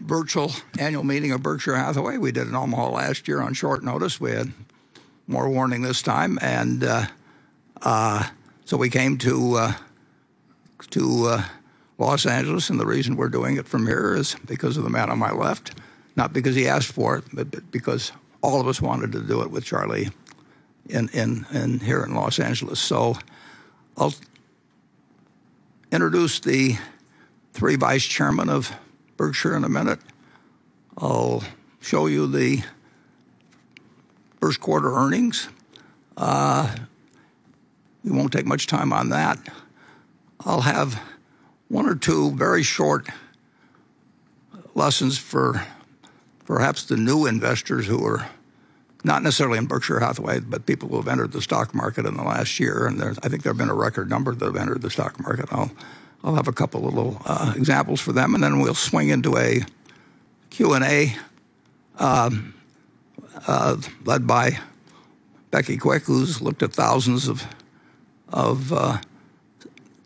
Virtual annual meeting of Berkshire Hathaway. We did it in Omaha last year on short notice. We had more warning this time, so we came to Los Angeles, and the reason we're doing it from here is because of the man on my left. Not because he asked for it, but because all of us wanted to do it with Charlie in here in Los Angeles. I'll introduce the three vice chairmen of Berkshire in a minute. I'll show you the first quarter earnings. We won't take much time on that. I'll have one or two very short lessons for perhaps the new investors who are not necessarily in Berkshire Hathaway, but people who have entered the stock market in the last year, and I think there have been a record number that have entered the stock market. I'll have a couple of little examples for them, and then we'll swing into a Q&A led by Becky Quick, who's looked at thousands of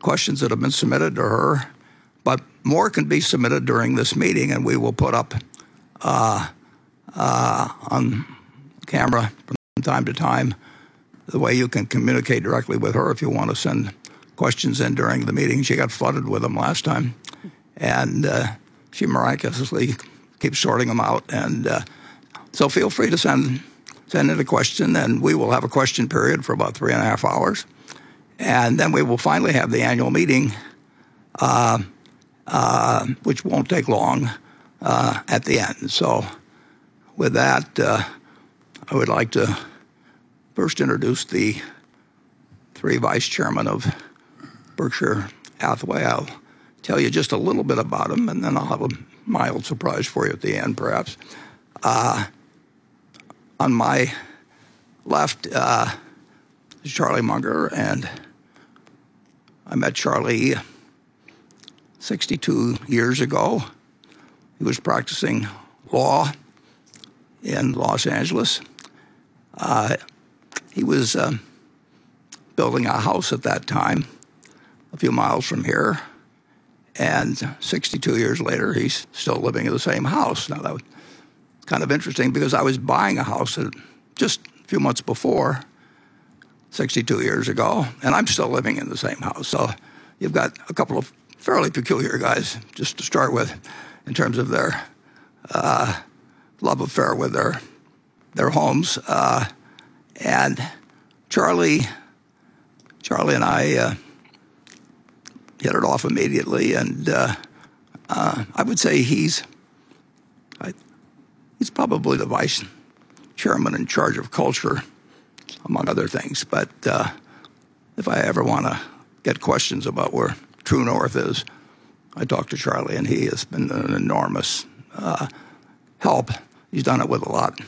questions that have been submitted to her. More can be submitted during this meeting, and we will put up on camera from time to time the way you can communicate directly with her if you want to send questions in during the meeting. She got flooded with them last time. She miraculously keeps sorting them out. Feel free to send in a question, and we will have a question period for about three and a half hours. We will finally have the annual meeting, which won't take long at the end. With that, I would like to first introduce the three vice chairmen of Berkshire Hathaway. I'll tell you just a little bit about them, and then I'll have a mild surprise for you at the end, perhaps. On my left, is Charlie Munger, and I met Charlie 62 years ago. He was practicing law in Los Angeles. He was building a house at that time, a few miles from here. 62 years later, he's still living in the same house. Now, that was kind of interesting because I was buying a house just a few months before, 62 years ago, and I'm still living in the same house. You've got a couple of fairly peculiar guys just to start with in terms of their love affair with their homes. Charlie and I hit it off immediately. I would say he's probably the Vice Chairman in charge of culture, among other things. If I ever want to get questions about where true north is, I talk to Charlie, and he has been an enormous help. He's done it with a lot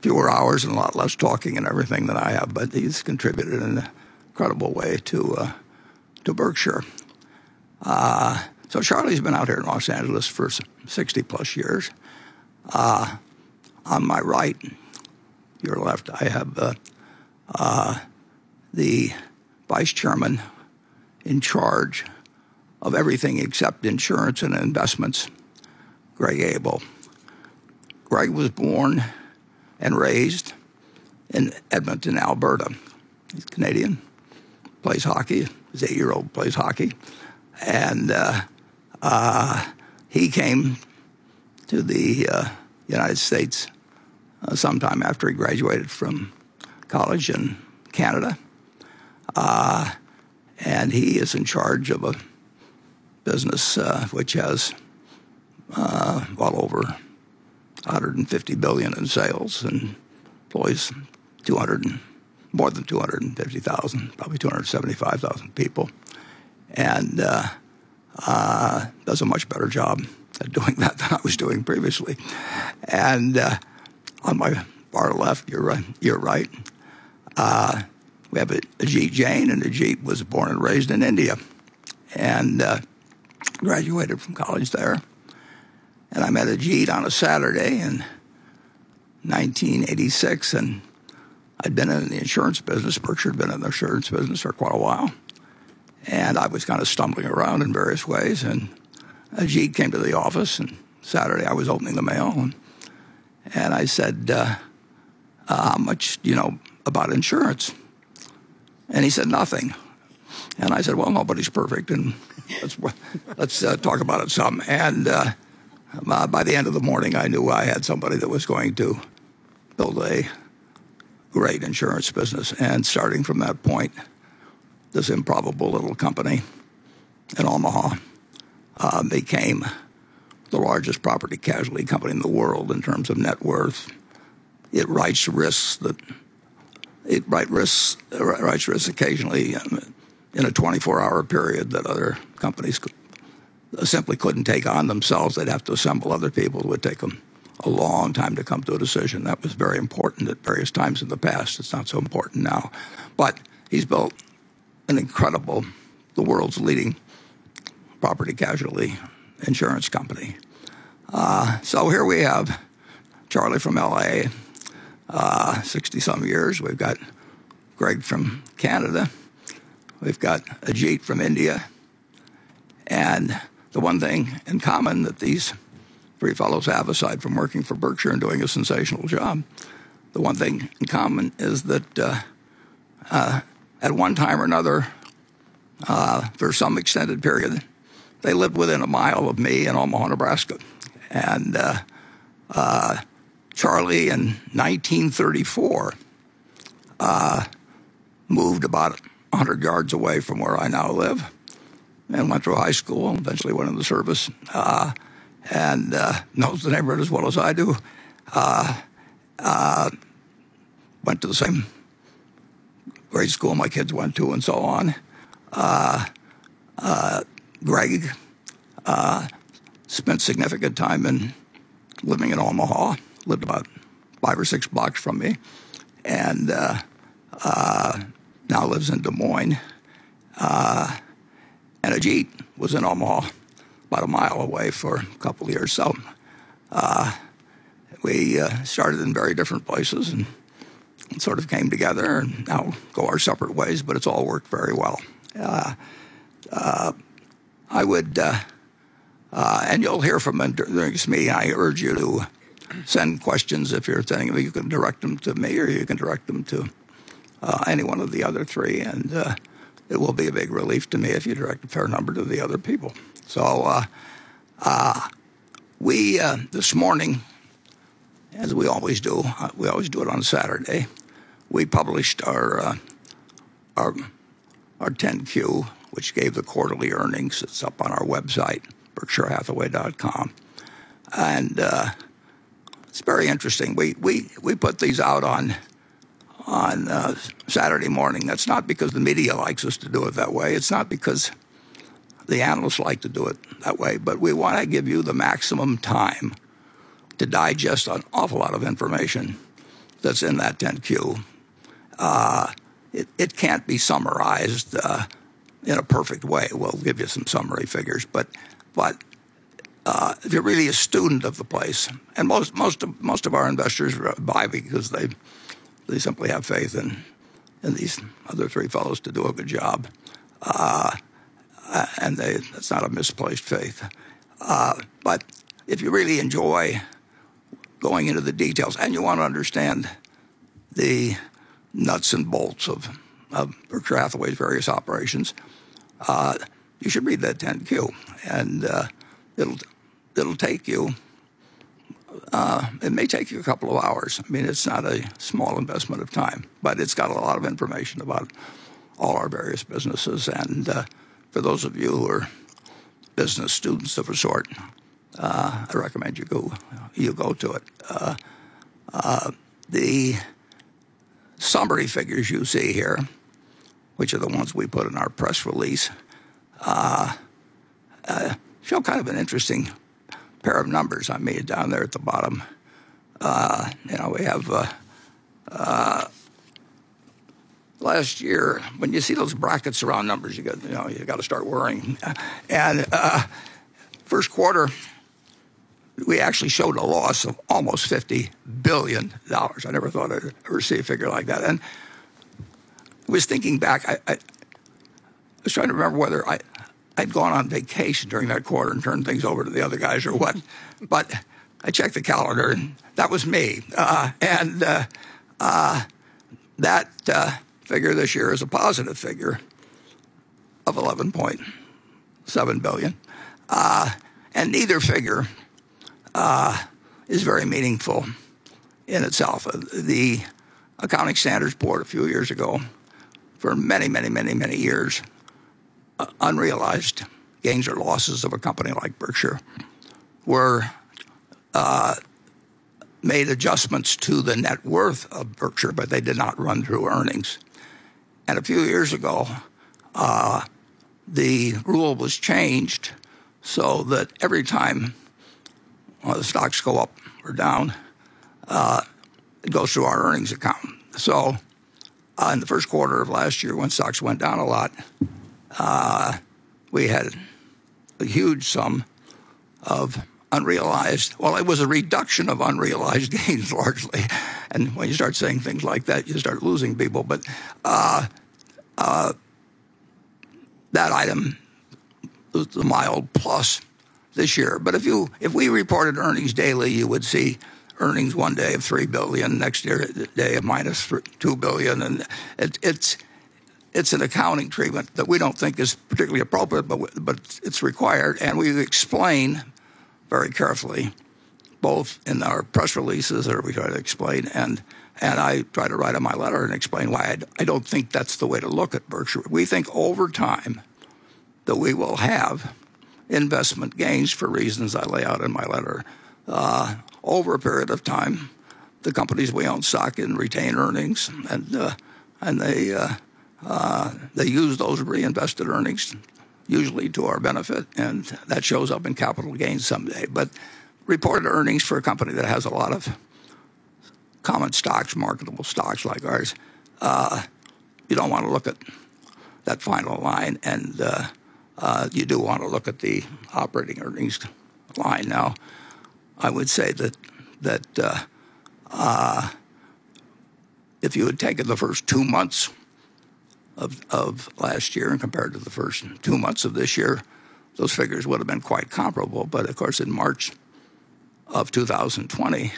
fewer hours and a lot less talking and everything than I have, but he's contributed in an incredible way to Berkshire. Charlie's been out here in Los Angeles for 60+ years. On my right, your left, I have the Vice Chairman in charge of everything except insurance and investments, Greg Abel. Greg was born and raised in Edmonton, Alberta. He's Canadian, plays hockey. His eight-year-old plays hockey. He came to the United States sometime after he graduated from college in Canada. He is in charge of a business, which has well over $150 billion in sales and employs more than 250,000, probably 275,000 people, and does a much better job at doing that than I was doing previously. On my far left, your right, we have Ajit Jain, and Ajit was born and raised in India and graduated from college there. I met Ajit on a Saturday in 1986, and I'd been in the insurance business. Berkshire had been in the insurance business for quite a while. I was kind of stumbling around in various ways. Ajit came to the office, Saturday I was opening the mail, I said, "How much do you know about insurance?" He said, "Nothing." I said, "Well, nobody's perfect, let's talk about it some." By the end of the morning, I knew I had somebody that was going to build a great insurance business. Starting from that point, this improbable little company in Omaha became the largest property casualty company in the world in terms of net worth. It writes risks occasionally in a 24-hour period that other companies simply couldn't take on themselves. They'd have to assemble other people. It would take them a long time to come to a decision. That was very important at various times in the past. It's not so important now. But he's built an incredible, the world's leading property casualty insurance company. Here we have Charlie from L.A., 60-some years. We've got Greg from Canada. We've got Ajit from India. The one thing in common that these three fellows have, aside from working for Berkshire and doing a sensational job, the one thing in common is that at one time or another, for some extended period, they lived within a mile of me in Omaha, Nebraska. Charlie in 1934 moved about 100 yards away from where I now live and went to high school and eventually went in the service, and knows the neighborhood as well as I do. Went to the same grade school my kids went to and so on. Greg spent significant time in living in Omaha, lived about five or six blocks from me, and now lives in Des Moines. Ajit was in Omaha about a mile away for a couple years. We started in very different places and sort of came together and now go our separate ways, but it's all worked very well. I would, and you'll hear from them during this meeting, I urge you to send questions if you're thinking of it. You can direct them to me or you can direct them to any one of the other three, and it will be a big relief to me if you direct a fair number to the other people. This morning, as we always do, we always do it on a Saturday, we published our 10-Q, which gave the quarterly earnings. It's up on our website, berkshirehathaway.com. It's very interesting. We put these out on Saturday morning. That's not because the media likes us to do it that way. It's not because the analysts like to do it that way, but we want to give you the maximum time to digest an awful lot of information that's in that 10-Q. It can't be summarized in a perfect way. We'll give you some summary figures, but if you're really a student of the place, and most of our investors buy because they simply have faith in these other three fellows to do a good job. It's not a misplaced faith. If you really enjoy going into the details and you want to understand the nuts and bolts of Berkshire Hathaway's various operations, you should read that 10-Q. It'll take you, it may take you a couple of hours. I mean, it's not a small investment of time, but it's got a lot of information about all our various businesses. For those of you who are business students of a sort, I recommend you go to it. The summary figures you see here, which are the ones we put in our press release, show kind of an interesting pair of numbers I made down there at the bottom. You know, we have last year, when you see those brackets around numbers, you know, you got to start worrying. First quarter, we actually showed a loss of almost $50 billion. I never thought I'd ever see a figure like that. Was thinking back, I was trying to remember whether I'd gone on vacation during that quarter and turned things over to the other guys or what. I checked the calendar, that was me. That figure this year is a positive figure of $11.7 billion. Neither figure is very meaningful in itself. The Accounting Standards Board a few years ago, for many, many, many, many years, unrealized gains or losses of a company like Berkshire were made adjustments to the net worth of Berkshire, but they did not run through earnings. A few years ago, the rule was changed so that every time the stocks go up or down, it goes through our earnings account. In the first quarter of last year, when stocks went down a lot, we had a huge sum of unrealized. It was a reduction of unrealized gains largely. When you start saying things like that, you start losing people. If we reported earnings daily, you would see earnings one day of $3 billion, next day of minus $2 billion. It, it's an accounting treatment that we don't think is particularly appropriate, but we, but it's required. We explain very carefully, both in our press releases or we try to explain, and I try to write in my letter and explain why I don't think that's the way to look at Berkshire. We think over time that we will have investment gains for reasons I lay out in my letter. Over a period of time, the companies we own stock in retain earnings, and they use those reinvested earnings usually to our benefit, and that shows up in capital gains someday. Reported earnings for a company that has a lot of common stocks, marketable stocks like ours, you don't want to look at that final line, and you do wanna look at the operating earnings line. Now, I would say that if you had taken the first two months of last year and compared to the first two months of this year, those figures would have been quite comparable. Of course, in March of 2020,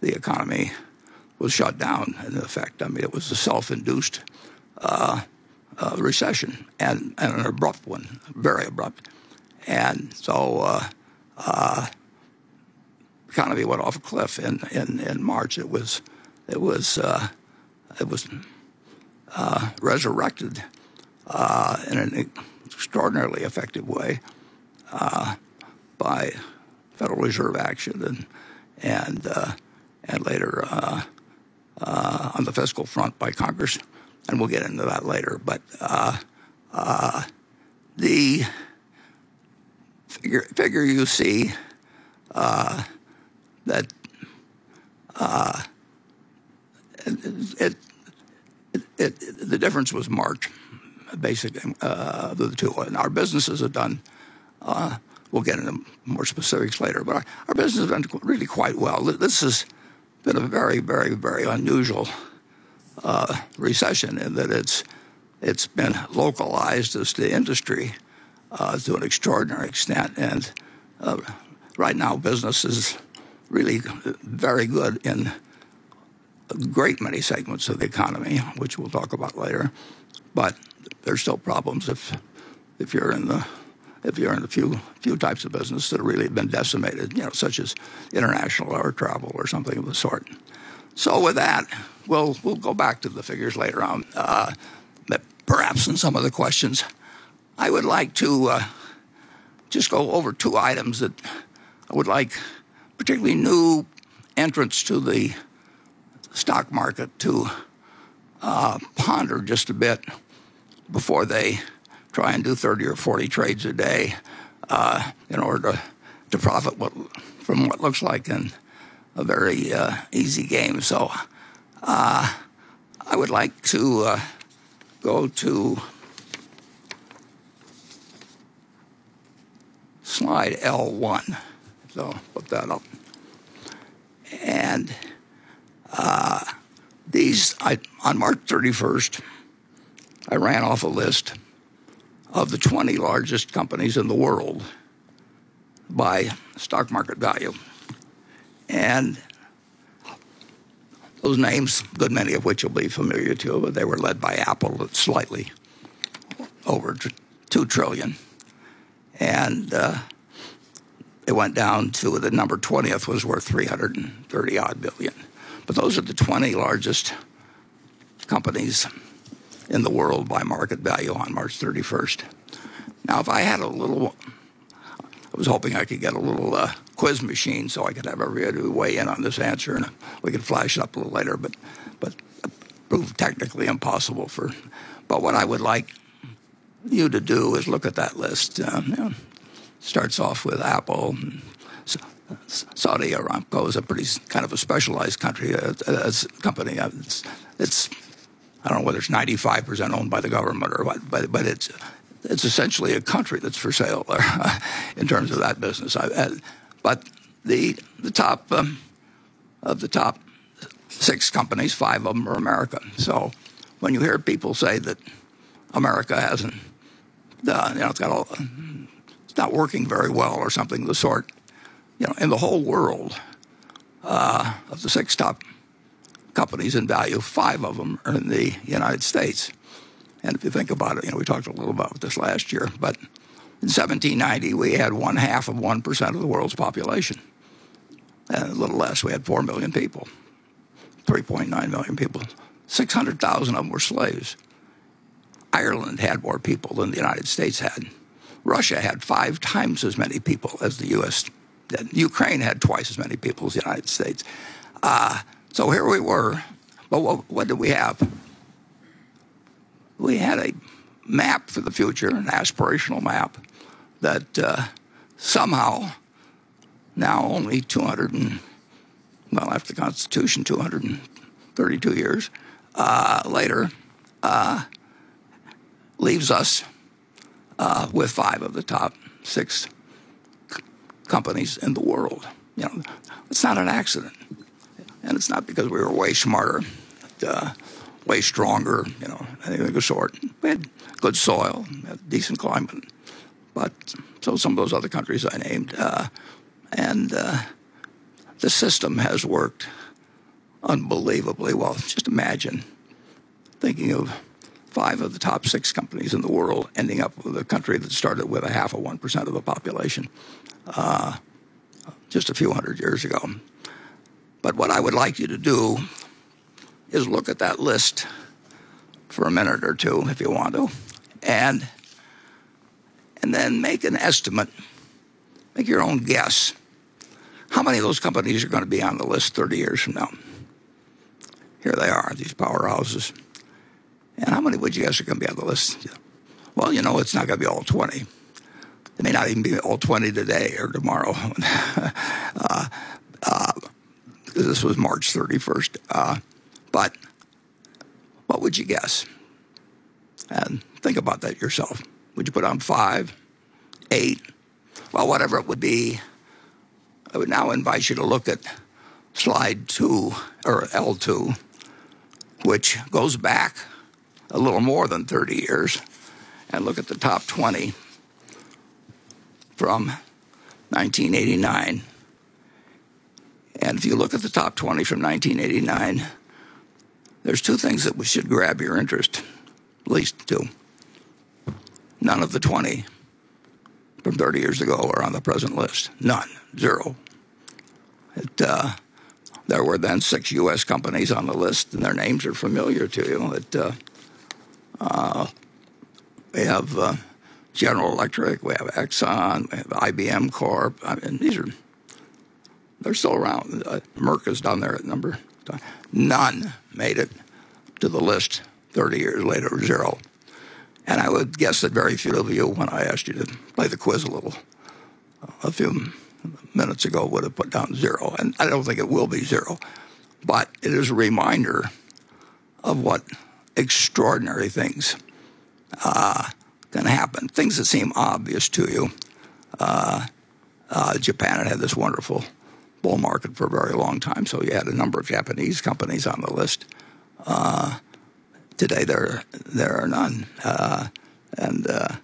the economy was shut down in effect. I mean, it was a self-induced recession and an abrupt one, very abrupt. Economy went off a cliff in March. It was resurrected in an extraordinarily effective way by Federal Reserve action and later on the fiscal front by Congress, and we'll get into that later. The figure you see that the difference was March, basically, the two. Our businesses have done, we'll get into more specifics later, but our business has done really quite well. This has been a very unusual recession in that it's been localized as to industry to an extraordinary extent. Right now business is really very good in a great many segments of the economy, which we'll talk about later. There's still problems if you're in a few types of business that have really been decimated, you know, such as international air travel or something of the sort. With that, we'll go back to the figures later on, perhaps in some of the questions. I would like to just go over two items that I would like particularly new entrants to the stock market to ponder just a bit before they try and do 30 or 40 trades a day in order to profit from what looks like a very easy game. I would like to go to slide L1. Put that up. On March 31st, I ran off a list of the 20 largest companies in the world by stock market value. Those names, good many of which you'll be familiar to, but they were led by Apple at slightly over $2 trillion. It went down to the number 20th was worth $330 billion. Those are the 20 largest companies in the world by market value on March 31st. Now, if I had a little I was hoping I could get a little quiz machine so I could have everybody weigh in on this answer, and we could flash it up a little later. But it was technically impossible. What I would like you to do is look at that list. You know, starts off with Apple. Saudi Aramco is a pretty kind of a specialized country as a company. It's, it's I don't know whether it's 95% owned by the government or what, but it's essentially a country that's for sale in terms of that business. I The, the top of the top six companies, five of them are American. When you hear people say that America hasn't, you know, it's not working very well or something of the sort. You know, in the whole world, of the six top companies in value, five of them are in the United States. If you think about it, you know, we talked a little about this last year, but in 1790, we had 1/2 of 1% of the world's population. A little less, we had 4 million people, 3.9 million people. 600,000 of them were slaves. Ireland had more people than the United States had. Russia had 5x as many people as the U.S. did. Ukraine had 2x as many people as the United States. Here we were, but what did we have? We had a map for the future, an aspirational map that somehow now only, well, after the Constitution, 232 years later, leaves us with five of the top six companies in the world. You know, it's not an accident, and it's not because we were way smarter, way stronger, you know, anything of the sort. We had good soil, decent climate. Some of those other countries I named, and the system has worked unbelievably well. Just imagine thinking of five of the top six companies in the world ending up with a country that started with 1/2 of 1% of the population, just a few hundred years ago. What I would like you to do is look at that list for a minute or two, if you want to, and then make an estimate, make your own guess. How many of those companies are gonna be on the list 30 years from now? Here they are, these powerhouses. How many would you guess are gonna be on the list? You know, it's not gonna be all 20. It may not even be all 20 today or tomorrow. This was March 31st. What would you guess? Think about that yourself. Would you put down five, eight? Whatever it would be, I would now invite you to look at slide two or L2, which goes back a little more than 30 years, and look at the top 20 from 1989. If you look at the top 20 from 1989, there's two things that we should grab your interest, at least two. None of the 20 from 30 years ago are on the present list. None. Zero. That, there were then six U.S. companies on the list, and their names are familiar to you, we have General Electric, we have ExxonMobil, we have IBM Corp. I mean, they're still around. Merck is down there at number. None made it to the list 30 years later. Zero. I would guess that very few of you, when I asked you to play the quiz a little a few minutes ago, would have put down zero. I don't think it will be zero. It is a reminder of what extraordinary things can happen, things that seem obvious to you. Japan had this wonderful bull market for a very long time, you had a number of Japanese companies on the list. Today there are none. The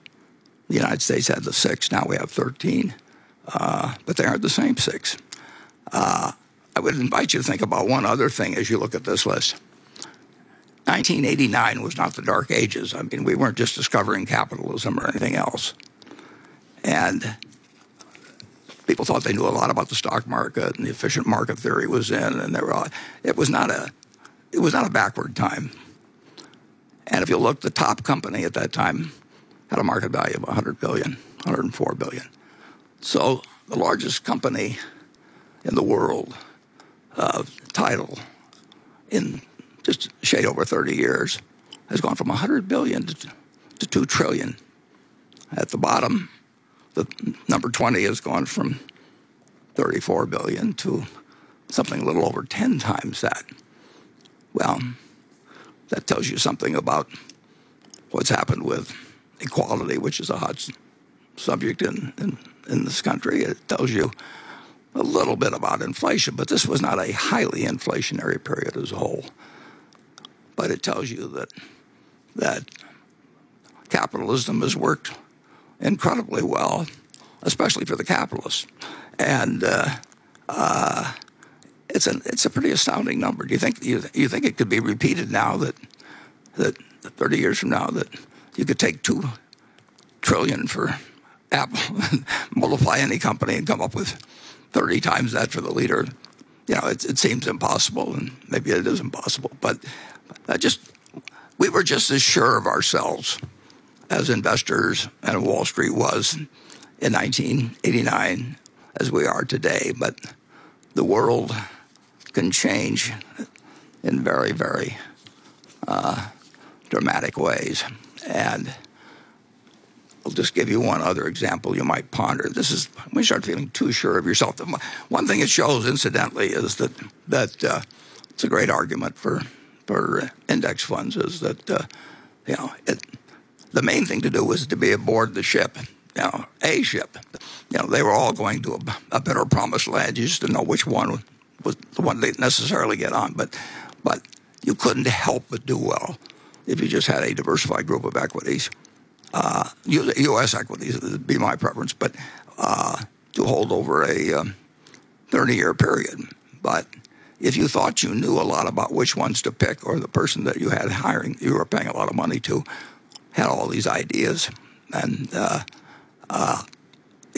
United States had the six, now we have 13, they aren't the same six. I would invite you to think about one other thing as you look at this list. 1989 was not the dark ages. I mean, we weren't just discovering capitalism or anything else. People thought they knew a lot about the stock market, the efficient market theory was in, it was not a backward time. If you look, the top company at that time had a market value of $100 billion, $104 billion. The largest company in the world of title in just shade over 30 years has gone from $100 billion to $2 trillion. At the bottom, the number 20 has gone from $34 billion to something a little over 10x that. Well, that tells you something about what's happened with equality, which is a hot subject in, in this country. It tells you a little bit about inflation, but this was not a highly inflationary period as a whole. It tells you that capitalism has worked incredibly well, especially for the capitalists. It's a pretty astounding number. Do you think it could be repeated now that 30 years from now that you could take $2 trillion for Apple multiply any company and come up with 30x that for the leader? You know, it seems impossible. Maybe it is impossible. We were just as sure of ourselves as investors and Wall Street was in 1989 as we are today. The world can change in very, very dramatic ways. I'll just give you one other example you might ponder. This is when you start feeling too sure of yourself. One thing it shows, incidentally, is that it's a great argument for index funds, is that the main thing to do is to be aboard the ship, you know, a ship. You know, they were all going to a better promised land. You just didn't know which one was the one to necessarily get on. You couldn't help but do well if you just had a diversified group of equities. U.S. equities would be my preference to hold over a 30-year period. If you thought you knew a lot about which ones to pick or the person that you had hiring, you were paying a lot of money to have all these ideas. They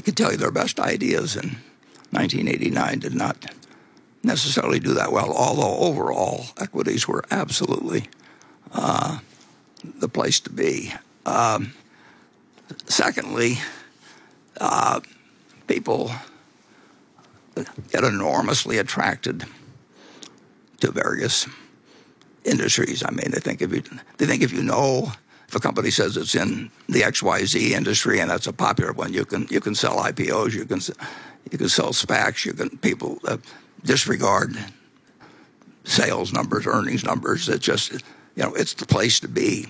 could tell you their best ideas in 1989 did not necessarily do that well, although overall equities were absolutely the place to be. Secondly, people get enormously attracted to various industries. I mean, they think if you know if a company says it's in the XYZ industry, and that's a popular one, you can sell IPOs, you can sell SPACs. People disregard sales numbers, earnings numbers. It just, you know, it's the place to be.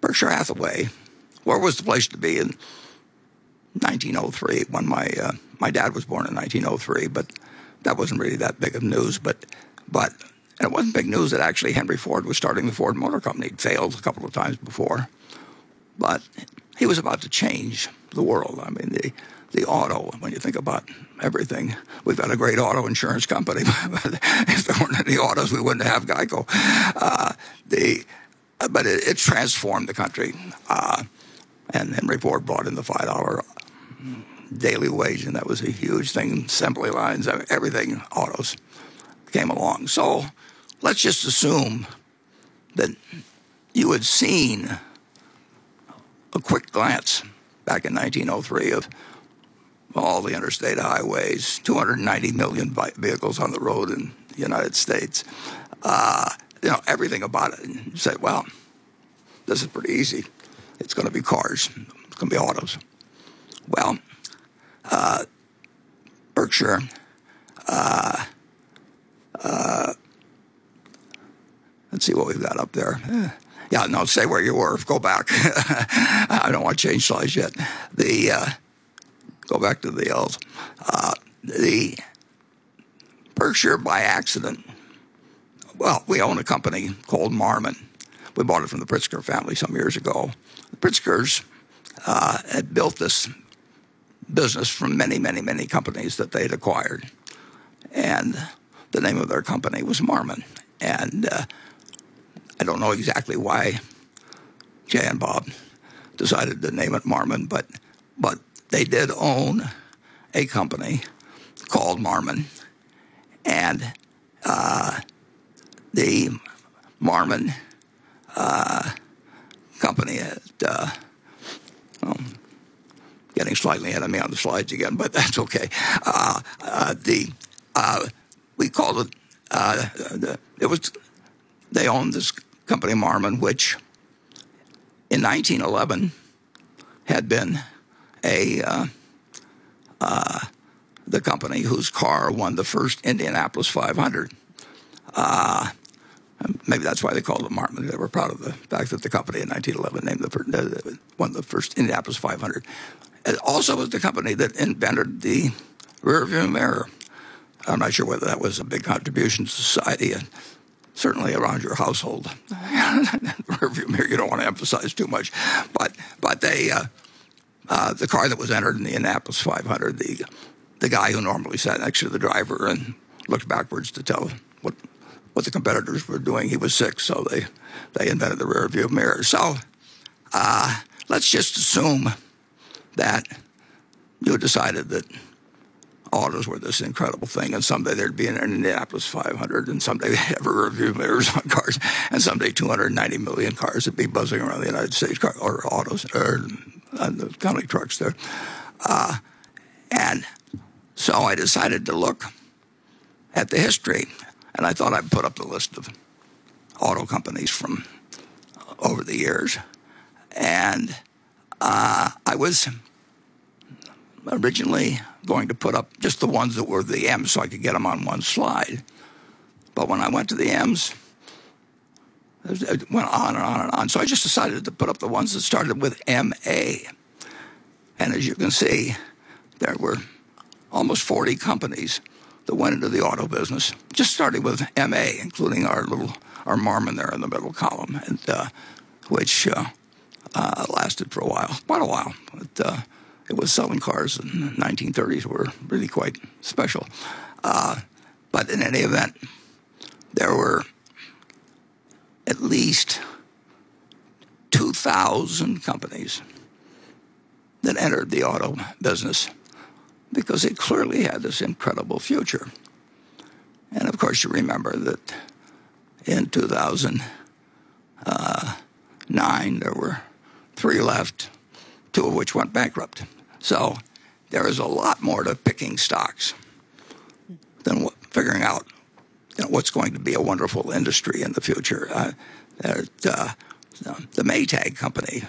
Berkshire Hathaway, where was the place to be in 1903 when my dad was born in 1903, that wasn't really that big of news. It wasn't big news that actually Henry Ford was starting the Ford Motor Company. It failed a couple of times before. He was about to change the world. I mean, the auto, when you think about everything, we've got a great auto insurance company. If there weren't any autos, we wouldn't have GEICO. It transformed the country. Henry Ford bought in the $5 daily wage, that was a huge thing. Assembly lines, everything, autos came along. Let's just assume that you had seen a quick glance back in 1903 of all the interstate highways, 290 million vehicles on the road in the United States. You know, everything about it and said, "Well, this is pretty easy. It's gonna be cars. It's gonna be autos". Berkshire, Let's see what we've got up there. Yeah, no, stay where you were. Go back. I don't wanna change slides yet. Go back to the L's. The Berkshire by accident, we own a company called Marmon. We bought it from the Pritzker family some years ago. The Pritzkers had built this business from many, many, many companies that they'd acquired, and the name of their company was Marmon. I don't know exactly why Jay and Bob decided to name it Marmon, but they did own a company called Marmon. Getting slightly ahead of me on the slides again, but that's okay. The, we called it, the, They owned this company, Marmon, which in 1911 had been the company whose car won the first Indianapolis 500. Maybe that's why they called it Marmon. They were proud of the fact that the company in 1911 won the first Indianapolis 500. It also was the company that invented the rearview mirror. I'm not sure whether that was a big contribution to society. Certainly around your household, the rearview mirror you don't want to emphasize too much. They, the car that was entered in the Indianapolis 500, the guy who normally sat next to the driver and looked backwards to tell what the competitors were doing, he was sick, so they invented the rearview mirror. Let's just assume that you had decided that autos were this incredible thing, and someday there'd be an Indianapolis 500, and someday they'd have rearview mirrors on cars, and someday 290 million cars would be buzzing around the U.S., car or autos or, and there's probably trucks there. I decided to look at the history, and I thought I'd put up the list of auto companies from over the years. I was originally going to put up just the ones that were the M so I could get them on one slide. When I went to the Ms, it went on and on and on. I just decided to put up the ones that started with MA. As you can see, there were almost 40 companies that went into the auto business, just starting with MA, including our little, our Marmon there in the middle column, which lasted for a while, quite a while. It was selling cars in the 1930s were really quite special. In any event, there were at least 2,000 companies that entered the auto business because it clearly had this incredible future. Of course, you remember that in 2009, there were three left, two of which went bankrupt. There is a lot more to picking stocks than figuring out, you know, what's going to be a wonderful industry in the future. The Maytag Company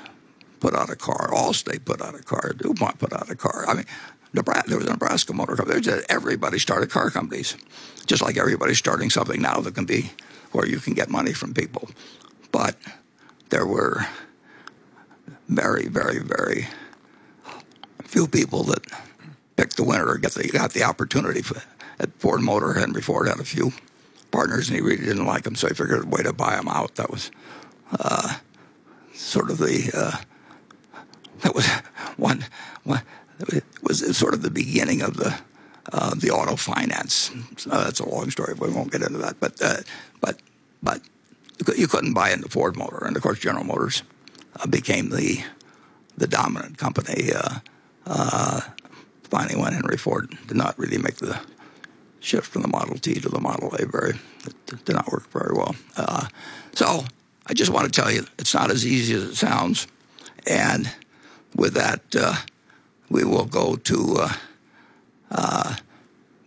put out a car. Allstate put out a car. DuPont put out a car. I mean, there was a Nebraska Motor Company. Everybody started car companies, just like everybody's starting something now that can be where you can get money from people. But there were very, very, very few people that picked the winner or got the opportunity for at Ford Motor, Henry Ford had a few partners, and he really didn't like them, so he figured a way to buy them out. That was sort of the, that was one, it was sort of the beginning of the auto finance. That's a long story. We won't get into that. But you couldn't buy into Ford Motor. Of course, General Motors became the dominant company. Finally when Henry Ford did not really make the shift from the Model T to the Model A very, did not work very well. I just want to tell you, it's not as easy as it sounds. With that, we will go to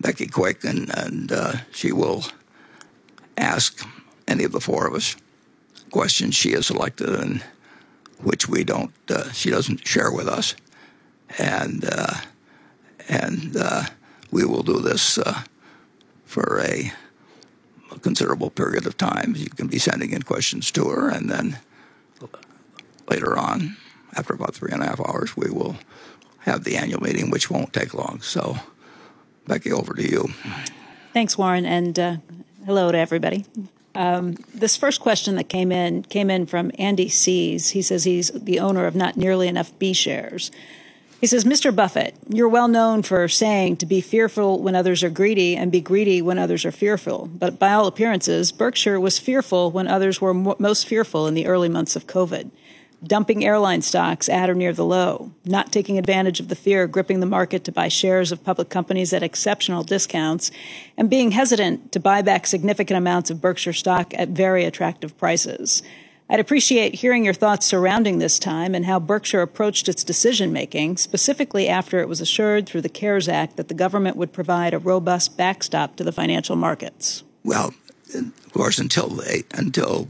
Becky Quick, and she will ask any of the four of us questions she has selected and which we don't, she doesn't share with us. We will do this for a considerable period of time. You can be sending in questions to her, and then later on, after about three and a half hours, we will have the annual meeting, which won't take long. Becky, over to you. Thanks, Warren. Hello to everybody. This first question that came in from Andy Serwer. He says he's the owner of Not Nearly Enough B Shares. He says, "Mr. Buffett, you're well known for saying to be fearful when others are greedy and be greedy when others are fearful. By all appearances, Berkshire was fearful when others were most fearful in the early months of COVID-19, dumping airline stocks at or near the low, not taking advantage of the fear gripping the market to buy shares of public companies at exceptional discounts, and being hesitant to buy back significant amounts of Berkshire stock at very attractive prices. I'd appreciate hearing your thoughts surrounding this time and how Berkshire approached its decision-making, specifically after it was assured through the CARES Act that the government would provide a robust backstop to the financial markets. Of course, until they, until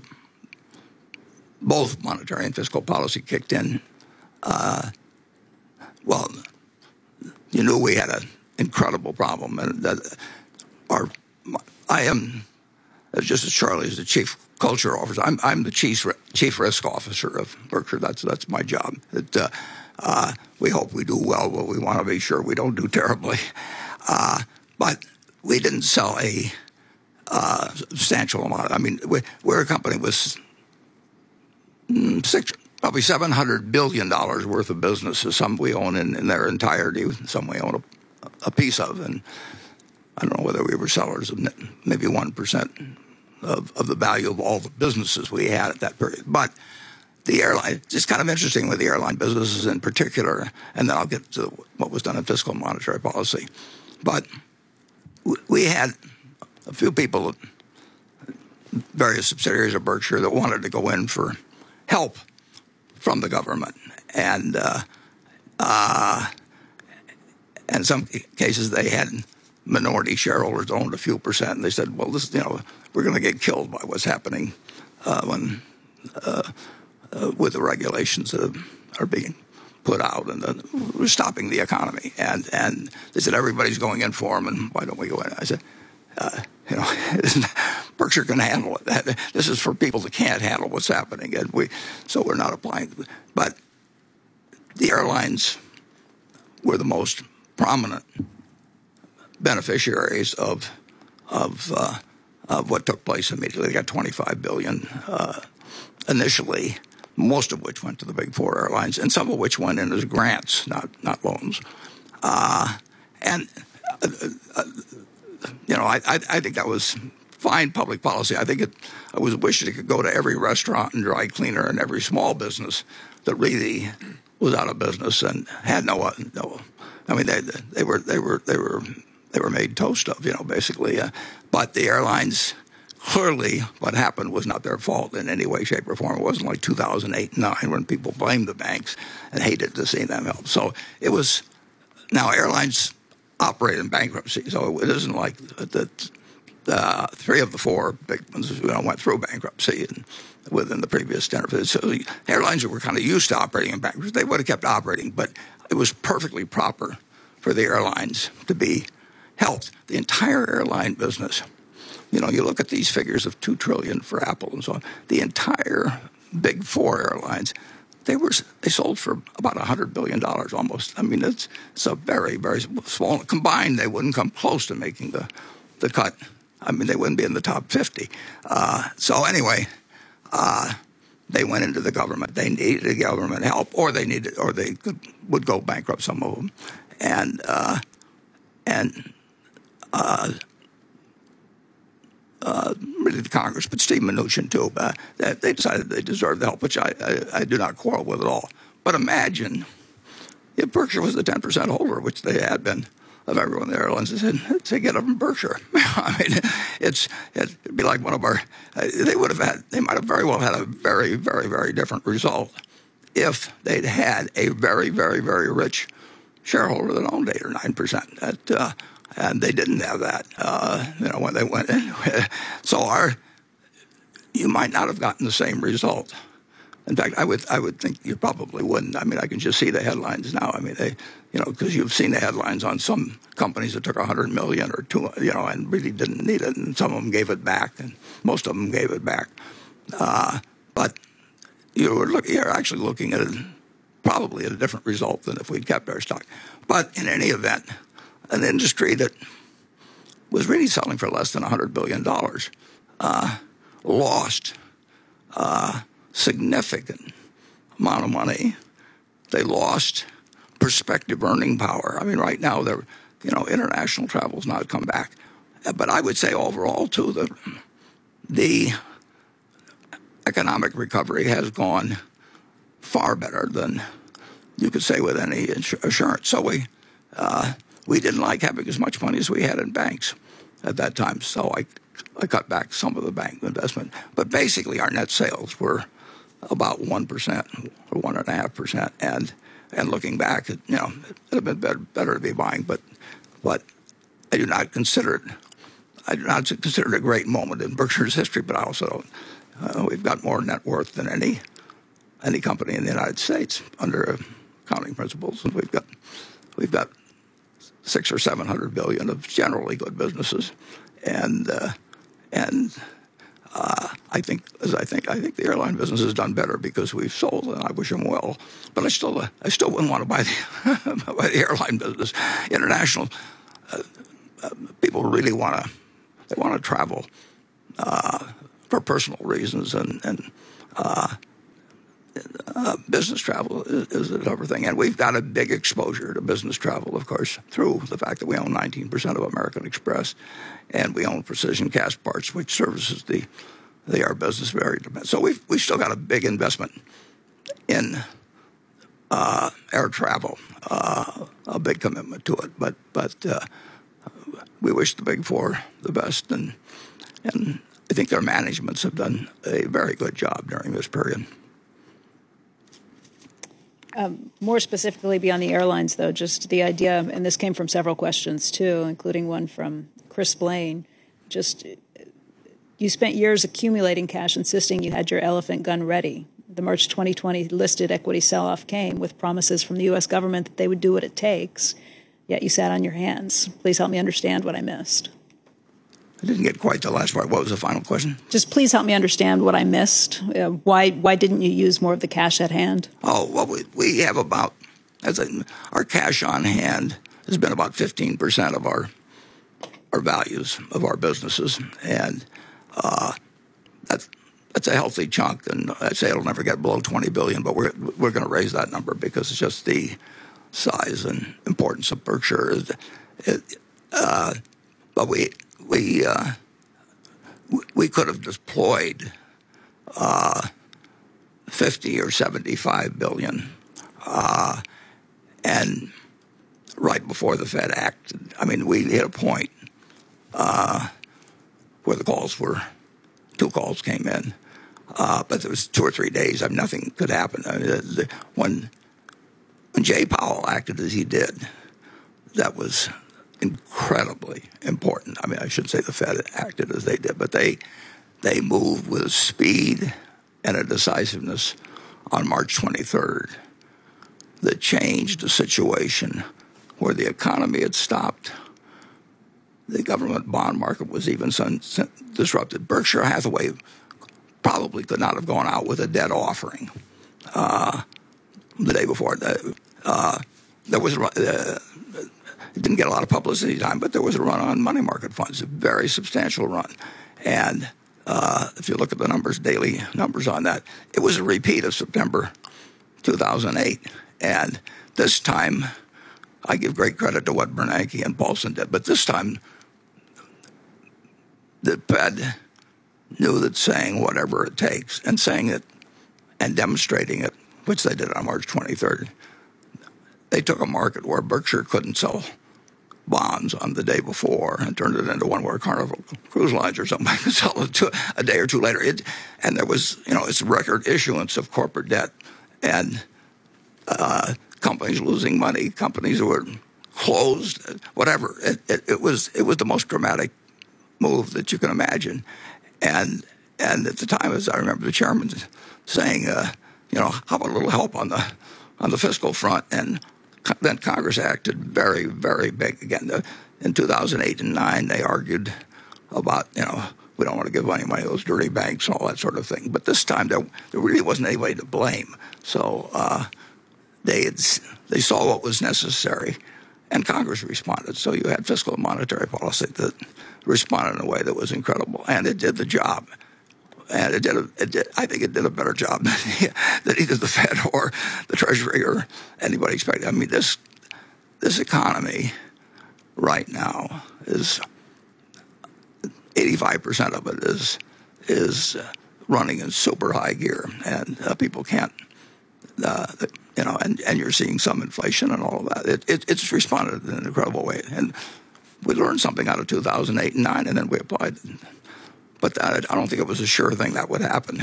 both monetary and fiscal policy kicked in, you knew we had an incredible problem, and that our I am, as just as Charlie is the chief culture officer, I'm the chief risk officer of Berkshire. That's my job. It, we hope we do well, but we want to make sure we don't do terribly. We didn't sell a substantial amount. I mean, we're a company with $600 billion, probably $700 billion worth of businesses. Some we own in their entirety, and some we own a piece of. I don't know whether we were sellers of maybe 1% of the value of all the businesses we had. The airline, just kind of interesting with the airline businesses in particular, and then I'll get to what was done in fiscal monetary policy. We had a few people at various subsidiaries of Berkshire that wanted to go in for help from the government. In some cases, they had minority shareholders, owned a few percent, and they said, "Well, this, you know, we're gonna get killed by what's happening, when with the regulations that are being put out and we're stopping the economy." They said, "Everybody's going in for them, and why don't we go in?" I said, "You know, Berkshire can handle it". This is for people that can't handle what's happening, and we're not applying. The airlines were the most prominent beneficiaries of what took place immediately. They got $25 billion initially, most of which went to the Big Four airlines, and some of which went in as grants, not loans. You know, I think that was fine public policy. I was wishing it could go to every restaurant and dry cleaner and every small business that really was out of business and had no I mean, they were made toast of, you know, basically. The airlines, clearly what happened was not their fault in any way, shape, or form. It wasn't like 2008 and 2009 when people blamed the banks and hated to see them help. So it was. Now, airlines operate in bankruptcy, so it isn't like three of the four big ones, you know, went through bankruptcy and within the previous 10 or 15. The airlines that were kind of used to operating in bankruptcy, they would have kept operating, but it was perfectly proper for the airlines to be helped. The entire airline business, you know, you look at these figures of $2 trillion for Apple and so on, the entire Big Four airlines, they sold for about $100 billion almost. I mean, it's a very, very small. Combined, they wouldn't come close to making the cut. I mean, they wouldn't be in the top 50. Anyway, they went into the government. They needed the government help, or they could go bankrupt, some of them. Really the Congress, but Steven Mnuchin too, they decided they deserved the help, which I do not quarrel with at all. Imagine if Berkshire was the 10% holder, which they had been, of everyone in the airlines, they said, "Take it up with Berkshire." I mean, they might have very well had a very different result if they'd had a very rich shareholder that owned 8% or 9%. That, they didn't have that, you know, when they went in. You might not have gotten the same result. In fact, I would think you probably wouldn't. I mean, I can just see the headlines now. I mean, they, you know, because you've seen the headlines on some companies that took $100 million or $200 million, you know, and really didn't need it, and some of them gave it back, and most of them gave it back. You were actually looking at a, probably at a different result than if we'd kept our stock. In any event, an industry that was really selling for less than $100 billion, lost a significant amount of money. They lost prospective earning power. I mean, right now, they're, you know, international travel has not come back. I would say overall too, the economic recovery has gone far better than you could say with any assurance. We didn't like having as much money as we had in banks at that time, I cut back some of the bank investment. Basically, our net sales were about 1% or 1.5%. Looking back at, you know, it would have been better to be buying. I do not consider it a great moment in Berkshire's history, but I also own, we've got more net worth than any company in the United States under accounting principles. We've got $600 billion or $700 billion of generally good businesses. I think the airline business has done better because we've sold, and I wish them well. I still wouldn't want to buy the airline business. International, people really wanna travel for personal reasons. Business travel is another thing. We've got a big exposure to business travel, of course, through the fact that we own 19% of American Express, and we own Precision Castparts, which services the air business very. We've still got a big investment in air travel, a big commitment to it. We wish the Big Four the best. I think their managements have done a very good job during this period. More specifically beyond the airlines, though, just the idea, this came from several questions too, including one from Chris Blaine. You spent years accumulating cash insisting you had your elephant gun ready. The March 2020 listed equity sell-off came with promises from the U.S. government that they would do what it takes, yet you sat on your hands. Please help me understand what I missed. I didn't get quite the last part. What was the final question? Just please help me understand what I missed. Why didn't you use more of the cash at hand? We have about, as in our cash on hand has been about 15% of our values of our businesses, and that's a healthy chunk. I'd say it'll never get below $20 billion, but we're gonna raise that number because it's just the size and importance of Berkshire. We could have deployed $50 billion or $75 billion right before the Fed acted. I mean, we hit a point where the calls were two calls came in, but there was two or three days of nothing could happen. I mean, when Jay Powell acted as he did, that was incredibly important. I mean, I should say the Fed acted as they did, but they moved with speed and a decisiveness on March 23rd that changed the situation where the economy had stopped. The government bond market was even disrupted. Berkshire Hathaway probably could not have gone out with a debt offering the day before. There was a run, it didn't get a lot of publicity at the time, but there was a run on money market funds, a very substantial run. If you look at the numbers, daily numbers on that, it was a repeat of September 2008. This time, I give great credit to what Ben Bernanke and Henry Paulson did, but this time the Fed knew that saying whatever it takes and saying it and demonstrating it, which they did on March 23rd. They took a market where Berkshire couldn't sell bonds on the day before and turned it into one where Carnival Cruise Lines or something could sell them a day or two days later. There was, you know, a record issuance of corporate debt, and companies losing money, companies were closed, whatever. It was the most dramatic move that you can imagine. At the time, as I remember, the chairman saying, you know, "How about a little help on the, on the fiscal front?" Then Congress acted very, very big. The, in 2008 and 2009, they argued about, you know, "We don't want to give money away to those dirty banks," all that sort of thing. This time, there really was not anybody to blame. They saw what was necessary, and Congress responded. You had fiscal and monetary policy that responded in a way that was incredible, and it did the job. It did, I think it did a better job than either the Fed or the Treasury or anybody expected. I mean, this economy right now is, 85% of it is running in super high gear, and people cannot, you know, and you are seeing some inflation and all of that. It has responded in an incredible way. We learned something out of 2008 and 2009, we applied. I don't think it was a sure thing that would happen.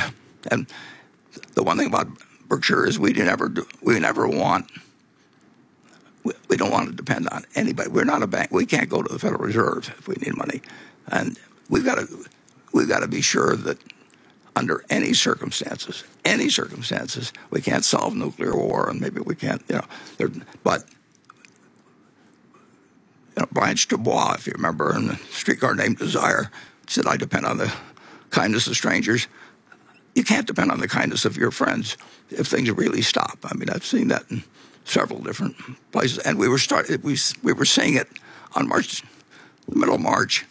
The one thing about Berkshire is we never do, we don't want to depend on anybody. We're not a bank. We can't go to the Federal Reserve if we need money, and we've got to be sure that under any circumstances, any circumstances, we can't solve nuclear war, and maybe we can't, you know. You know, Blanche DuBois, if you remember, in A Streetcar Named Desire said, "I depend on the kindness of strangers." You can't depend on the kindness of your friends if things really stop. I mean, I've seen that in several different places, and we were seeing it on March, middle of March.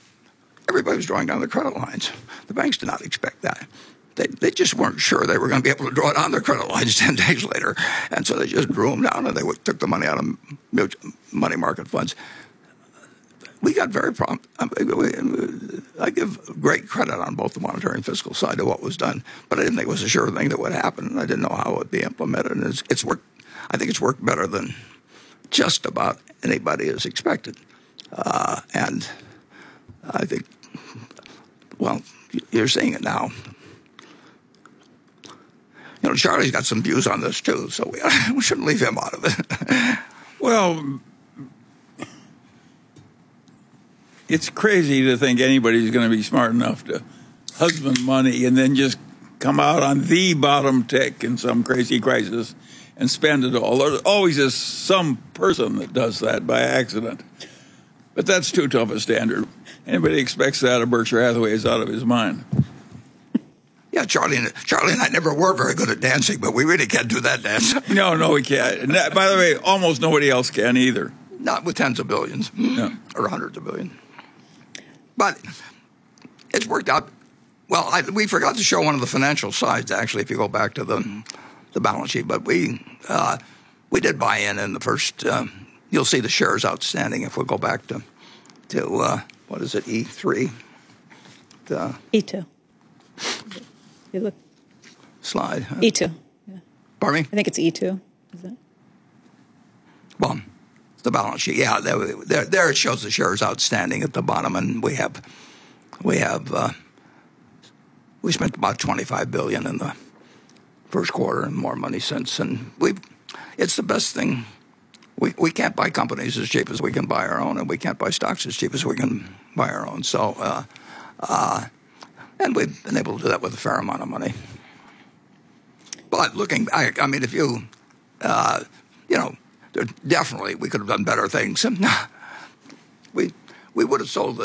Everybody was drawing down their credit lines. The banks did not expect that. They just weren't sure they were gonna be able to draw down their credit lines 10 days later. They just drew them down, and they took the money out of money market funds. I give great credit on both the monetary and fiscal side of what was done, I didn't think it was a sure thing that would happen, and I didn't know how it would be implemented. It's worked. I think it's worked better than just about anybody has expected. I think, well, you're seeing it now. You know, Charlie's got some views on this too, we shouldn't leave him out of it. Well, it's crazy to think anybody's gonna be smart enough to husband money and then just come out on the bottom tick in some crazy crisis and spend it all. There's always is some person that does that by accident, but that's too tough a standard. Anybody expects that of Berkshire Hathaway is out of his mind. Yeah, Charlie and I never were very good at dancing, but we really can't do that dance. No, no, we can't. That, by the way, almost nobody else can either. Not with tens of billions. Yeah. Or hundreds of billions. It's worked out. Well, we forgot to show one of the financial sides, actually, if you go back to the balance sheet, we did buy in in the first, you'll see the shares outstanding if we go back to what is it, E3? E2. If you look- Slide, huh? Yeah. Pardon me? I think it's E2. Is it? Well, it's the balance sheet. Yeah, there it shows the shares outstanding at the bottom. We have, we spent about $25 billion in the first quarter and more money since. It's the best thing. We can't buy companies as cheap as we can buy our own. We can't buy stocks as cheap as we can buy our own. We've been able to do that with a fair amount of money. Looking back, I mean, if you know, definitely we could have done better things. We would've sold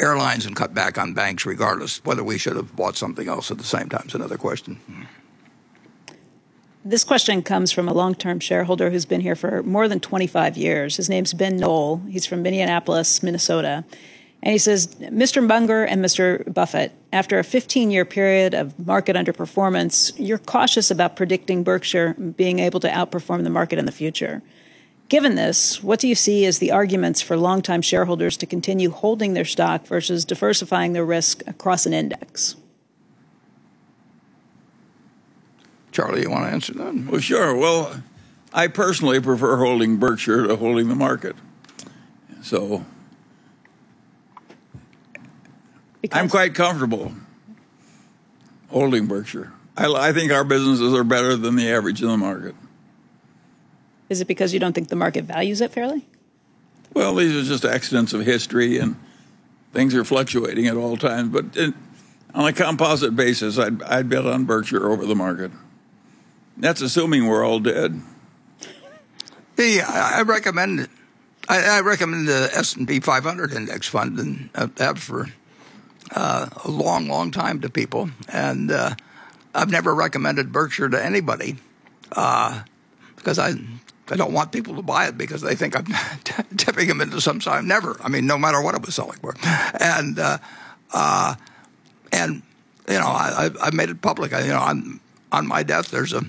airlines and cut back on banks regardless. Whether we should have bought something else at the same time is another question. This question comes from a long-term shareholder who's been here for more than 25 years. His name's Ben Knoll. He's from Minneapolis, Minnesota. He says, "Mr. Munger and Mr. Buffett, after a 15-year period of market underperformance, you're cautious about predicting Berkshire being able to outperform the market in the future. Given this, what do you see as the arguments for longtime shareholders to continue holding their stock versus diversifying their risk across an index? Charlie, you wanna answer that? Well, sure. I personally prefer holding Berkshire to holding the market. Because- I'm quite comfortable holding Berkshire. I think our businesses are better than the average in the market. Is it because you don't think the market values it fairly? Well, these are just accidents of history, and things are fluctuating at all times. On a composite basis, I'd bet on Berkshire over the market. That's assuming we're all dead. I recommend the S&P 500 index fund and have for a long time to people. I've never recommended Berkshire to anybody because I don't want people to buy it because they think I'm tipping them into some. So I never, I mean, no matter what I was selling for. You know, I've made it public. You know, on my death, there's a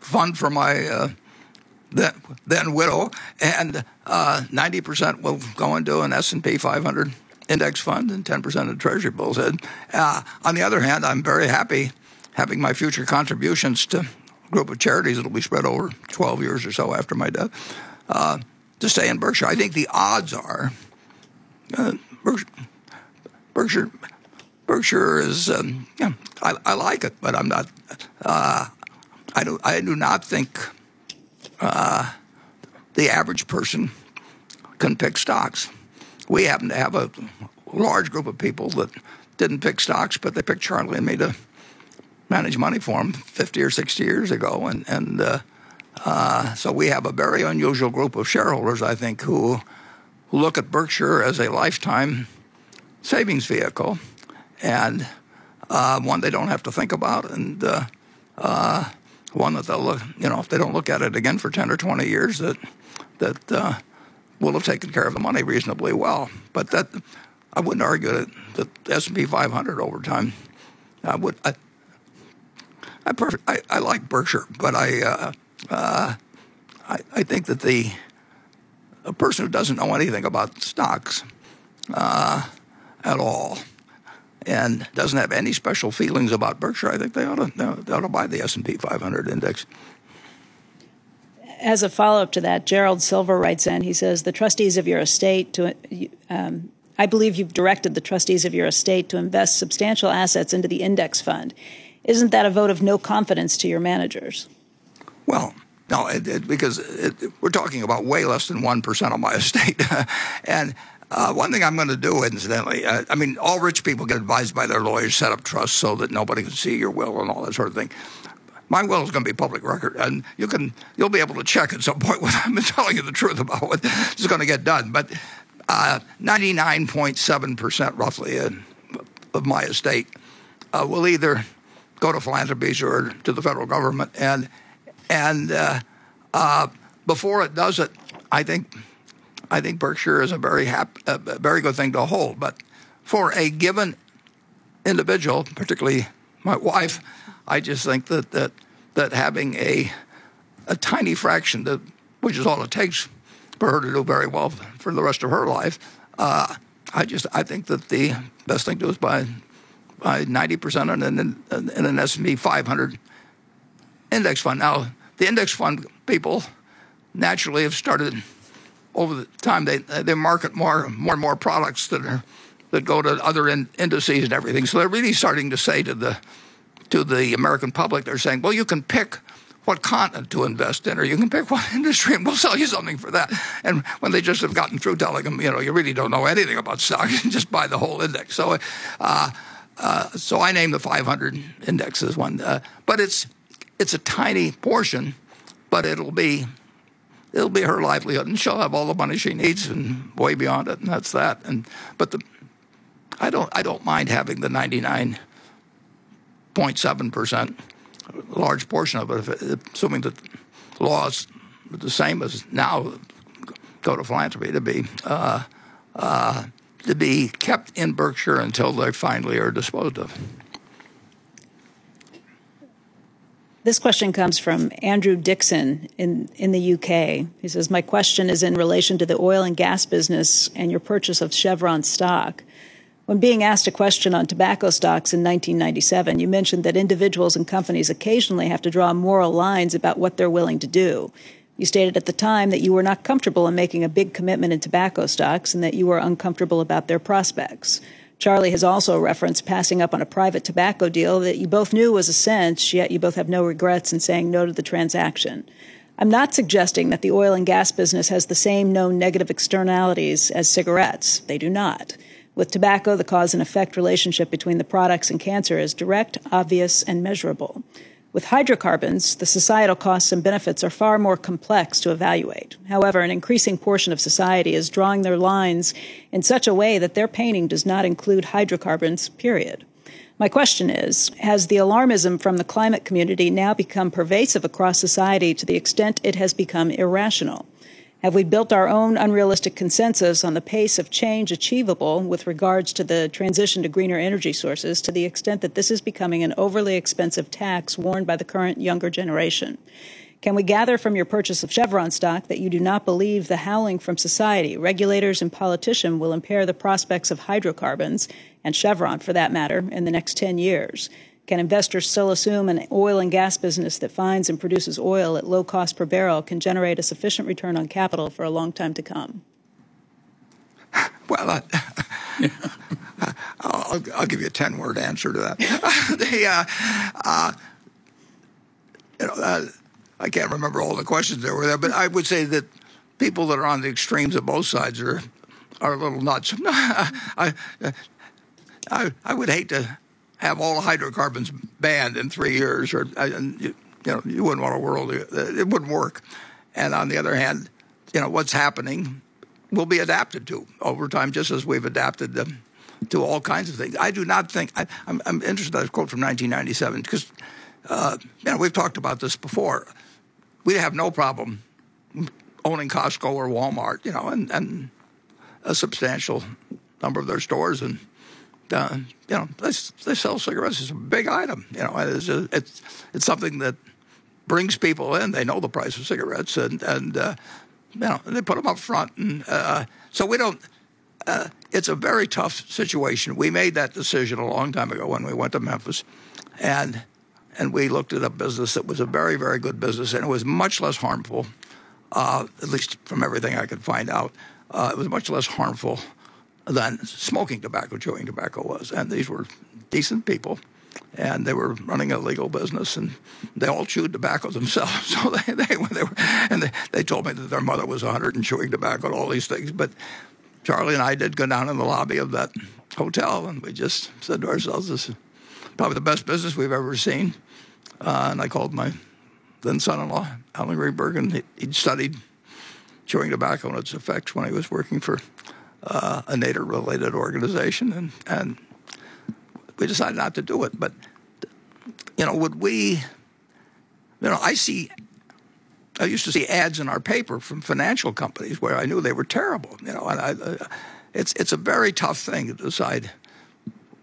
fund for my then widow, and 90% will go into an S&P 500 index fund and 10% a Treasury bill set. On the other hand, I'm very happy having my future contributions to a group of charities that'll be spread over 12 years or so after my death, to stay in Berkshire. I think the odds are, Berkshire is, I like it, but I do not think the average person can pick stocks. We happen to have a large group of people that didn't pick stocks, but they picked Charlie and me to manage money for them 50 or 60 years ago. We have a very unusual group of shareholders, I think, who look at Berkshire as a lifetime savings vehicle and one they don't have to think about and one that they'll look You know, if they don't look at it again for 10 or 20 years, that will have taken care of the money reasonably well. I wouldn't argue that the S&P 500 over time, I like Berkshire, I think that a person who doesn't know anything about stocks at all and doesn't have any special feelings about Berkshire, I think they ought to, you know, they ought to buy the S&P 500 index. As a follow-up to that, Gerald Silver writes in, he says, "The trustees of your estate to, I believe you've directed the trustees of your estate to invest substantial assets into the index fund. Isn't that a vote of no confidence to your managers? Well, no, we're talking about way less than 1% of my estate. One thing I'm gonna do, incidentally, I mean, all rich people get advised by their lawyers, set up trusts so that nobody can see your will and all that sort of thing. My will is gonna be public record, and you'll be able to check at some point whether I'm telling you the truth about what is gonna get done. 99.7%, roughly, of my estate will either go to philanthropy or to the Federal Government. Before it does it, I think Berkshire is a very good thing to hold. For a given individual, particularly my wife, I just think that having a tiny fraction, which is all it takes for her to do very well for the rest of her life, I think that the best thing to do is buy 90% in an S&P 500 index fund. The index fund people naturally have started, over the time, they market more and more products that go to other indices and everything. They're really starting to say to the, to the American public, they're saying, "Well, you can pick what continent to invest in, or you can pick what industry, and we'll sell you something for that." When they just have gotten through telling them, "You know, you really don't know anything about stocks, just buy the whole index." I named the 500 index as one. It's, it's a tiny portion, but it'll be, it'll be her livelihood, and she'll have all the money she needs and way beyond it, and that's that. I don't, I don't mind having the 99.7%, large portion of it, assuming the law's the same as now, go to philanthropy to be kept in Berkshire until they finally are disposed of. This question comes from Andrew Dixon in the U.K. He says, "My question is in relation to the oil and gas business and your purchase of Chevron stock. When being asked a question on tobacco stocks in 1997, you mentioned that individuals and companies occasionally have to draw moral lines about what they're willing to do. You stated at the time that you were not comfortable in making a big commitment in tobacco stocks and that you were uncomfortable about their prospects. Charlie has also referenced passing up on a private tobacco deal that you both knew was a cinch, yet you both have no regrets in saying no to the transaction. I'm not suggesting that the oil and gas business has the same known negative externalities as cigarettes. They do not. With tobacco, the cause and effect relationship between the products and cancer is direct, obvious, and measurable. With hydrocarbons, the societal costs and benefits are far more complex to evaluate. However, an increasing portion of society is drawing their lines in such a way that their painting does not include hydrocarbons, period. My question is, has the alarmism from the climate community now become pervasive across society to the extent it has become irrational? Have we built our own unrealistic consensus on the pace of change achievable with regards to the transition to greener energy sources to the extent that this is becoming an overly expensive tax worn by the current younger generation? Can we gather from your purchase of Chevron stock that you do not believe the howling from society, regulators, and politicians will impair the prospects of hydrocarbons, and Chevron for that matter, in the next 10 years? Can investors still assume an oil and gas business that finds and produces oil at low cost per barrel can generate a sufficient return on capital for a long time to come? I'll give you a 10-word answer to that. Yeah. The, you know, I can't remember all the questions that were there, but I would say that people that are on the extremes of both sides are a little nuts. I would hate to have all hydrocarbons banned in three years or, and, you know, you wouldn't want a world. It wouldn't work. On the other hand, you know, what's happening will be adapted to over time, just as we've adapted to all kinds of things. I do not think I'm interested by this quote from 1997, because, you know, we've talked about this before. We have no problem owning Costco or Walmart, you know, and a substantial number of their stores and, you know, they sell cigarettes. It's a big item, you know? It's, it's something that brings people in. They know the price of cigarettes and, you know, they put them up front. We don't. It's a very tough situation. We made that decision a long time ago when we went to Memphis and we looked at a business that was a very, very good business, and it was much less harmful, at least from everything I could find out, it was much less harmful than smoking tobacco, chewing tobacco was. These were decent people, and they were running a legal business, and they all chewed tobacco themselves, so they were. They told me that their mother was 100 and chewing tobacco and all these things. Charlie and I did go down in the lobby of that hotel, and we just said to ourselves, "This is probably the best business we've ever seen." I called my then son-in-law, Allen Greenberg, and he'd studied chewing tobacco and its effects when he was working for a Nader-related organization. We decided not to do it. You know, would we, you know, I used to see ads in our paper from financial companies where I knew they were terrible, you know? It's a very tough thing to decide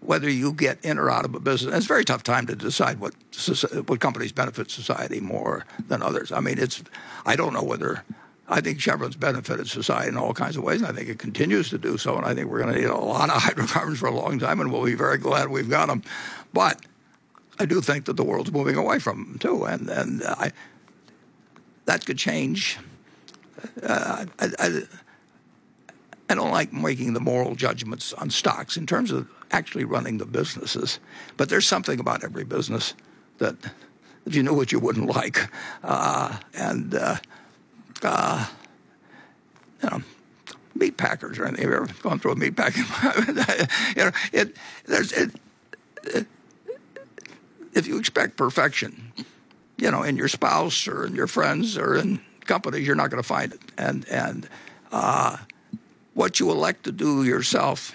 whether you get in or out of a business. It's a very tough time to decide what companies benefit society more than others. I mean, it's, I don't know whether I think Chevron's benefited society in all kinds of ways, and I think it continues to do so, and I think we're gonna need a lot of hydrocarbons for a long time, and we'll be very glad we've got them. I do think that the world's moving away from them too, and that could change. I don't like making the moral judgments on stocks in terms of actually running the businesses, There's something about every business that you know what you wouldn't like, and, you know, meat packers or anything. Have you ever gone through a meat packing plant? You know, there's If you expect perfection, you know, in your spouse or in your friends or in companies, you're not gonna find it. What you elect to do yourself,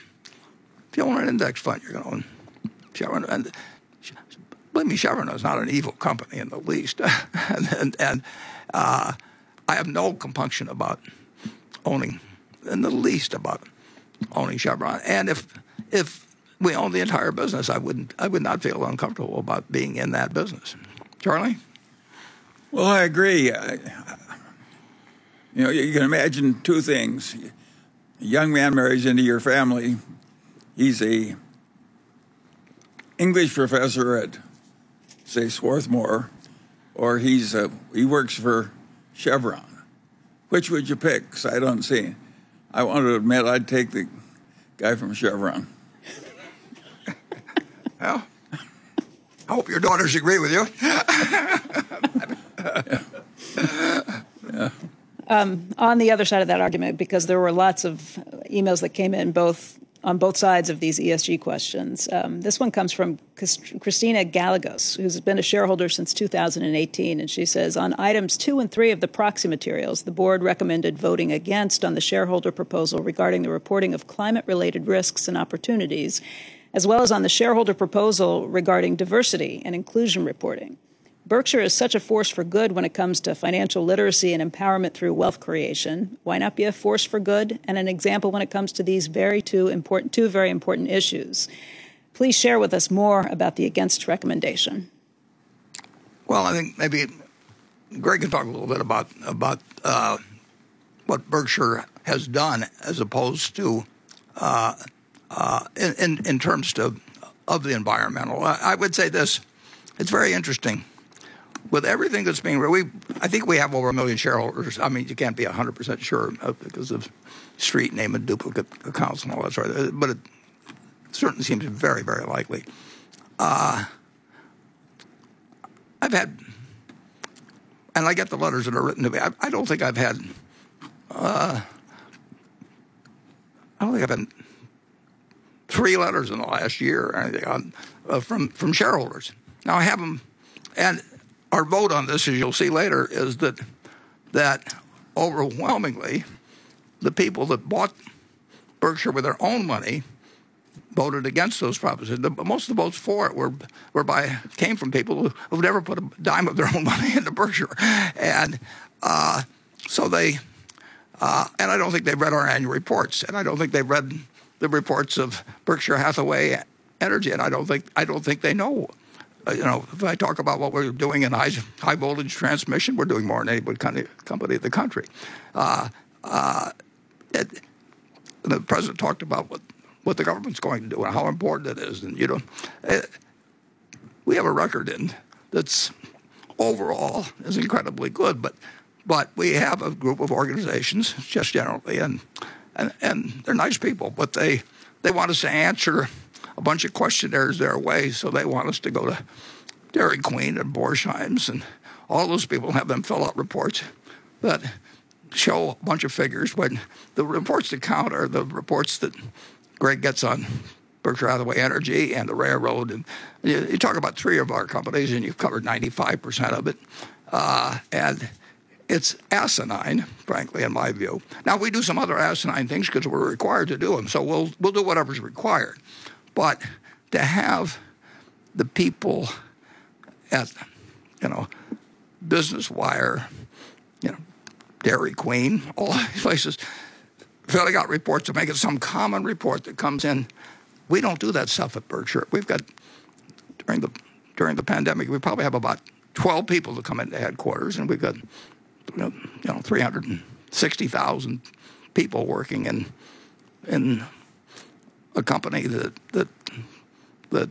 if you own an index fund, you own Chevron. Believe me, Chevron is not an evil company in the least. I have no compunction about owning, in the least about owning Chevron. If we owned the entire business, I would not feel uncomfortable about being in that business. Charlie? I agree. You know, you can imagine two things. A young man marries into your family. He's a English professor at, say, Swarthmore, or he works for Chevron. Which would you pick? I don't see. I want to admit I'd take the guy from Chevron. Well, I hope your daughters agree with you. On the other side of that argument, because there were lots of emails that came in both, on both sides of these ESG questions, this one comes from Christina Gallegos, who's been a shareholder since 2018. She says, "On Items 2 and 3 of the proxy materials, the board recommended voting against on the shareholder proposal regarding the reporting of climate-related risks and opportunities, as well as on the shareholder proposal regarding diversity and inclusion reporting. Berkshire is such a force for good when it comes to financial literacy and empowerment through wealth creation. Why not be a force for good and an example when it comes to these two very important issues? Please share with us more about the against recommendation. Well, I think maybe Greg can talk a little bit about what Berkshire has done as opposed to in terms of the environmental. I would say this, it's very interesting. With everything that's being I think we have over 1 million shareholders. I mean, you can't be 100% sure because of street name and duplicate accounts and all that sort. It certainly seems very, very likely. I've had and I get the letters that are written to me. I don't think I've had I only think I've had three letters in the last year or anything on from shareholders. Now, I have them our vote on this, as you'll see later, is that overwhelmingly the people that bought Berkshire with their own money voted against those propositions. But most of the votes for it were by, came from people who'd never put a dime of their own money into Berkshire. I don't think they read our annual reports, and I don't think they read the reports of Berkshire Hathaway Energy, and I don't think they know. You know, if I talk about what we're doing in high voltage transmission, we're doing more than any other company in the country. The President talked about what the government's going to do and how important it is, and, you know, we have a record and that's overall is incredibly good. We have a group of organizations just generally, and they're nice people, but they want us to answer a bunch of questionnaires their way. They want us to go to Dairy Queen and Borsheims, and all those people have them fill out reports that show a bunch of figures when the reports that count are the reports that Greg gets on Berkshire Hathaway Energy and the railroad, and you talk about three of our companies and you've covered 95% of it. It's asinine, frankly, in my view. Now, we do some other asinine things because we're required to do them, so we'll do whatever's required. To have the people at, you know, Business Wire, you know, Dairy Queen, all these places filling out reports to make it some common report that comes in, we don't do that stuff at Berkshire. We've got, during the pandemic, we probably have about 12 people to come into headquarters, and we've got, you know, 360,000 people working in a company that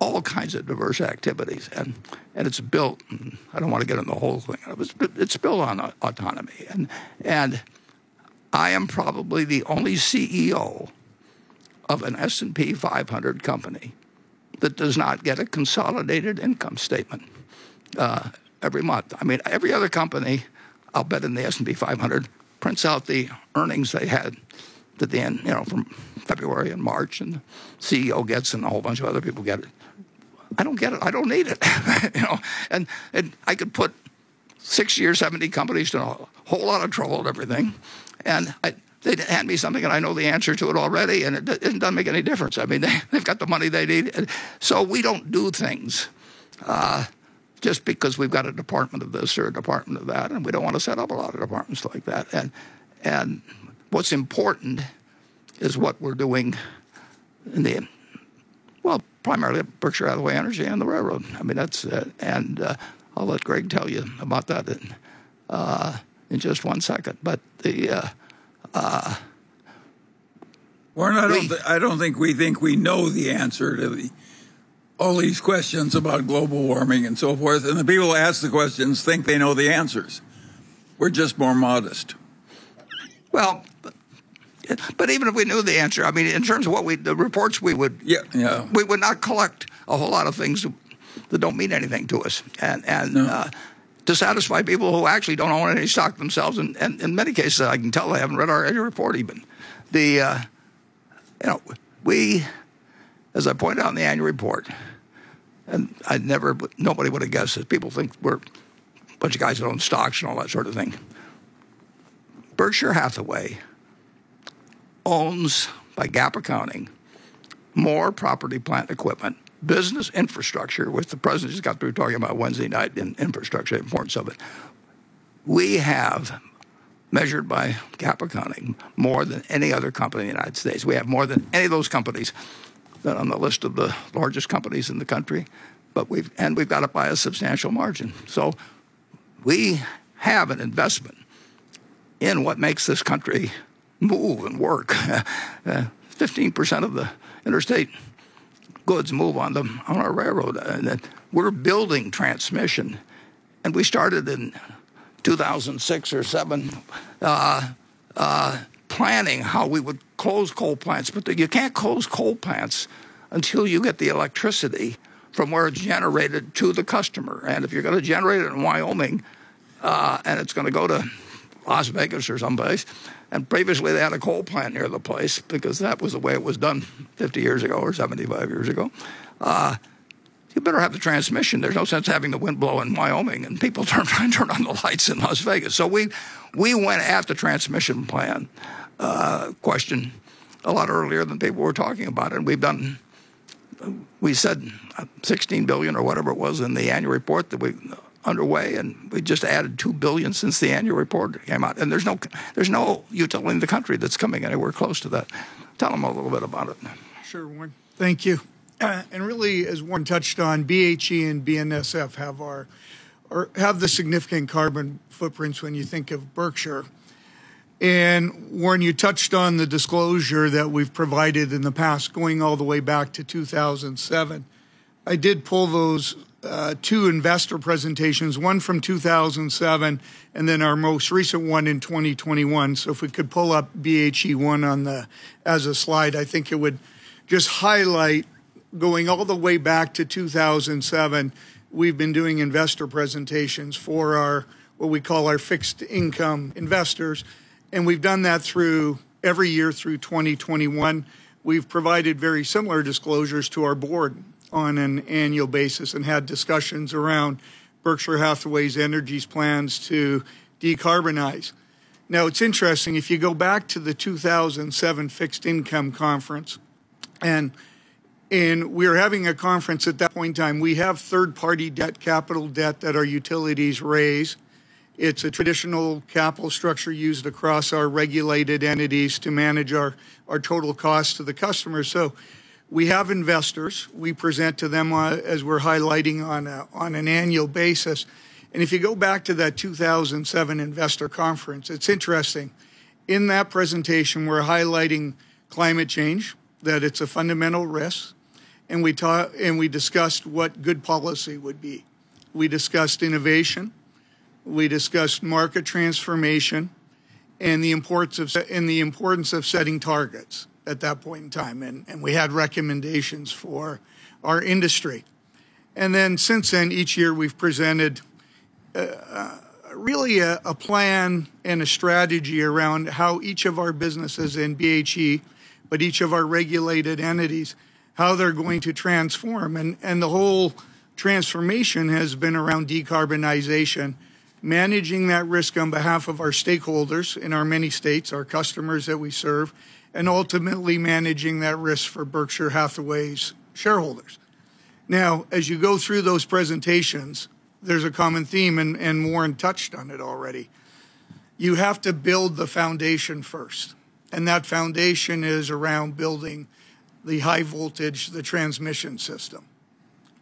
all kinds of diverse activities. It's built, I don't want to get into the whole thing. It's built on autonomy. I am probably the only CEO of an S&P 500 company that does not get a consolidated income statement every month. I mean, every other company, I'll bet in the S&P 500 prints out the earnings they had at the end, you know, from February and March, and the CEO gets it and a whole bunch of other people get it. I don't get it. I don't need it, you know. I could put 60 or 70 companies in a whole lot of trouble with everything, and they'd hand me something and I know the answer to it already, and it doesn't make any difference. I mean, they've got the money they need. We don't do things just because we've got a department of this or a department of that, and we don't want to set up a lot of departments like that. What's important is what we're doing in the well, primarily at Berkshire Hathaway Energy and the railroad. I mean, that's and I'll let Greg tell you about that in just one second. Warren, I don't think we think we know the answer to the all these questions about global warming and so forth, and the people who ask the questions think they know the answers. We're just more modest. Well, even if we knew the answer, I mean, in terms of what we'd the reports. Yeah. we would not collect a whole lot of things that don't mean anything to us. No to satisfy people who actually don't own any stock themselves, and in many cases, I can tell they haven't read our annual report even. The, you know, we, as I pointed out in the annual report, and I'd never but nobody would have guessed this. People think we're a bunch of guys that own stocks and all that sort of thing. Berkshire Hathaway owns, by GAAP accounting, more property, plant, and equipment, business infrastructure, which the President just got through talking about Wednesday night, infrastructure, the importance of it. We have, measured by GAAP accounting, more than any other company in the United States. We have more than any of those companies that are on the list of the largest companies in the country, but we've and we've got it by a substantial margin. We have an investment in what makes this country move and work. 15% of the interstate goods move on the, on our railroad, and we're building transmission. We started in 2006 or 2007, planning how we would close coal plants. You can't close coal plants until you get the electricity from where it's generated to the customer. If you're gonna generate it in Wyoming, and it's gonna go to Las Vegas or some place, and previously they had a coal plant near the place because that was the way it was done 50 years ago or 75 years ago, you better have the transmission. There's no sense having the wind blow in Wyoming and people trying to turn on the lights in Las Vegas. We went after transmission plan, question a lot earlier than people were talking about it. We said $16 billion or whatever it was in the annual report that we're underway. We just added $2 billion since the annual report came out. There's no utility in the country that's coming anywhere close to that. Tell them a little bit about it. Sure, Warren. Thank you. Really, as Warren touched on, BHE and BNSF have the significant carbon footprints when you think of Berkshire. Warren, you touched on the disclosure that we've provided in the past, going all the way back to 2007. I did pull those two investor presentations, one from 2007 and then our most recent one in 2021. If we could pull up BHE one as a slide, I think it would just highlight going all the way back to 2007, we've been doing investor presentations for what we call our fixed income investors, and we've done that through every year through 2021. We've provided very similar disclosures to our board on an annual basis and had discussions around Berkshire Hathaway Energy's plans to decarbonize. It's interesting, if you go back to the 2007 fixed income conference, and we're having a conference at that point in time. We have third-party debt, capital debt that our utilities raise. It's a traditional capital structure used across our regulated entities to manage our total cost to the customer. We have investors. We present to them, as we're highlighting on an annual basis. If you go back to that 2007 investor conference, it's interesting. In that presentation, we're highlighting climate change, that it's a fundamental risk, and we discussed what good policy would be. We discussed innovation. We discussed market transformation and the importance of setting targets at that point in time. We had recommendations for our industry. Since then, each year we've presented really a plan and a strategy around how each of our businesses in BHE, but each of our regulated entities, how they're going to transform. The whole transformation has been around decarbonization, managing that risk on behalf of our stakeholders in our many states, our customers that we serve, and ultimately managing that risk for Berkshire Hathaway's shareholders. As you go through those presentations, there's a common theme, Warren touched on it already. You have to build the foundation first, and that foundation is around building the high voltage, the transmission system.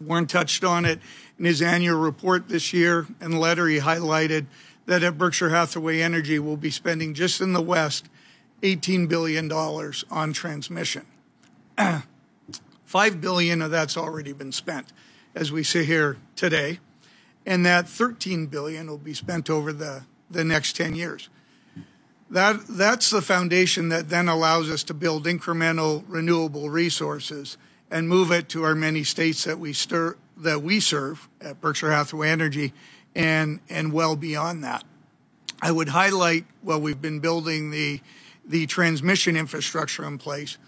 Warren touched on it in his annual report this year and letter he highlighted that at Berkshire Hathaway Energy, we'll be spending just in the West, $18 billion on transmission. $5 billion of that's already been spent, as we sit here today, and that $13 billion will be spent over the next 10 years. That's the foundation that then allows us to build incremental renewable resources and move it to our many states that we serve at Berkshire Hathaway Energy and well beyond that. I would highlight while we've been building the transmission infrastructure in place,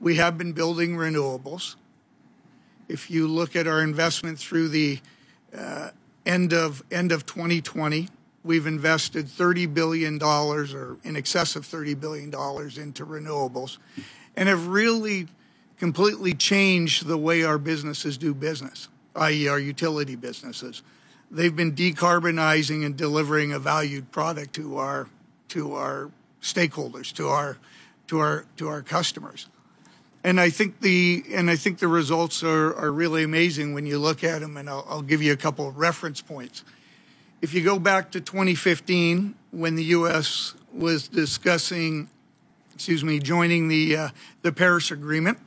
we have been building renewables. If you look at our investment through the end of 2020, we've invested $30 billion or in excess of $30 billion into renewables and have really completely changed the way our businesses do business, i.e. our utility businesses. They've been decarbonizing and delivering a valued product to our stakeholders, to our customers. I think the results are really amazing when you look at them, I'll give you a couple of reference points. If you go back to 2015 when the U.S. was discussing, excuse me, joining the Paris Agreement,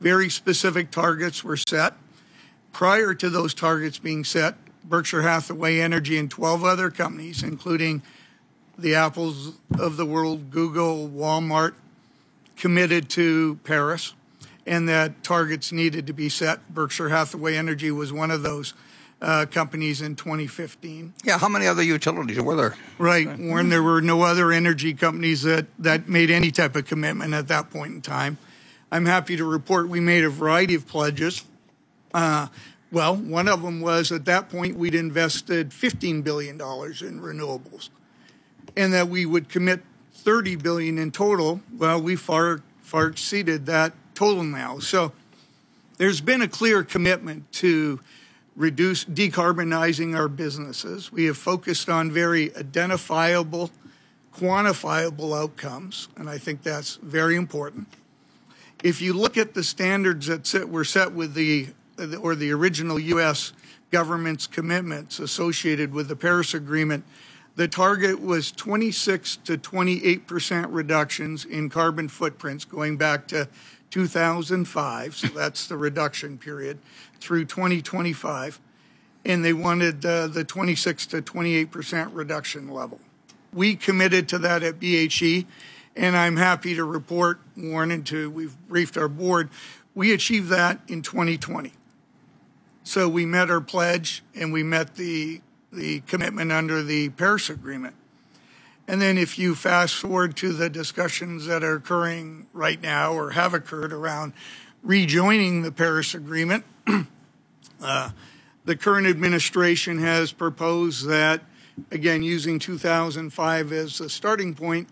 very specific targets were set. Prior to those targets being set, Berkshire Hathaway Energy and 12 other companies, including the Apples of the world, Google, Walmart, committed to Paris, and that targets needed to be set. Berkshire Hathaway Energy was one of those companies in 2015. Yeah, how many other utilities were there? Right. Warren, there were no other energy companies that made any type of commitment at that point in time. I'm happy to report we made a variety of pledges. Well, one of them was, at that point, we'd invested $15 billion in renewables, and that we would commit $30 billion in total. Well, we far exceeded that total now. There's been a clear commitment to reduce decarbonizing our businesses. We have focused on very identifiable, quantifiable outcomes, and I think that's very important. If you look at the standards that set, were set with the or the original U.S. government's commitments associated with the Paris Agreement, the target was 26%-28% reductions in carbon footprints going back to 2005. That's the reduction period, through 2025. They wanted the 26%-28% reduction level. We committed to that at BHE, I'm happy to report, Warren, we've briefed our board. We achieved that in 2020. We met our pledge, and we met the commitment under the Paris Agreement. Then if you fast-forward to the discussions that are occurring right now or have occurred around rejoining the Paris Agreement, the current administration has proposed that, again, using 2005 as a starting point,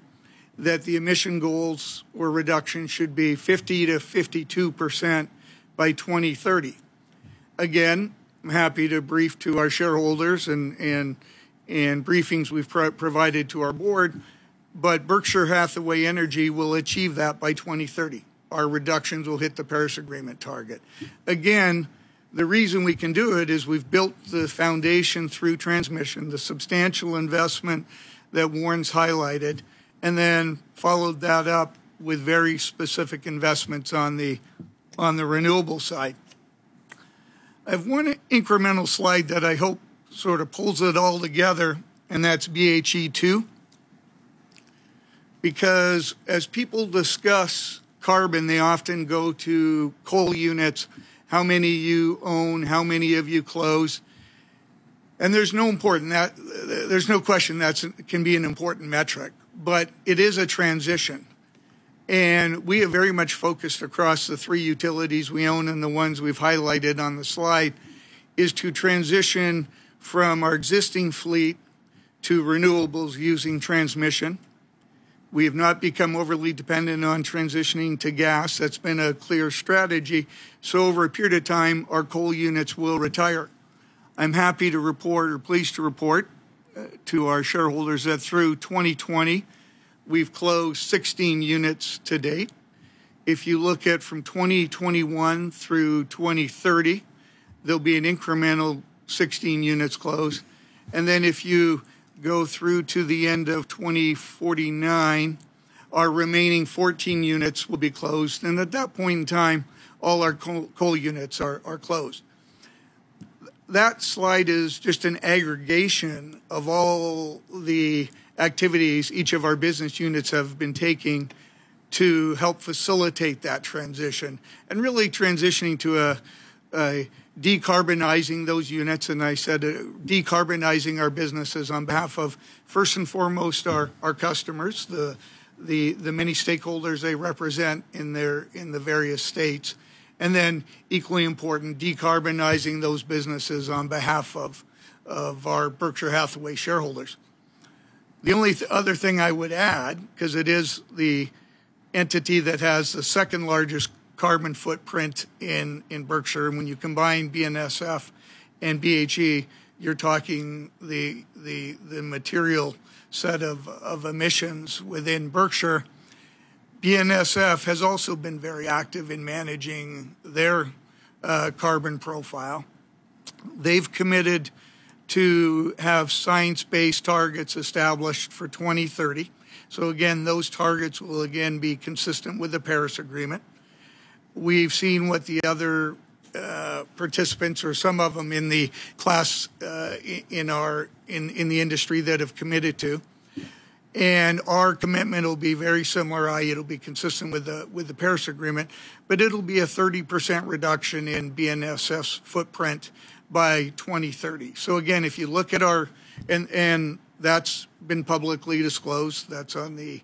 that the emission goals or reduction should be 50%-52% by 2030. Again, I'm happy to brief to our shareholders in briefings we've provided to our board, Berkshire Hathaway Energy will achieve that by 2030. Our reductions will hit the Paris Agreement target. The reason we can do it is we've built the foundation through transmission, the substantial investment that Warren's highlighted, and then followed that up with very specific investments on the, on the renewable side. I have one incremental slide that I hope sort of pulls it all together, and that's BHE2. As people discuss carbon, they often go to coal units, how many you own, how many have you closed. There's no question that's, can be an important metric, but it is a transition. We have very much focused across the three utilities we own, and the ones we've highlighted on the slide, is to transition from our existing fleet to renewables using transmission. We have not become overly dependent on transitioning to gas. That's been a clear strategy. Over a period of time, our coal units will retire. I'm happy to report or pleased to report to our shareholders that through 2020, we've closed 16 units to date. If you look at from 2021 through 2030, there'll be an incremental 16 units closed. Then if you go through to the end of 2049, our remaining 14 units will be closed. At that point in time, all our coal units are closed. That slide is just an aggregation of all the activities each of our business units have been taking to help facilitate that transition, and really transitioning to a decarbonizing those units, and I said, decarbonizing our businesses on behalf of, first and foremost, our customers, the many stakeholders they represent in their, in the various states. Then equally important, decarbonizing those businesses on behalf of our Berkshire Hathaway shareholders. The only other thing I would add, 'cause it is the entity that has the second-largest carbon footprint in Berkshire, and when you combine BNSF and BHE, you're talking the material set of emissions within Berkshire. BNSF has also been very active in managing their carbon profile. They've committed to have science-based targets established for 2030. Again, those targets will again be consistent with the Paris Agreement. We've seen what the other participants or some of them in the class in our industry that have committed to. Our commitment will be very similar, i.e., it'll be consistent with the Paris Agreement, but it'll be a 30% reduction in BNSF's footprint by 2030. That's been publicly disclosed. That's on the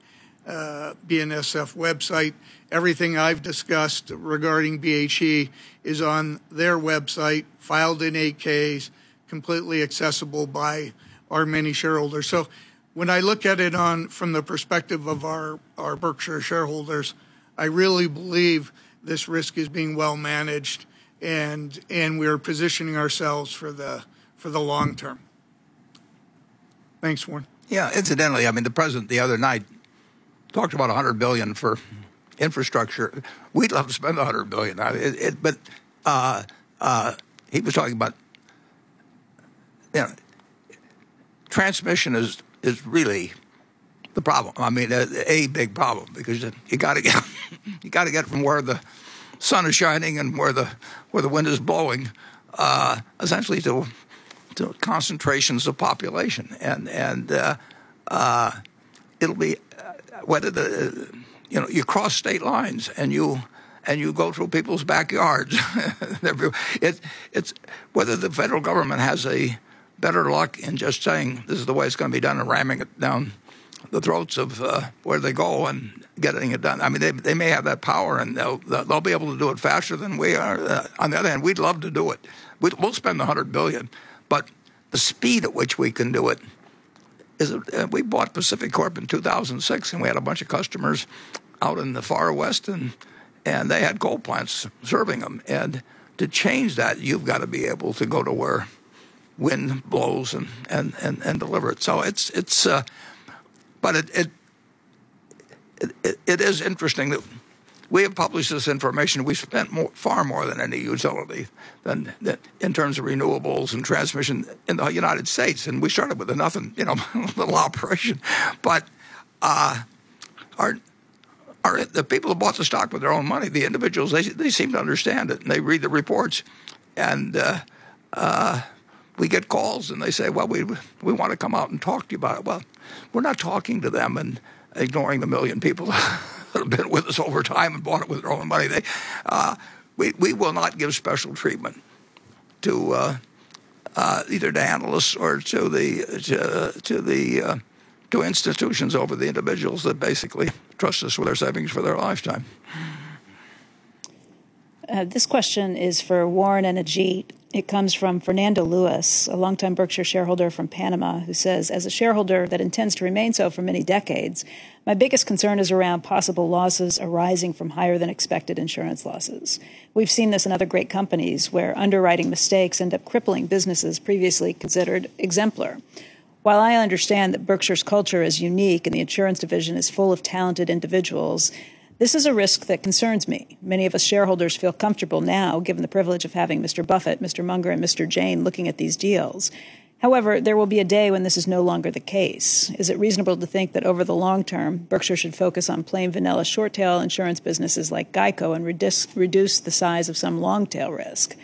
BNSF website. Everything I've discussed regarding BHE is on their website, filed in 8-Ks, completely accessible by our many shareholders. When I look at it from the perspective of our Berkshire shareholders, I really believe this risk is being well managed, and we're positioning ourselves for the long term. Thanks, Warren. Yeah. Incidentally, I mean, the President the other night talked about $100 billion for infrastructure. We'd love to spend $100 billion. He was talking about, you know, transmission is really the problem. I mean, a big problem because you gotta get from where the sun is shining and where the wind is blowing, essentially to concentrations of population. It'll be whether, you know, you cross state lines and you go through people's backyards. Whether the Federal Government has a better luck in just saying, "This is the way it's gonna be done," and ramming it down the throats of where they go and getting it done. I mean, they may have that power and they'll be able to do it faster than we are. On the other hand, we'd love to do it. We'll spend the $100 billion, the speed at which we can do it. We bought PacifiCorp in 2006, and we had a bunch of customers out in the far West and they had coal plants serving them. To change that, you've gotta be able to go to where wind blows and deliver it. It is interesting that we have published this information. We've spent more, far more than any utility than in terms of renewables and transmission in the United States, we started with a nothing, you know, little operation. Our, the people who bought the stock with their own money, the individuals, they seem to understand it, and they read the reports. We get calls and they say, "Well, we wanna come out and talk to you about it." Well, we're not talking to them and ignoring the million people that have been with us over time and bought it with their own money. We will not give special treatment to either to analysts or to institutions over the individuals that basically trust us with their savings for their lifetime. This question is for Warren and Ajit. It comes from Fernando Lewis, a longtime Berkshire shareholder from Panama, who says, "As a shareholder that intends to remain so for many decades, my biggest concern is around possible losses arising from higher than expected insurance losses. We've seen this in other great companies, where underwriting mistakes end up crippling businesses previously considered exemplar. While I understand that Berkshire's culture is unique and the insurance division is full of talented individuals, this is a risk that concerns me. Many of us shareholders feel comfortable now, given the privilege of having Mr. Buffett, Mr. Munger, and Mr. Jain looking at these deals. However, there will be a day when this is no longer the case. Is it reasonable to think that over the long term, Berkshire should focus on plain vanilla short tail insurance businesses like GEICO and reduce the size of some long-tail risk?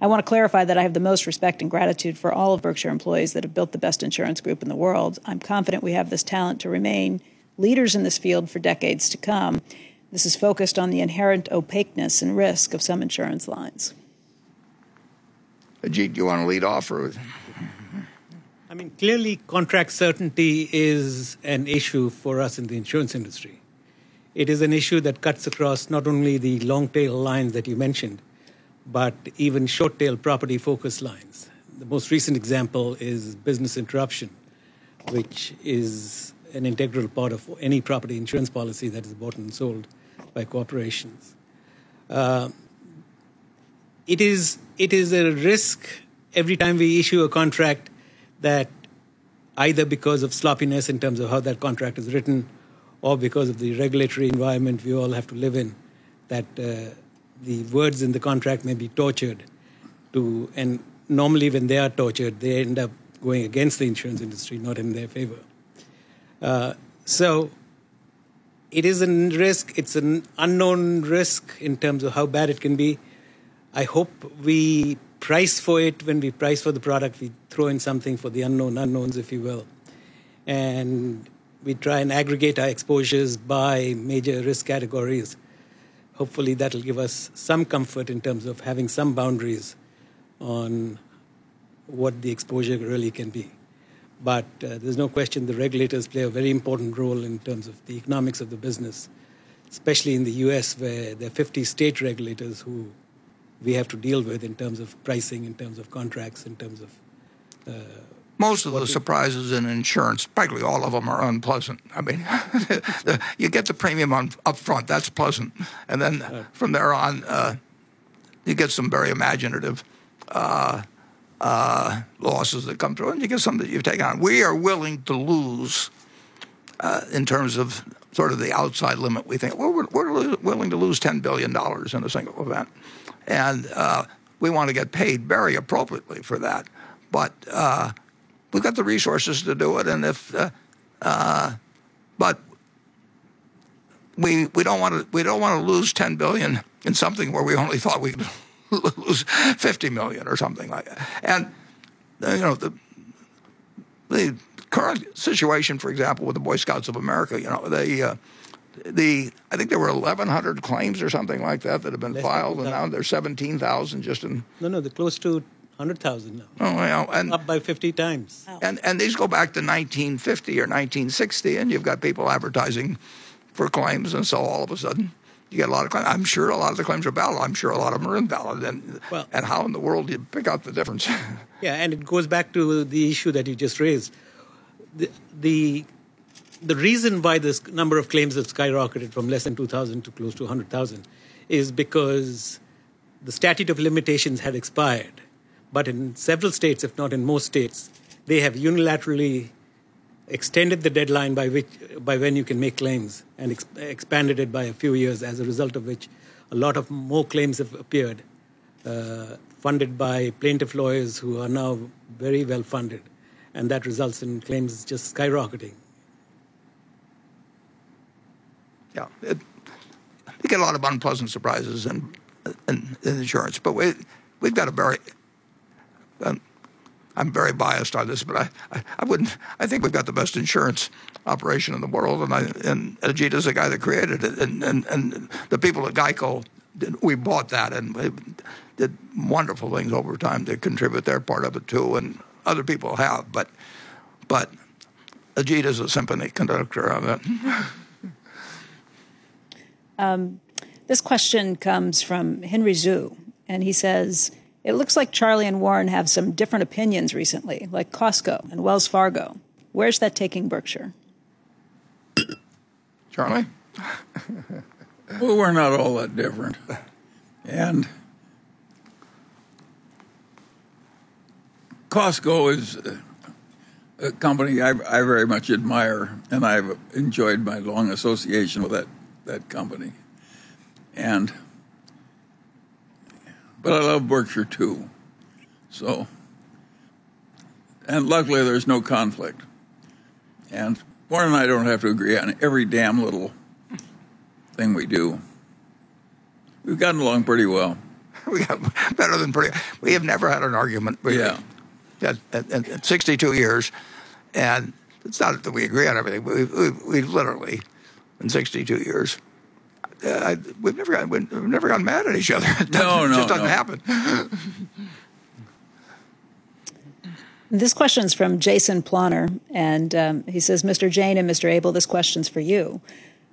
I want to clarify that I have the most respect and gratitude for all of Berkshire employees that have built the best insurance group in the world. I'm confident we have this talent to remain leaders in this field for decades to come. This is focused on the inherent opaqueness and risk of some insurance lines. Ajit, do you want to lead off or was it? I mean, clearly contract certainty is an issue for us in the insurance industry. It is an issue that cuts across not only the long-tail lines that you mentioned, but even short-tail, property-focused lines. The most recent example is business interruption, which is an integral part of any property insurance policy that is bought and sold by corporations. It is a risk every time we issue a contract that either because of sloppiness in terms of how that contract is written or because of the regulatory environment we all have to live in, that the words in the contract may be tortured. Normally when they are tortured, they end up going against the insurance industry, not in their favor. It is a risk. It's an unknown risk in terms of how bad it can be. I hope we price for it. When we price for the product, we throw in something for the unknown unknowns, if you will. We try and aggregate our exposures by major risk categories. Hopefully, that'll give us some comfort in terms of having some boundaries on what the exposure really can be. There's no question the regulators play a very important role in terms of the economics of the business, especially in the U.S. where there are 50-state regulators who we have to deal with in terms of pricing, in terms of contracts, in terms of. Most of the surprises in insurance, probably all of them, are unpleasant. I mean, you get the premium on upfront, that's pleasant. Yeah From there on, you get some very imaginative losses that come through and you get some that you take on. We are willing to lose, in terms of sort of the outside limit, we think, well, we're willing to lose $10 billion in a single event, and we want to get paid very appropriately for that. We've got the resources to do it. We don't want to lose $10 billion in something where we only thought we'd lose $50 million or something like that. You know, the current situation, for example, with the Boy Scouts of America, you know, they, I think there were 1,100 claims or something like that that have been filed. Less than that. Now they're 17,000 just in- No, no, they're close to 100,000 now. Oh, well, and- Up by 50x. Wow. These go back to 1950 or 1960, you've got people advertising for claims, all of a sudden you get a lot of claims. I'm sure a lot of the claims are valid. I'm sure a lot of them are invalid. Well- How in the world do you pick out the difference? It goes back to the issue that you just raised. The reason why this number of claims have skyrocketed from less than 2,000 to close to 100,000 is because the statute of limitations had expired. In several states, if not in most states, they have unilaterally extended the deadline by when you can make claims and expanded it by a few years, as a result of which a lot of more claims have appeared, funded by plaintiff lawyers who are now very well-funded, and that results in claims just skyrocketing. Yeah. We get a lot of unpleasant surprises in insurance, but we've got a very, I'm very biased on this, but I think we've got the best insurance operation in the world. Ajit is the guy that created it. The people at GEICO did. We bought that, and they did wonderful things over time. They contribute their part of it, too, and other people have. Ajit is a symphony conductor of it. This question comes from Henry Zhu, and he says, "It looks like Charlie and Warren have some different opinions recently, like Costco and Wells Fargo. Where's that taking Berkshire? Charlie? Well, we're not all that different. Costco is a company I very much admire, and I've enjoyed my long association with that company. But I love Berkshire too, so luckily, there's no conflict. Warren and I don't have to agree on every damn little thing we do. We've gotten along pretty well. We have never had an argument. Yeah at 62 years. It's not that we agree on everything. We've literally, in 62 years, we've never gotten mad at each other. No, no. It just doesn't happen. This question's from Jason Wallner, he says, "Mr. Jain and Mr. Abel, this question's for you.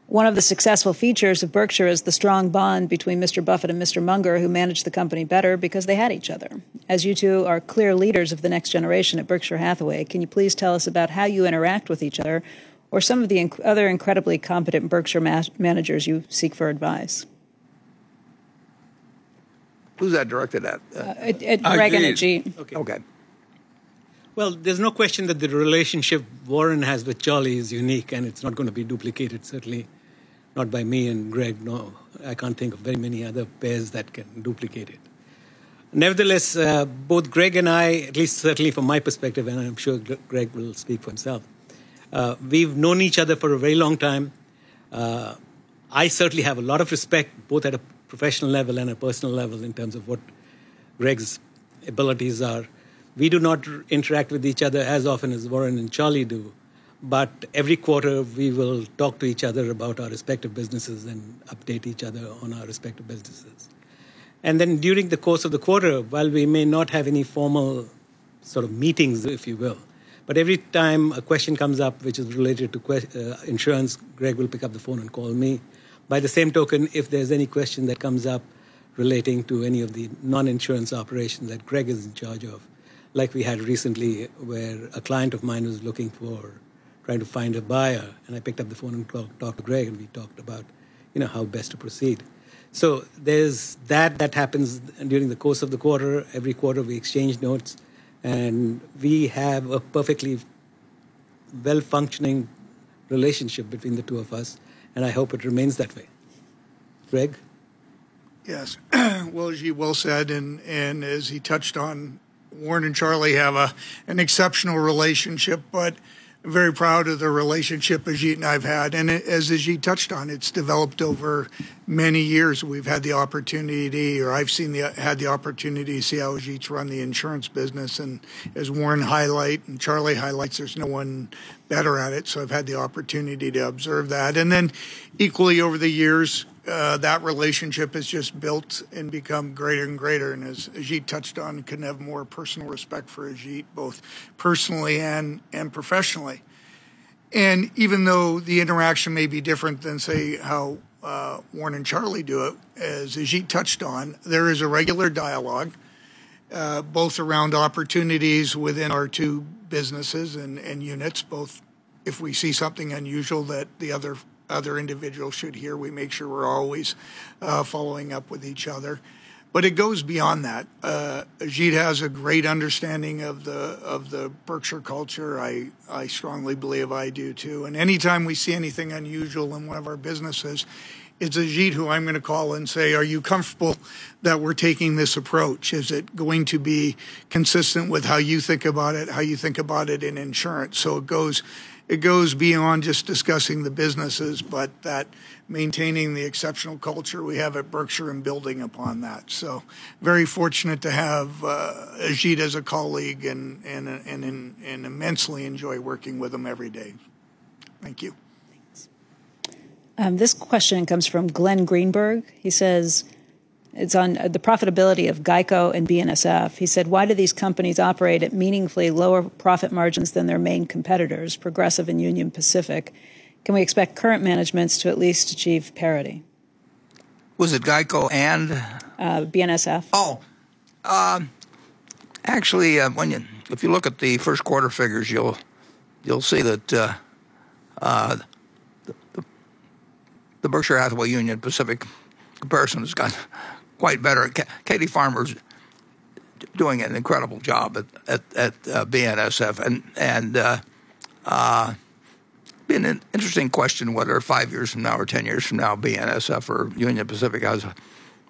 One of the successful features of Berkshire is the strong bond between Mr. Buffett and Mr. Munger, who managed the company better because they had each other. As you two are clear leaders of the next generation at Berkshire Hathaway, can you please tell us about how you interact with each other or some of the other incredibly competent Berkshire managers you seek for advice? Who's that directed at? At Greg and Ajit. Greg. Okay. There's no question that the relationship Warren has with Charlie is unique, and it's not gonna be duplicated, certainly not by me and Greg, no. I can't think of very many other pairs that can duplicate it. Nevertheless, both Greg and I, at least certainly from my perspective, and I'm sure Greg will speak for himself, we've known each other for a very long time. I certainly have a lot of respect, both at a professional level and a personal level, in terms of what Greg's abilities are. We do not interact with each other as often as Warren and Charlie do, but every quarter we will talk to each other about our respective businesses and update each other on our respective businesses. During the course of the quarter, while we may not have any formal sort of meetings, if you will, every time a question comes up which is related to insurance, Greg will pick up the phone and call me. By the same token, if there's any question that comes up relating to any of the non-insurance operations that Greg is in charge of, like we had recently where a client of mine was trying to find a buyer, I picked up the phone and called up Greg and we talked about, you know, how best to proceed. There's that. That happens during the course of the quarter. Every quarter we exchange notes, and we have a perfectly well-functioning relationship between the two of us, and I hope it remains that way. Greg? Yes. Well, Ajit well said, as he touched on, Warren and Charlie have an exceptional relationship. I'm very proud of the relationship Ajit and I have had, as Ajit touched on, it's developed over many years. We've had the opportunity, or I've seen the opportunity to see how Ajit run the insurance business. As Warren highlight and Charlie highlights, there's no one better at it, so I've had the opportunity to observe that. Equally over the years, that relationship has just built and become greater and greater. As Ajit touched on, couldn't have more personal respect for Ajit, both personally and professionally. Even though the interaction may be different than, say, how Warren and Charlie do it, as Ajit touched on, there is a regular dialogue, both around opportunities within our two businesses and units. Both if we see something unusual that the other individual should hear, we make sure we're always following up with each other. It goes beyond that. Ajit has a great understanding of the Berkshire culture. I strongly believe I do too, and any time we see anything unusual in one of our businesses, it's Ajit who I'm gonna call and say, "Are you comfortable that we're taking this approach? Is it going to be consistent with how you think about it, how you think about it in insurance?." It goes beyond just discussing the businesses, but that maintaining the exceptional culture we have at Berkshire and building upon that, so very fortunate to have Ajit as a colleague and immensely enjoy working with him every day. Thank you. Thanks. This question comes from Glenn Greenberg. He says: It's on the profitability of GEICO and BNSF. He said, "Why do these companies operate at meaningfully lower profit margins than their main competitors, Progressive and Union Pacific? Can we expect current managements to at least achieve parity? Was it GEICO and? BNSF. Actually, if you look at the first quarter figures, you'll see that the Berkshire Hathaway-Union Pacific comparison's got quite better. Katie Farmer's doing an incredible job at BNSF. It's been an interesting question whether five years from now or 10 years from now BNSF or Union Pacific has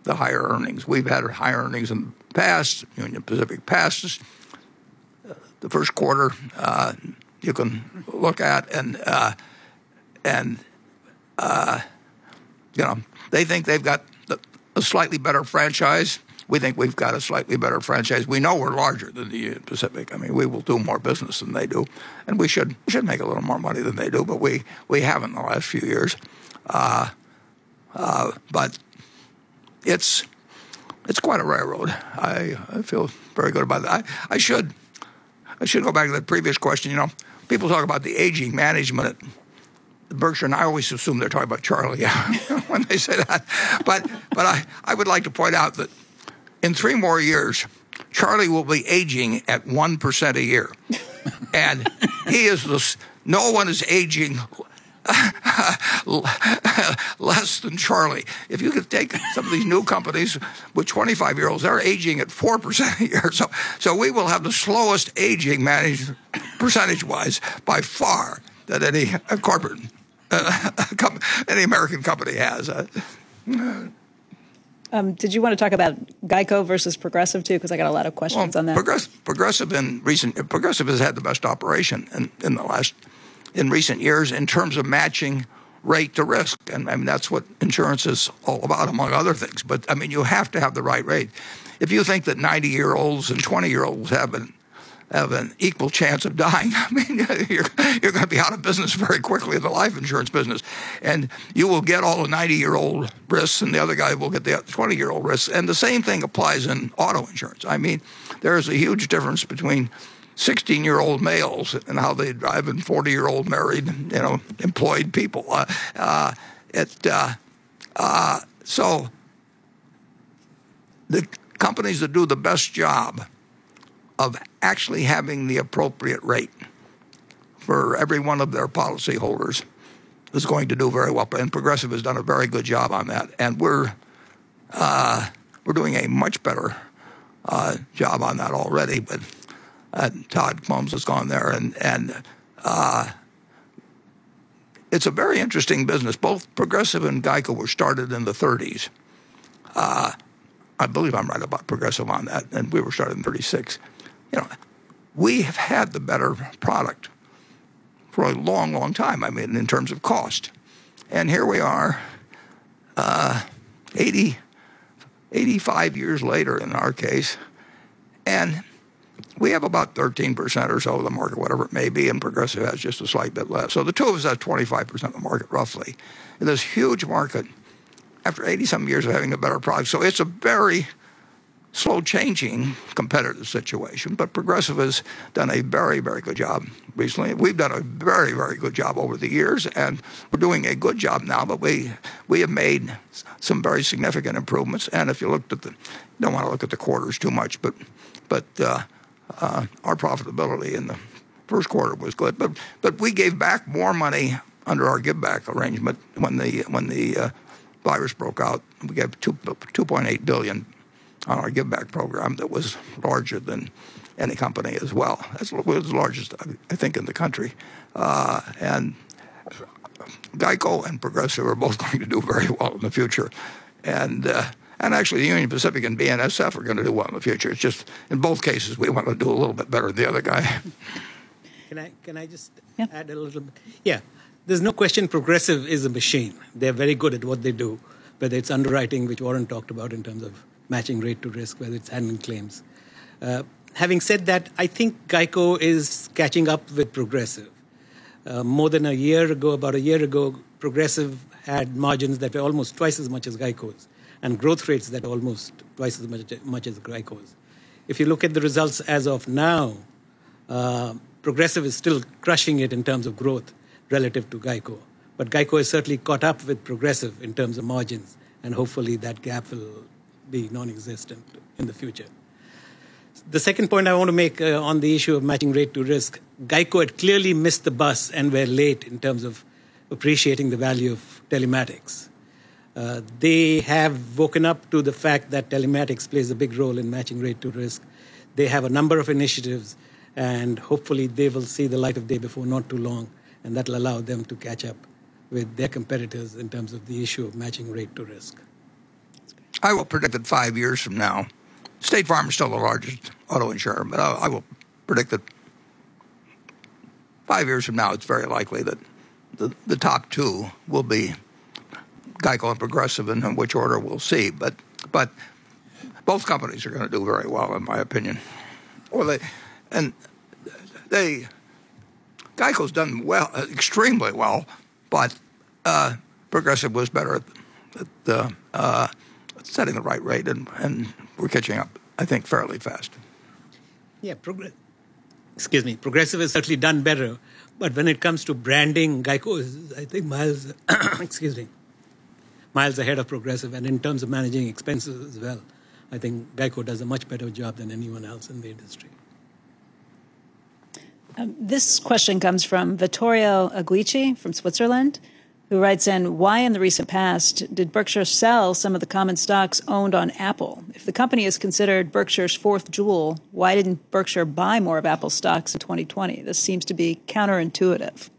the higher earnings. We've had higher earnings in the past. Union Pacific passes the first quarter you can look at. You know, they think they've got a slightly better franchise. We think we've got a slightly better franchise. We know we're larger than Union Pacific. I mean, we will do more business than they do, and we should make a little more money than they do, but we have in the last few years. It's, it's quite a railroad. I feel very good about that. I should go back to the previous question. You know, people talk about the aging management at Berkshire, and I always assume they're talking about Charlie when they say that. I would like to point out that in three more years, Charlie will be aging at 1% a year. He is no one is aging less than Charlie. If you could take some of these new companies with 25-year-olds, they're aging at 4% a year. We will have the slowest aging manage, percentage-wise, by far, than any corporate, any American company has. Did you wanna talk about GEICO versus Progressive too? 'Cause I got a lot of questions on that. Well, Progressive has had the best operation in recent years in terms of matching rate to risk. I mean, that's what insurance is all about, among other things. I mean, you have to have the right rate. If you think that 90-year-olds and 20-year-olds have an equal chance of dying I mean, you're gonna be out of business very quickly in the life insurance business. You will get all the 90-year-old risks, and the other guy will get the 20-year-old risks. The same thing applies in auto insurance. I mean, there is a huge difference between 16-year-old males and how they drive and 40-year-old married, you know, employed people. The companies that do the best job of actually having the appropriate rate for every one of their policy holders is going to do very well. Progressive has done a very good job on that. We're doing a much better job on that already. Todd Combs has gone there and, it's a very interesting business. Both Progressive and GEICO were started in the 1930s. I believe I'm right about Progressive on that, and we were started in 1936. You know, we have had the better product for a long, long time, I mean, in terms of cost. Here we are, 80, 85 years later in our case, and we have about 13% or so of the market, whatever it may be, and Progressive has just a slight bit less. The two of us have 25% of the market, roughly. In this huge market, after 80-some years of having a better product. It's a very slow-changing competitor situation. Progressive has done a very, very good job recently. We've done a very, very good job over the years, and we're doing a good job now. We have made some very significant improvements. Don't want to look at the quarters too much, our profitability in the first quarter was good. We gave back more money under our give back arrangement when the virus broke out. We gave $2.8 billion on our give back program. That was larger than any company as well. It was the largest, I think, in the country. GEICO and Progressive are both going to do very well in the future. Actually Union Pacific and BNSF are gonna do well in the future. It's just in both cases, we want to do a little bit better than the other guy. Can I? Yeah add a little bit? Yeah. There's no question Progressive is a machine. They're very good at what they do, whether it's underwriting, which Warren talked about in terms of matching rate to risk, whether it's handling claims. Having said that, I think GEICO is catching up with Progressive. more than a year ago, about a year ago, Progressive had margins that were almost twice as much as GEICO's, and growth rates that were almost twice as much as GEICO's. If you look at the results as of now, Progressive is still crushing it in terms of growth relative to GEICO. GEICO has certainly caught up with Progressive in terms of margins, and hopefully that gap will be nonexistent in the future. The second point I want to make on the issue of matching rate to risk, GEICO had clearly missed the bus and were late in terms of appreciating the value of telematics. They have woken up to the fact that telematics plays a big role in matching rate to risk. They have a number of initiatives, and hopefully they will see the light of day before not too long, and that'll allow them to catch up with their competitors in terms of the issue of matching rate to risk. I will predict that five years from now, State Farm is still the largest auto insurer, but I will predict that five years from now it's very likely that the top two will be GEICO and Progressive. In which order we'll see. Both companies are gonna do very well in my opinion. GEICO's done well, extremely well, but Progressive was better at setting the right rate and we're catching up, I think, fairly fast. Yeah, Progressive has certainly done better. When it comes to branding, GEICO is, I think, miles ahead of Progressive. In terms of managing expenses as well, I think GEICO does a much better job than anyone else in the industry. This question comes from Vittorio Agueci from Switzerland, who writes in, "Why in the recent past did Berkshire sell some of the common stocks owned on Apple? If the company is considered Berkshire's fourth jewel, why didn't Berkshire buy more of Apple stocks in 2020? This seems to be counterintuitive."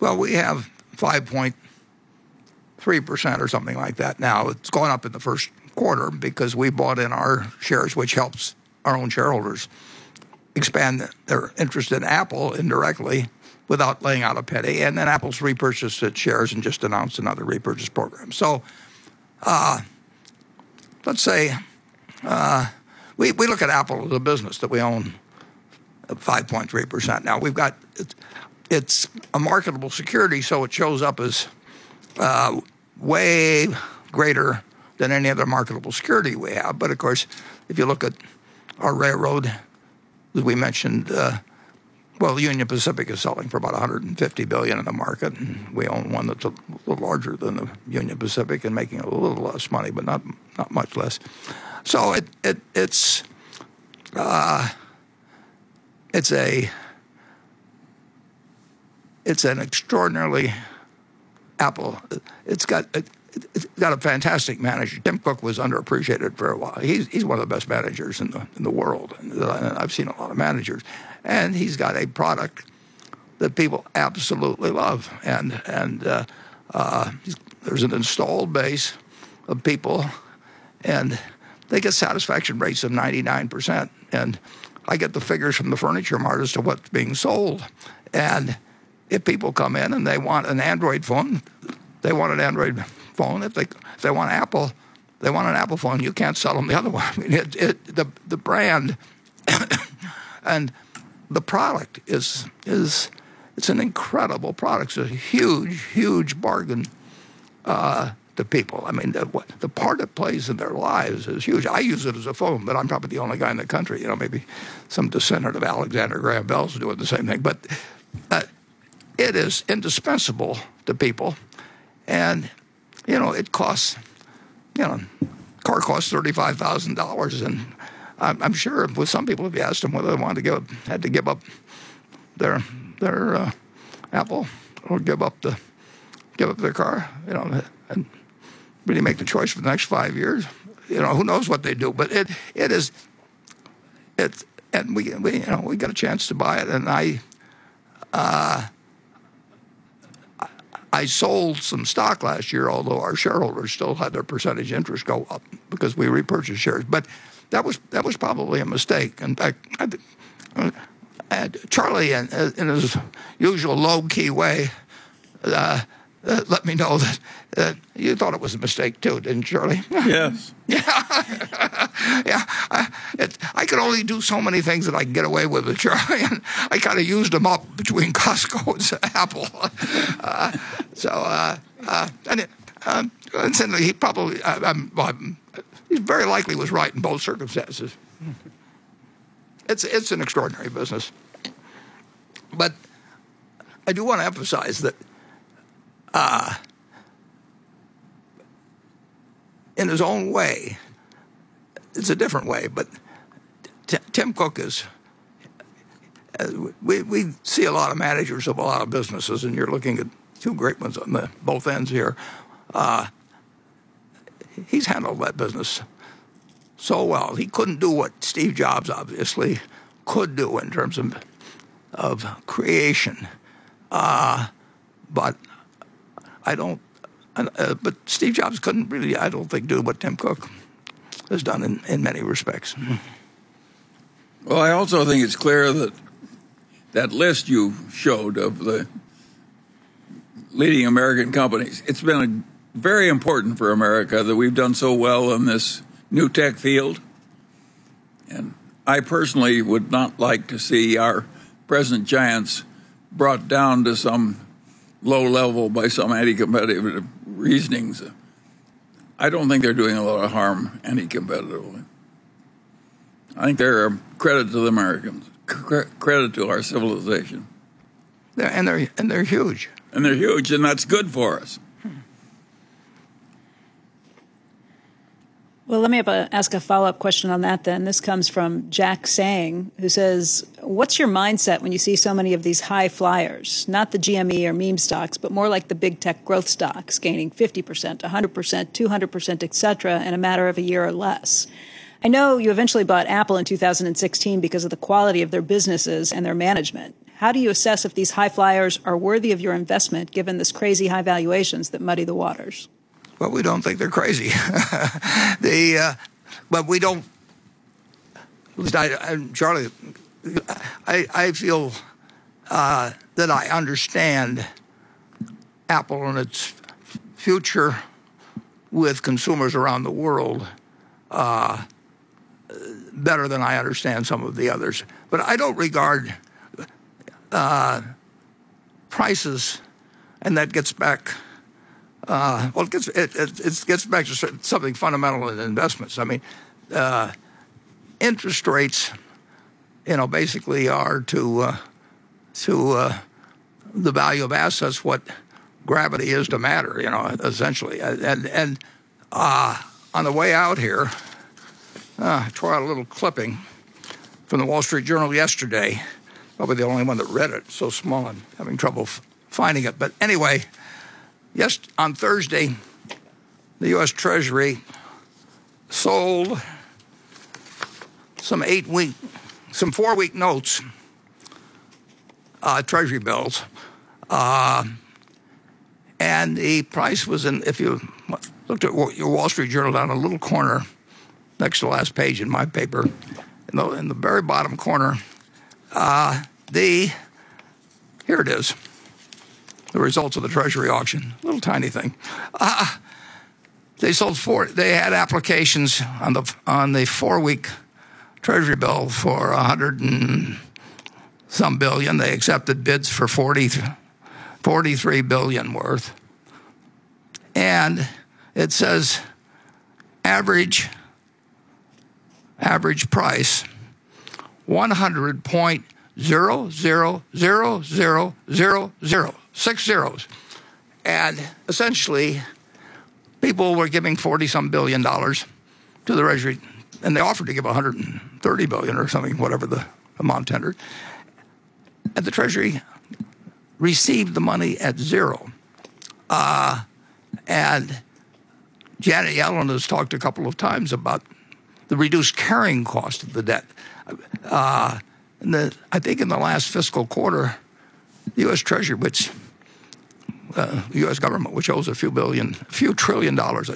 Well, we have 5.3% or something like that now. It's gone up in the first quarter because we bought in our shares, which helps our own shareholders expand their interest in Apple indirectly without laying out a penny. Apple's repurchased its shares and just announced another repurchase program. Let's say, we look at Apple as a business that we own 5.3%. Now, It's a marketable security, so it shows up as way greater than any other marketable security we have. Of course, if you look at our railroad that we mentioned, well, Union Pacific is selling for about $150 billion in the market. We own one that's a little larger than the Union Pacific and making a little less money, but not much less. It's an extraordinarily Apple, it's got a fantastic manager. Tim Cook was underappreciated for a while. He's one of the best managers in the world, and I've seen a lot of managers. He's got a product that people absolutely love. There's an installed base of people. They get satisfaction rates of 99%, and I get the figures from The Furniture Mart as to what's being sold. If people come in and they want an Android phone, they want an Android phone. If they want Apple, they want an Apple phone, you can't sell them the other one. I mean, it, the brand and the product is, it's an incredible product. It's a huge bargain to people. I mean, the part it plays in their lives is huge. I use it as a phone, but I'm probably the only guy in the country. You know, maybe some descendant of Alexander Graham Bell's doing the same thing. It is indispensable to people and, you know, it costs, you know, a car costs $35,000 and I'm sure with some people if you asked them whether they wanted to give up, had to give up their Apple or give up their car, you know, and really make the choice for the next five years, you know, who knows what they'd do? It's, you know, we get a chance to buy it, and I sold some stock last year, although our shareholders still had their percentage interest go up because we repurchased shares. That was probably a mistake. In fact, I and Charlie, in his usual low-key way, let me know that you thought it was a mistake too, didn't you, Charlie? Yes. Yeah. Yeah. I can only do so many things that I can get away with Charlie, and I kind of used them up between Costco and Apple. Certainly he probably, well, he very likely was right in both circumstances. It's an extraordinary business. I do wanna emphasize that in his own way, it's a different way, Tim Cook is we see a lot of managers of a lot of businesses, and you're looking at two great ones on the both ends here. He's handled that business so well. He couldn't do what Steve Jobs obviously could do in terms of creation. Steve Jobs couldn't really, I don't think, do what Tim Cook has done in many respects. I also think it's clear that that list you showed of the leading American companies, it's been very important for America that we've done so well in this new tech field, and I personally would not like to see our present giants brought down to some low level by some anti-competitive reasonings. I don't think they're doing a lot of harm anti-competitively. I think they're a credit to the Americans, credit to our civilization. They're huge. They're huge, and that's good for us. Let me have a, ask a follow-up question on that then. This comes from Jack Sang, who says, "What's your mindset when you see so many of these high flyers, not the GME or meme stocks, but more like the big tech growth stocks gaining 50%, 100%, 200%, et cetera, in a matter of a year or less? I know you eventually bought Apple in 2016 because of the quality of their businesses and their management. How do you assess if these high flyers are worthy of your investment given this crazy high valuations that muddy the waters?." Well, we don't think they're crazy. We don't. At least I, Charlie, I feel that I understand Apple and its future with consumers around the world better than I understand some of the others. I don't regard prices, and that gets back, well, it gets back to something fundamental in investments. I mean, interest rates, you know, basically are to the value of assets what gravity is to matter, you know, essentially. On the way out here, I tore out a little clipping from The Wall Street Journal yesterday. Probably the only one that read it, so small I'm having trouble finding it. Anyway, on Thursday, the U.S. Treasury sold some 8-week, some 4-week notes, Treasury bills. The price was in, if you looked at your Wall Street Journal down in a little corner next to the last page in my paper, in the very bottom corner. Here it is, the results of the Treasury auction. Little, tiny thing. They sold 4-week Treasury bill. They had applications on the 4-week Treasury bill for $100 some billion. They accepted bids for $40 billion-$43 billion worth. It says, "Average price 100.000000." Six zeros. Essentially, people were giving $40 some billion to the Treasury, and they offered to give $130 billion or something, whatever the amount tendered, and the Treasury received the money at zero. Janet Yellen has talked a couple of times about the reduced carrying cost of the debt. In the, I think in the last fiscal quarter, the U.S. Treasury, the U.S. government, which owes a few trillion dollars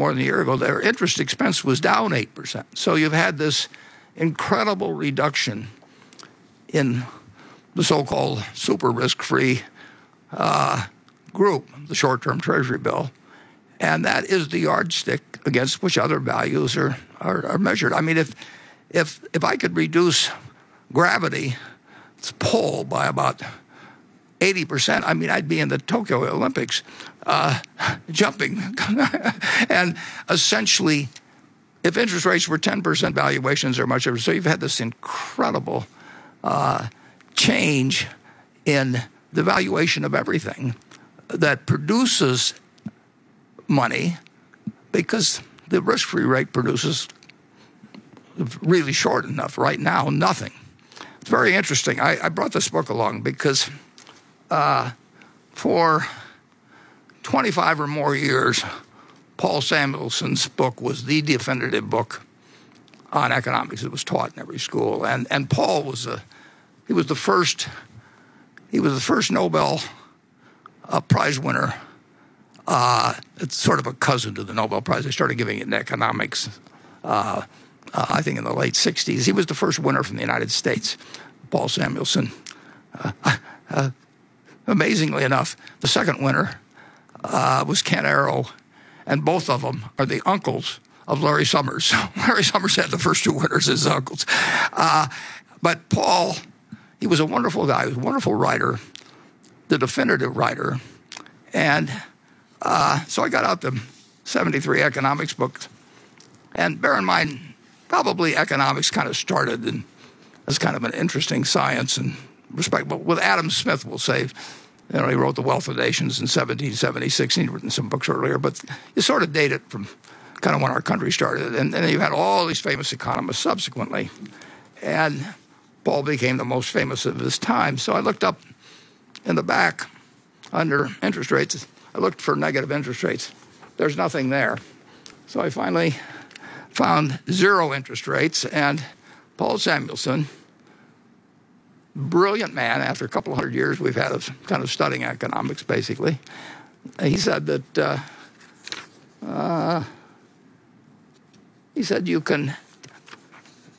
more than a year ago, their interest expense was down 8%. You've had this incredible reduction in the so-called super risk-free group, the short-term Treasury bill, and that is the yardstick against which other values are measured. I mean, if I could reduce gravity, its pull by about 80%, I mean, I'd be in the Tokyo Olympics jumping. Essentially, if interest rates were 10%, valuations are much higher. You've had this incredible change in the valuation of everything that produces money because the risk-free rate produces really short enough right now, nothing. It's very interesting. I brought this book along because for 25 or more years, Paul Samuelson's book was the definitive book on economics. It was taught in every school. Paul was he was the first Nobel Prize winner. It's sort of a cousin to the Nobel Prize. They started giving it in economics, I think in the late 1960s. He was the first winner from the United States, Paul Samuelson. Amazingly enough, the second winner was Ken Arrow, and both of them are the uncles of Larry Summers. Larry Summers had the first two winners as uncles. Paul, he was a wonderful guy. He was a wonderful writer, the definitive writer. I got out the 1973 economics book. Bear in mind, probably economics kind of started in as kind of an interesting science and respect. With Adam Smith, we'll say, you know, he wrote The Wealth of Nations in 1776, and he'd written some books earlier, but you sort of date it from kind of when our country started. You had all these famous economists subsequently. Paul became the most famous of his time. I looked up in the back under interest rates. I looked for negative interest rates. There's nothing there. I finally found zero interest rates. Paul Samuelson, brilliant man, after a couple of 100 years we've had of kind of studying economics, basically, he said that, he said, "You can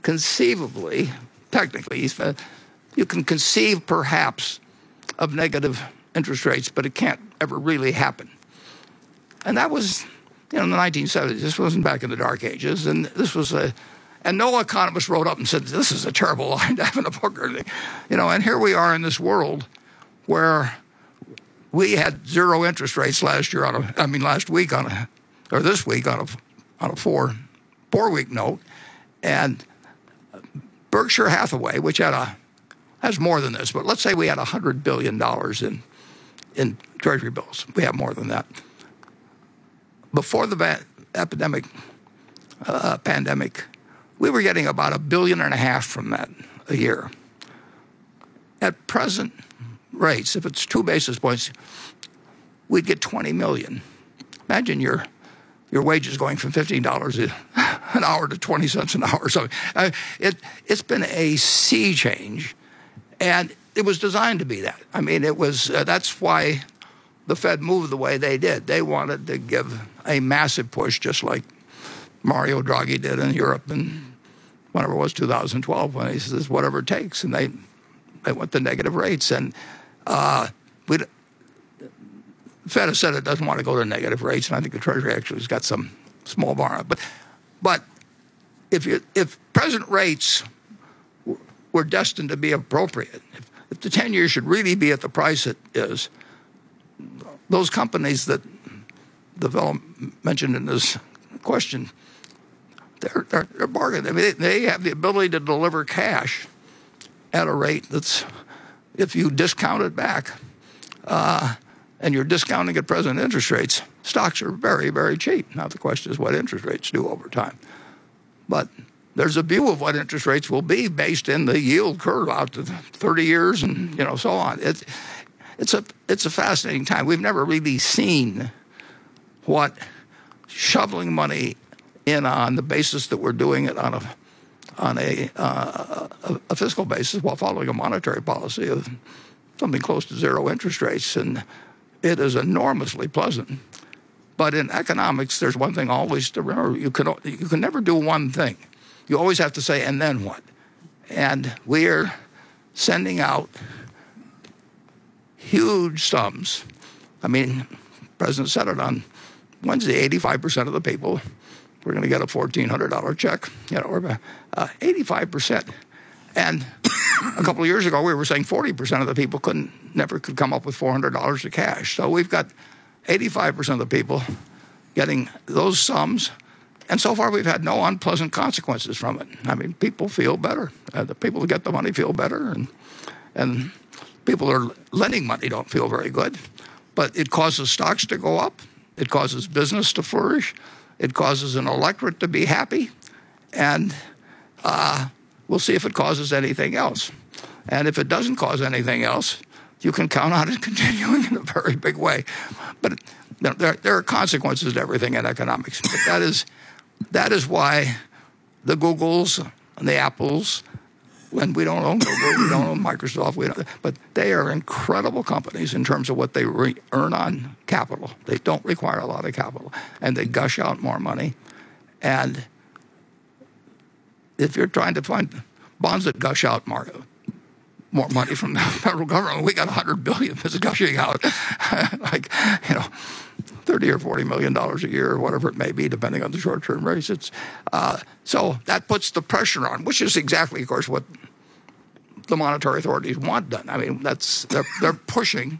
conceivably," technically he said, "You can conceive perhaps of negative interest rates, but it can't ever really happen." That was, you know, in the 1970s. This wasn't back in the dark ages. No economist wrote up and said, "This is a terrible line to have in a book," or anything. You know, here we are in this world where we had zero interest rates last year on a 4-week note. Berkshire Hathaway, which has more than this, but let's say we had $100 billion in treasury bills. We have more than that. Before the epidemic, pandemic, we were getting about a $1.5 billion from that a year. At present rates, if it's 2 basis points, we'd get $20 million. Imagine your wages going from $15 an hour to $0.20 an hour or something. It's been a sea change, and it was designed to be that. I mean, it was that's why the Fed moved the way they did. They wanted to give a massive push, just like Mario Draghi did in Europe in whenever it was, 2012, when he says, "Whatever it takes." They want the negative rates. The Fed has said it doesn't want to go to negative rates, and I think the Treasury actually has got some small borrow. If you, present rates were destined to be appropriate, if the 10-year should really be at the price it is, those companies that the mentioned in this question, they're a bargain. I mean, they have the ability to deliver cash at a rate that's, if you discount it back, and you're discounting at present interest rates, stocks are very, very cheap. Now, the question is what interest rates do over time. There's a view of what interest rates will be based in the yield curve out to 30 years and, you know, so on. It's a fascinating time. We've never really seen what shoveling money in on the basis that we're doing it on a, on a fiscal basis while following a monetary policy of something close to zero interest rates, and it is enormously pleasant. In economics, there's one thing always to remember. You can never do one thing. You always have to say, "And then what?" We're sending out huge sums. I mean, President said it on Wednesday, 85% of the people were gonna get a $1,400 check, you know, or, 85%. A couple of years ago, we were saying 40% of the people couldn't, never could come up with $400 of cash. We've got 85% of the people getting those sums, and so far we've had no unpleasant consequences from it. I mean, people feel better. The people who get the money feel better, and people who are lending money don't feel very good. It causes stocks to go up. It causes business to flourish. It causes an electorate to be happy. We'll see if it causes anything else. If it doesn't cause anything else, you can count on it continuing in a very big way. Now there are consequences to everything in economics. That is why the Googles and the Apples, and we don't own Google, we don't own Microsoft, they are incredible companies in terms of what they earn on capital. They don't require a lot of capital, and they gush out more money. If you're trying to find bonds that gush out more money from the Federal Government, we got $100 billion that's gushing out, like, you know, $30 million or $40 million a year or whatever it may be, depending on the short-term rates. It's that puts the pressure on, which is exactly, of course, what the monetary authorities want done. I mean, that's, they're pushing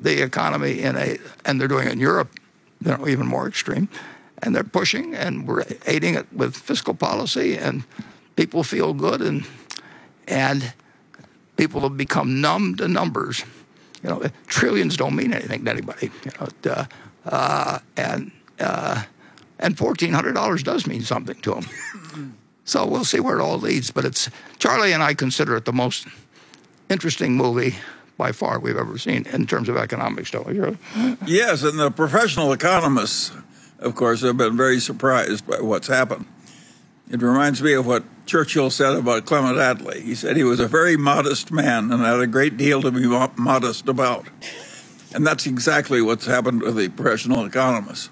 the economy. They're doing it in Europe, you know, even more extreme. They're pushing, and we're aiding it with fiscal policy, and people feel good, and people have become numb to numbers. You know, trillions don't mean anything to anybody, you know? And $1,400 does mean something to them. We'll see where it all leads, but it's Charlie and I consider it the most interesting movie by far we've ever seen in terms of economics, don't we, Charlie? Yes, the professional economists, of course, have been very surprised by what's happened. It reminds me of what Churchill said about Clement Attlee. He said, "He was a very modest man and had a great deal to be modest about." That's exactly what's happened with the professional economists.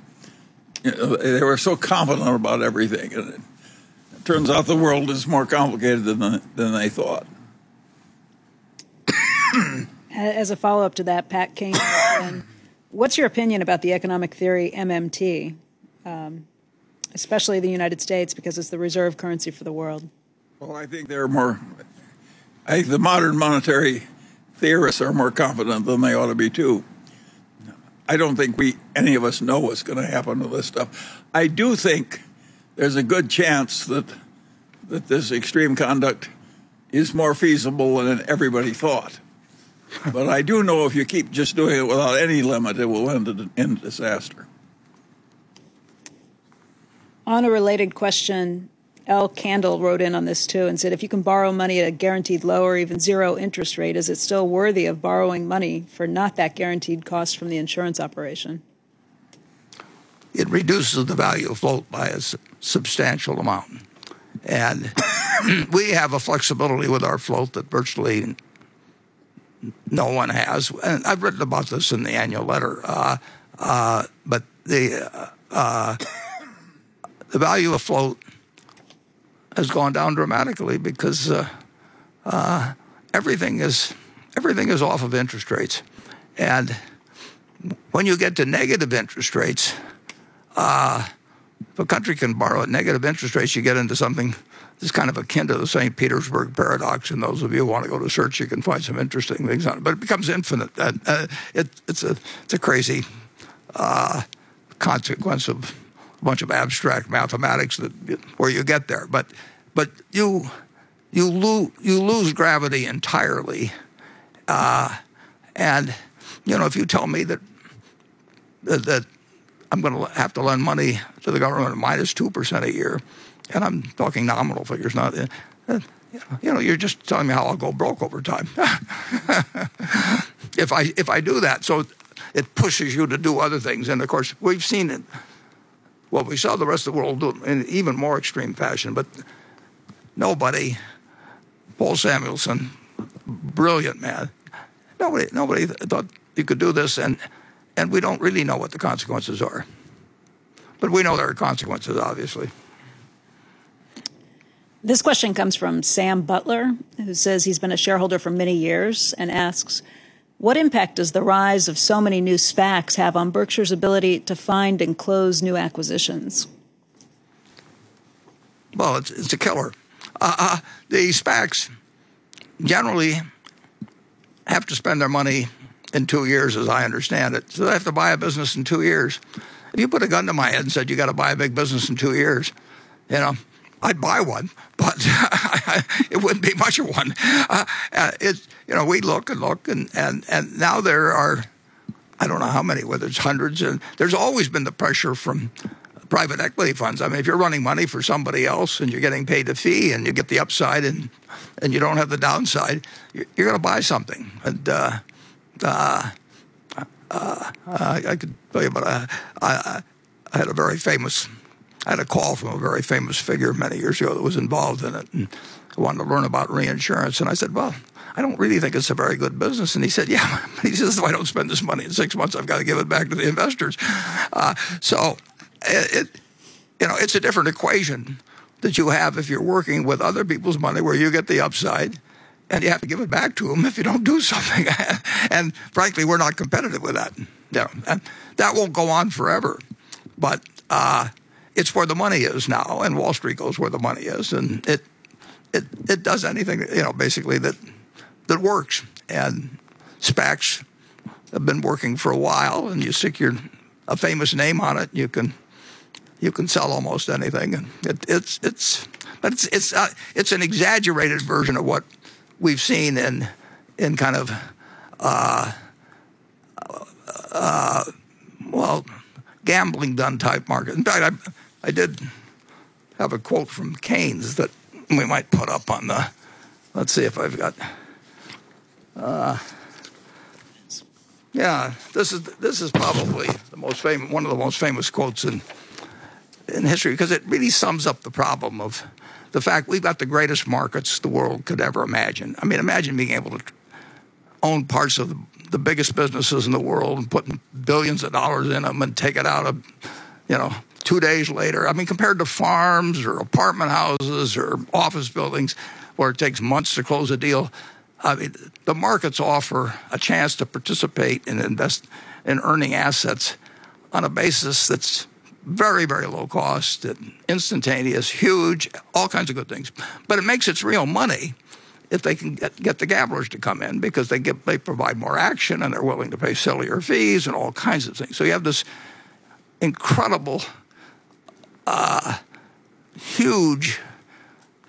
You know, they were so confident about everything, and it turns out the world is more complicated than they thought. As a follow-up to that, Pat Kane wrote in, "What's your opinion about the economic theory MMT, especially the United States, because it's the reserve currency for the world?" Well, I think the modern monetary theorists are more confident than they ought to be, too. I don't think we, any of us know what's gonna happen to this stuff. I do think there's a good chance that this extreme conduct is more feasible than everybody thought. I do know if you keep just doing it without any limit, it will end in disaster. On a related question, L. Kendall wrote in on this, too, and said, "If you can borrow money at a guaranteed low or even zero interest rate, is it still worthy of borrowing money for not that guaranteed cost from the insurance operation? It reduces the value of float by a substantial amount. We have a flexibility with our float that virtually no one has. I've written about this in the annual letter, but the value of float has gone down dramatically because everything is off of interest rates. When you get to negative interest rates, if a country can borrow at negative interest rates, you get into something that's kind of akin to the St. Petersburg paradox. Those of you who wanna go to search, you can find some interesting things on it. It becomes infinite. It's a crazy consequence of a bunch of abstract mathematics that, where you get there. You lose gravity entirely. You know, if you tell me that I'm gonna have to lend money to the government at -2% a year, I'm talking nominal figures, not, you know, you're just telling me how I'll go broke over time. If I do that. It pushes you to do other things. Of course, we've seen it, well, we saw the rest of the world do it in even more extreme fashion. But nobody, Paul Samuelson, brilliant man, nobody thought you could do this, we don't really know what the consequences are. We know there are consequences, obviously. This question comes from Sam Butler, who says he's been a shareholder for many years, and asks, "What impact does the rise of so many new SPACs have on Berkshire's ability to find and close new acquisitions? Well, it's a killer. These SPACs generally have to spend their money in two years, as I understand it, so they have to buy a business in two years. If you put a gun to my head and said, "You gotta buy a big business in two years," you know, I'd buy one, but it wouldn't be much of one. It's, you know, we look and look and now there are. There's always been the pressure from private equity funds. I mean, if you're running money for somebody else and you're getting paid a fee and you get the upside and you don't have the downside, you're gonna buy something. I could tell you about a call from a very famous figure many years ago that was involved in it and wanted to learn about reinsurance, and I said, "Well, I don't really think it's a very good business." He said, "Yeah." He says, "If I don't spend this money in six months, I've got to give it back to the investors." It, you know, it's a different equation that you have if you're working with other people's money, where you get the upside, and you have to give it back to them if you don't do something. Frankly, we're not competitive with that. You know, that won't go on forever. It's where the money is now, and Wall Street goes where the money is, and it, it does anything, you know, basically that works. SPACs have been working for a while, and you stick a famous name on it, and you can sell almost anything. It's an exaggerated version of what we've seen in kind of, well, gambling-done-type market. In fact, I did have a quote from Keynes. Yeah, this is probably one of the most famous quotes in history, because it really sums up the problem of the fact we've got the greatest markets the world could ever imagine. I mean, imagine being able to own parts of the biggest businesses in the world and putting billions of dollars in them and take it out of, you know, two days later. I mean, compared to farms or apartment houses or office buildings where it takes months to close a deal, I mean, the markets offer a chance to participate and invest in earning assets on a basis that's very low cost and instantaneous, huge, all kinds of good things. It makes its real money if they can get the gamblers to come in because they provide more action, and they're willing to pay sillier fees and all kinds of things. You have this incredible huge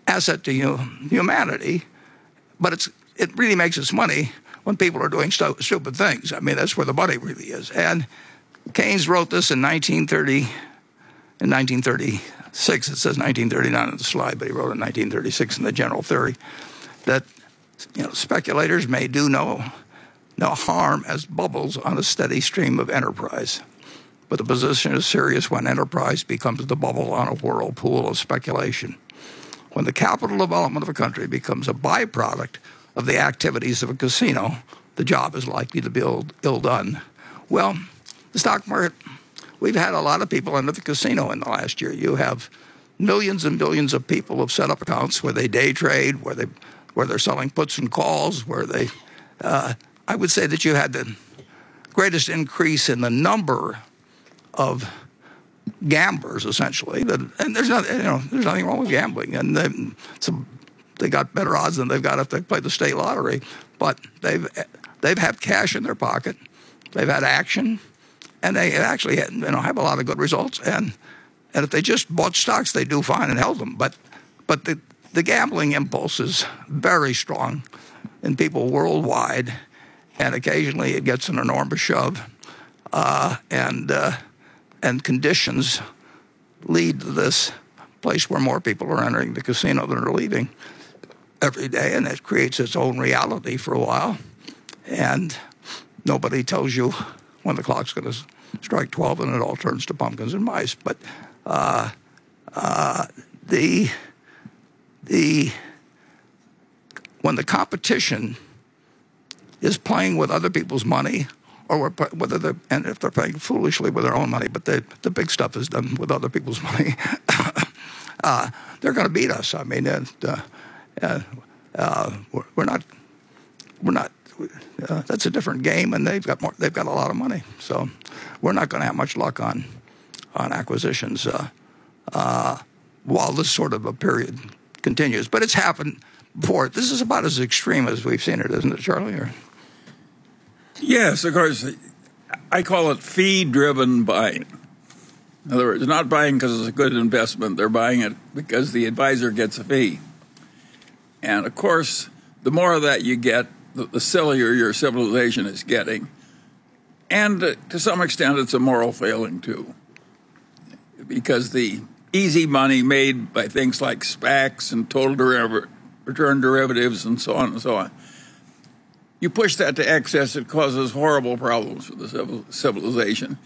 asset to humanity, but it's, it really makes its money when people are doing stupid things. I mean, that's where the money really is. Keynes wrote this in 1936. It says 1939 on the slide, but he wrote in 1936 in the General Theory that, you know, "Speculators may do no harm as bubbles on a steady stream of enterprise. The position is serious when enterprise becomes the bubble on a whirlpool of speculation. When the capital development of a country becomes a by-product of the activities of a casino, the job is likely to be ill done." Well, the stock market, we've had a lot of people enter the casino in the last year. You have millions and billions of people have set up accounts where they day trade, where they're selling puts and calls, where they I would say that you had the greatest increase in the number of gamblers, essentially. You know, there's nothing wrong with gambling. They got better odds than they've got if they play the state lottery. They've had cash in their pocket. They've had action, and they have actually had, you know, have a lot of good results. If they just bought stocks, they'd do fine and held them. The gambling impulse is very strong in people worldwide, and occasionally it gets an enormous shove. Conditions lead to this place where more people are entering the casino than are leaving every day, and it creates its own reality for a while. Nobody tells you when the clock's gonna strike 12 and it all turns to pumpkins and mice. When the competition is playing with other people's money or and if they're playing foolishly with their own money, but the big stuff is done with other people's money, they're gonna beat us. I mean, we're not. That's a different game, and they've got a lot of money. We're not gonna have much luck on acquisitions while this sort of a period continues. It's happened before. This is about as extreme as we've seen it, isn't it, Charlie, or? Yes, of course. I call it fee-driven buying. In other words, they're not buying because it's a good investment. They're buying it because the advisor gets a fee. Of course, the more of that you get, the sillier your civilization is getting. To some extent, it's a moral failing too because the easy money made by things like SPACs and total der- return derivatives and so on and so on, you push that to excess, it causes horrible problems for the civilization,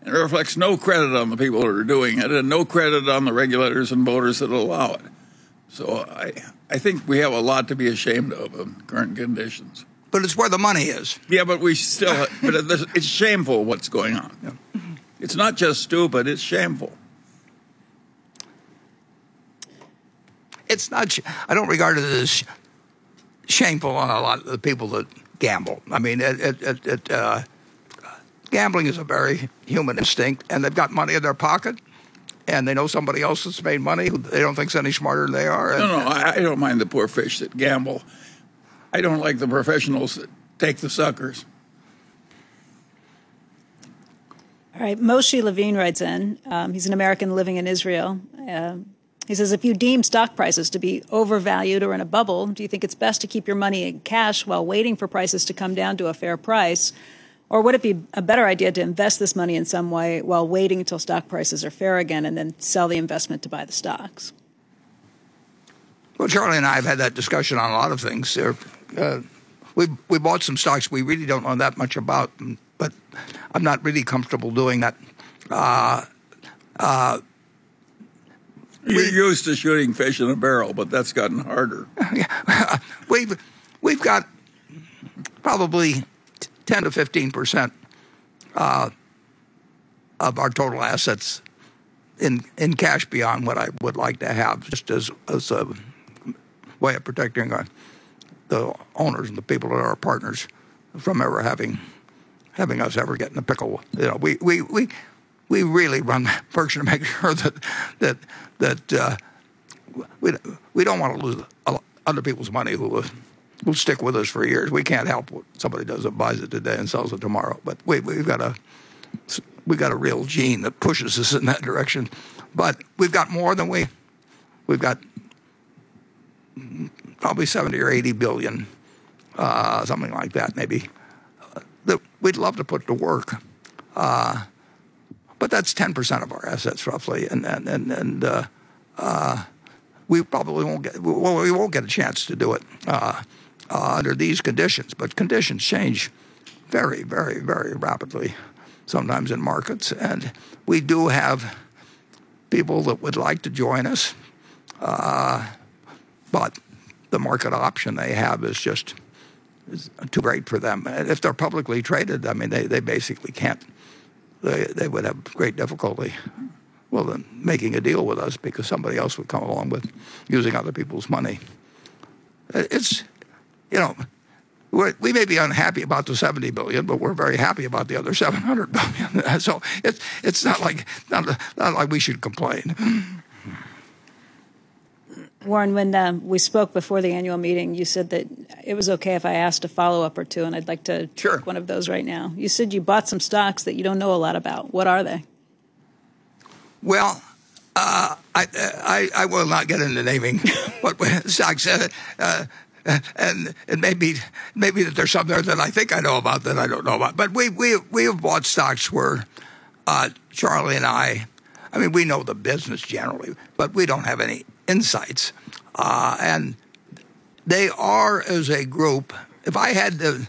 and it reflects no credit on the people that are doing it and no credit on the regulators and voters that allow it. I think we have a lot to be ashamed of current conditions. It's where the money is. Yeah, it's shameful what's going on. Yeah. It's not just stupid, it's shameful. I don't regard it as shameful on a lot of the people that gamble. I mean, gambling is a very human instinct, and they've got money in their pocket, and they know somebody else that's made money who they don't think is any smarter than they are. No, no, I don't mind the poor fish that gamble. I don't like the professionals that take the suckers. All right. Moshe Levine writes in. He's an American living in Israel. He says, "If you deem stock prices to be overvalued or in a bubble, do you think it's best to keep your money in cash while waiting for prices to come down to a fair price? Or would it be a better idea to invest this money in some way while waiting until stock prices are fair again, and then sell the investment to buy the stocks?." Well, Charlie and I have had that discussion on a lot of things. We bought some stocks we really don't know that much about, but I'm not really comfortable doing that. We're used to shooting fish in a barrel, but that's gotten harder. Yeah. We've got probably 10%-15% of our total assets in cash beyond what I would like to have just as a way of protecting our, the owners and the people that are our partners from ever having us ever get in a pickle. You know, we really run firm to make sure that we don't wanna lose other people's money who will stick with us for years. We can't help what somebody does who buys it today and sells it tomorrow. We've got a real gene that pushes us in that direction. We've got more than, we've got probably $70 billion or $80 billion, something like that maybe, that we'd love to put to work. That's 10% of our assets roughly, and we probably won't get well, we won't get a chance to do it under these conditions. Conditions change very rapidly sometimes in markets, and we do have people that would like to join us. The market option they have is too great for them. If they're publicly traded, I mean, they basically can't. They would have great difficulty, well, then making a deal with us because somebody else would come along with using other people's money. It's, you know, we may be unhappy about the $70 billion, we're very happy about the other $700 billion. It's not like we should complain. Warren, when we spoke before the annual meeting, you said that it was okay if I asked a follow-up or two, and I'd like to do that. Sure One of those right now. You said you bought some stocks that you don't know a lot about. What are they? Well, I will not get into naming what stocks. Maybe there's some there that I think I know about that I don't know about. We have bought stocks where Charlie and I mean, we know the business generally, but we don't have any insights. They are, as a group, if I had to.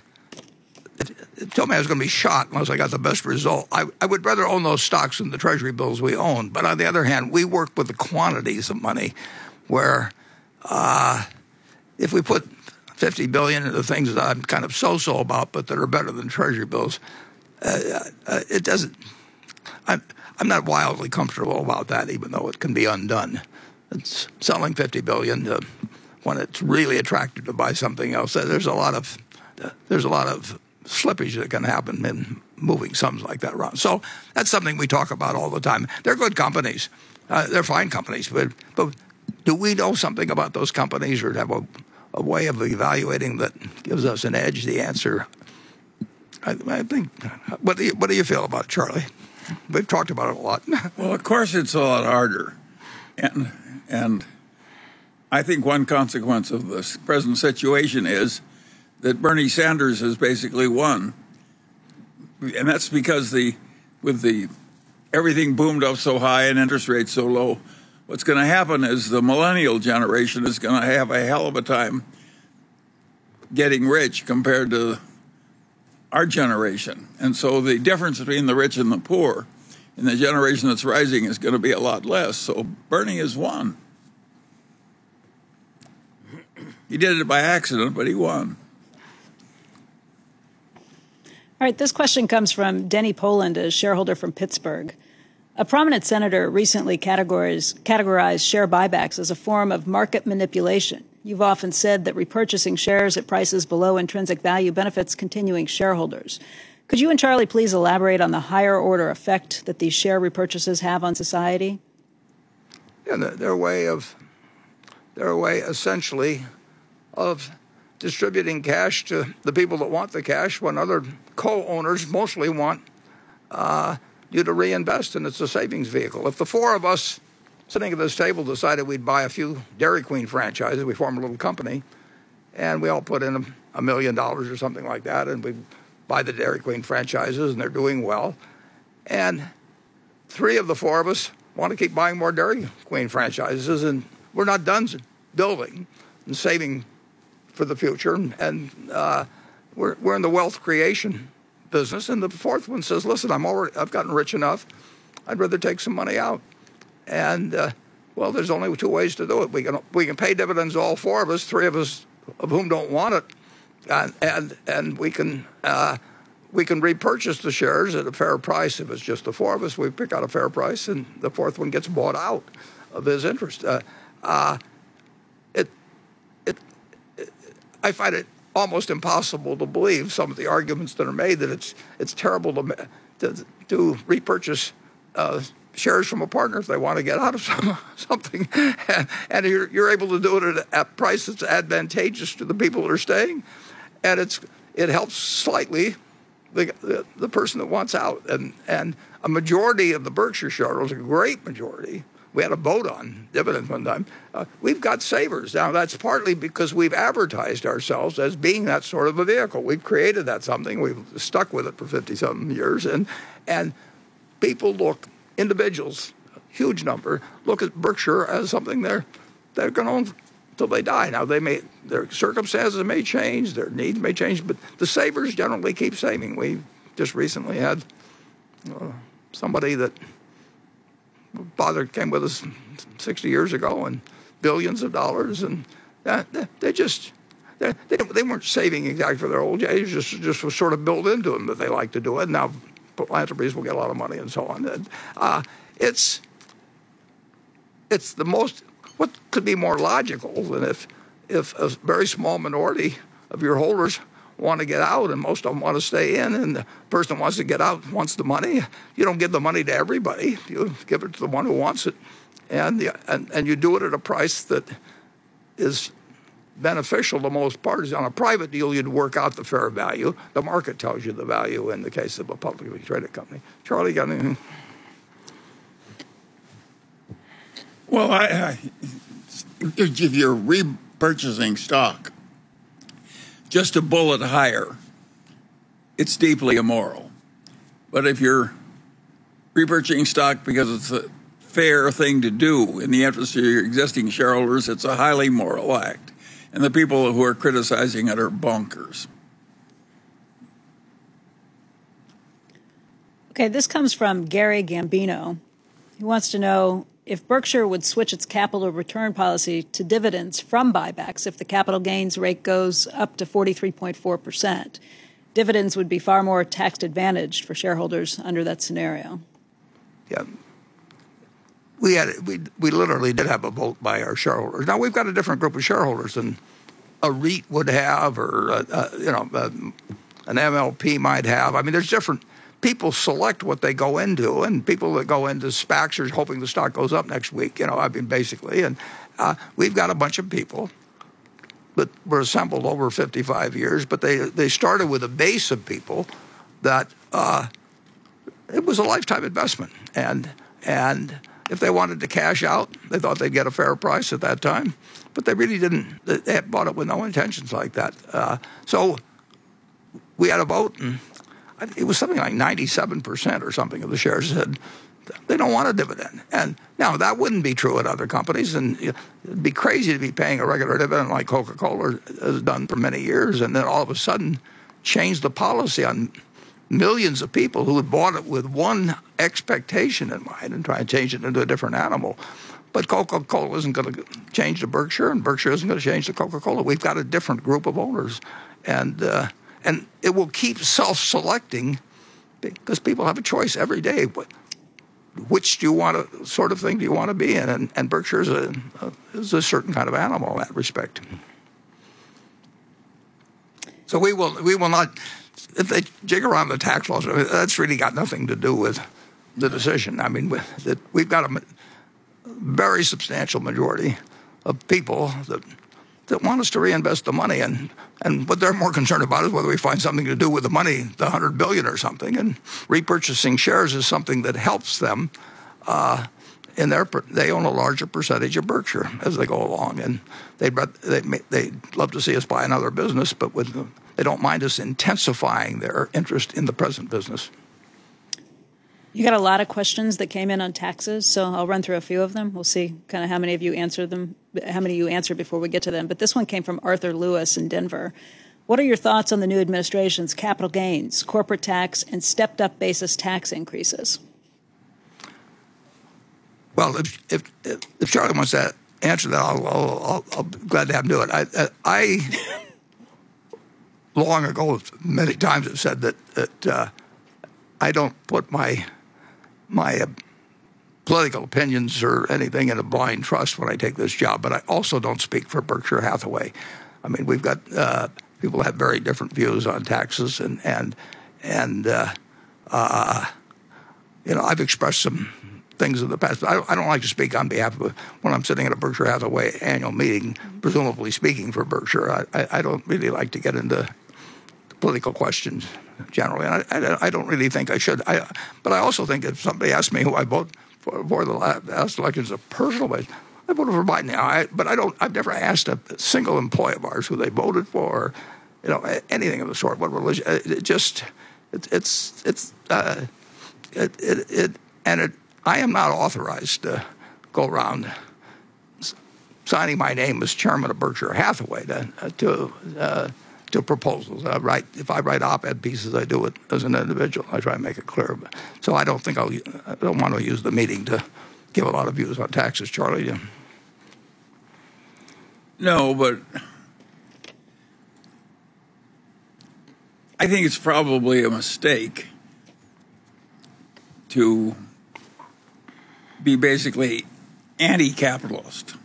They told me I was gonna be shot unless I got the best result. I would rather own those stocks than the Treasury bills we own. On the other hand, we work with the quantities of money where, if we put $50 billion into things that I'm kind of so-so about but that are better than Treasury bills, I'm not wildly comfortable about that, even though it can be undone. It's selling $50 billion, when it's really attractive to buy something else. There's a lot of, there's a lot of slippage that can happen in moving sums like that around. That's something we talk about all the time. They're good companies. They're fine companies, but do we know something about those companies or have a way of evaluating that gives us an edge? The answer, I think. What do you feel about it, Charlie? We've talked about it a lot. Well, of course it's a lot harder. I think one consequence of this present situation is that Bernie Sanders has basically won, and that's because with the everything boomed up so high and interest rates so low, what's gonna happen is the millennial generation is gonna have a hell of a time getting rich compared to our generation. The difference between the rich and the poor in the generation that's rising is gonna be a lot less. Bernie has won. He did it by accident, but he won. All right, this question comes from Denny Poland, a shareholder from Pittsburgh. "A prominent senator recently categorized share buybacks as a form of market manipulation. You've often said that repurchasing shares at prices below intrinsic value benefits continuing shareholders. Could you and Charlie please elaborate on the higher order effect that these share repurchases have on society?" Yeah, they're a way essentially of distributing cash to the people that want the cash when other co-owners mostly want you to reinvest, and it's a savings vehicle. If the four of us sitting at this table decided we'd buy a few Dairy Queen franchises, we form a little company, we all put in $1 million or something like that, and we buy the Dairy Queen franchises, and they're doing well. Three of the four of us wanna keep buying more Dairy Queen franchises, and we're not done building and saving for the future, we're in the wealth creation business. The fourth one says, "Listen, I've gotten rich enough. I'd rather take some money out." Well, there's only two ways to do it. We can pay dividends to all four of us, three of us of whom don't want it, and we can repurchase the shares at a fair price. If it's just the four of us, we pick out a fair price, and the fourth one gets bought out of his interest. I find it almost impossible to believe some of the arguments that are made that it's terrible to repurchase shares from a partner if they wanna get out of something. You're able to do it at a price that's advantageous to the people that are staying. It helps slightly the person that wants out. A majority of the Berkshire shareholders, a great majority, we had a vote on dividends one time. We've got savers. That's partly because we've advertised ourselves as being that sort of a vehicle. We've created that something. We've stuck with it for 50-something years and people look, individuals, huge number, look at Berkshire as something they're gonna own till they die. Their circumstances may change, their needs may change, but the savers generally keep saving. We just recently had somebody that father came with us 60 years ago and billions of dollars, and they just, they weren't saving exactly for their old age. It just was sort of built into them that they like to do it. Philanthropies will get a lot of money and so on. What could be more logical than if a very small minority of your holders wanna get out and most of them wanna stay in, and the person who wants to get out wants the money? You don't give the money to everybody. You give it to the one who wants it. You do it at a price that is beneficial to most parties. On a private deal, you'd work out the fair value. The market tells you the value in the case of a publicly traded company. Charlie, got anything? Well, if you're repurchasing stock just a bullet higher, it's deeply immoral. If you're repurchasing stock because it's a fair thing to do in the interest of your existing shareholders, it's a highly moral act, and the people who are criticizing it are bonkers. This comes from Gary Gambino. He wants to know if Berkshire would switch its capital return policy to dividends from buybacks if the capital gains rate goes up to 43.4%. Dividends would be far more tax-advantaged for shareholders under that scenario. Yeah. We literally did have a vote by our shareholders. Now, we've got a different group of shareholders than a REIT would have or, you know, an MLP might have. I mean, there's different people select what they go into, and people that go into SPACs are hoping the stock goes up next week. You know, I mean, basically. We've got a bunch of people that were assembled over 55 years, but they started with a base of people that it was a lifetime investment. If they wanted to cash out, they thought they'd get a fair price at that time. They really didn't. They bought it with no intentions like that. We had a vote, and it was something like 97% or something of the shareholders said they don't want a dividend. That wouldn't be true at other companies, and it'd be crazy to be paying a regular dividend like Coca-Cola has done for many years and then all of a sudden change the policy on millions of people who have bought it with one expectation in mind and try and change it into a different animal. Coca-Cola isn't gonna change to Berkshire, and Berkshire isn't gonna change to Coca-Cola. We've got a different group of owners. It will keep self-selecting because people have a choice every day. Which do you want sort of thing do you wanna be in? Berkshire's a is a certain kind of animal in that respect. We will not. If they jiggle around the tax laws, that's really got nothing to do with the decision. I mean, we've got a very substantial majority of people that want us to reinvest the money. What they're more concerned about is whether we find something to do with the money, the $100 billion or something. Repurchasing shares is something that helps them, and they own a larger percentage of Berkshire as they go along. They'd love to see us buy another business, but they don't mind us intensifying their interest in the present business. You got a lot of questions that came in on taxes. I'll run through a few of them. We'll see kind of how many of you answered them, how many you answered before we get to them. This one came from Arthur Lewis in Denver. What are your thoughts on the new administration's capital gains, corporate tax, and stepped-up basis tax increases? Well, if Charlie wants to answer that, I'll be glad to have him do it. I long ago, many times have said that I don't put my political opinions or anything in a blind trust when I take this job. I also don't speak for Berkshire Hathaway. I mean, we've got people who have very different views on taxes and, you know, I've expressed some things in the past. I don't like to speak on behalf of when I'm sitting at a Berkshire Hathaway Annual Meeting, presumably speaking for Berkshire, I don't really like to get into political questions generally. I don't really think I should. I also think if somebody asks me who I vote for the last election as a personal vote, I voted for Biden. I've never asked a single employee of ours who they voted for, you know, anything of the sort, what religion. I am not authorized to go around signing my name as chairman of Berkshire Hathaway to proposals. If I write op-ed pieces, I do it as an individual. I try to make it clear. I don't think I don't want to use the meeting to give a lot of views on taxes. Charlie. No, I think it's probably a mistake to be basically anti-capitalist.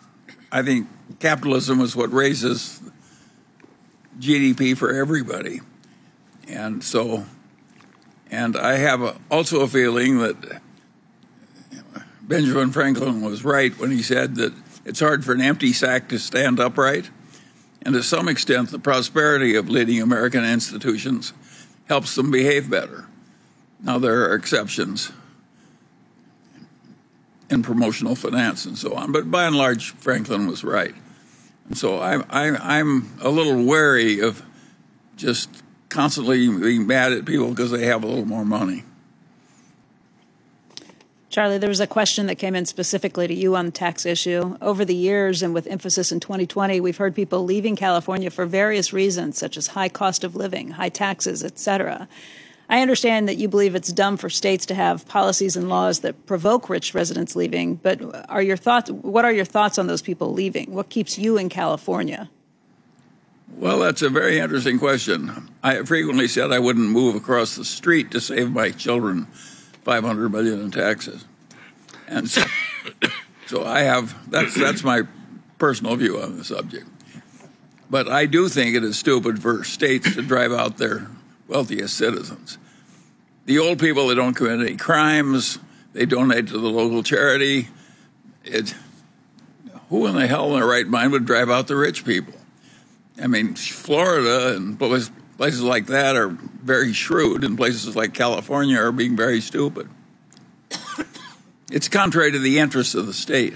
I think capitalism is what raises GDP for everybody. I have also a feeling that Benjamin Franklin was right when he said that it's hard for an empty sack to stand upright. To some extent, the prosperity of leading American institutions helps them behave better. Now, there are exceptions in promotional finance and so on. By and large, Franklin was right. I'm a little wary of just constantly being mad at people because they have a little more money. Charlie, there was a question that came in specifically to you on the tax issue. Over the years, and with emphasis in 2020, we've heard people leaving California for various reasons, such as high cost of living, high taxes, et cetera. I understand that you believe it's dumb for states to have policies and laws that provoke rich residents leaving, what are your thoughts on those people leaving? What keeps you in California? Well, that's a very interesting question. I frequently said I wouldn't move across the street to save my children $500 million in taxes. So that's my personal view on the subject. I do think it is stupid for states to drive out their wealthiest citizens. The old people, they don't commit any crimes. They donate to the local charity. Who in the hell in their right mind would drive out the rich people? I mean, Florida and places like that are very shrewd, and places like California are being very stupid. It's contrary to the interests of the state.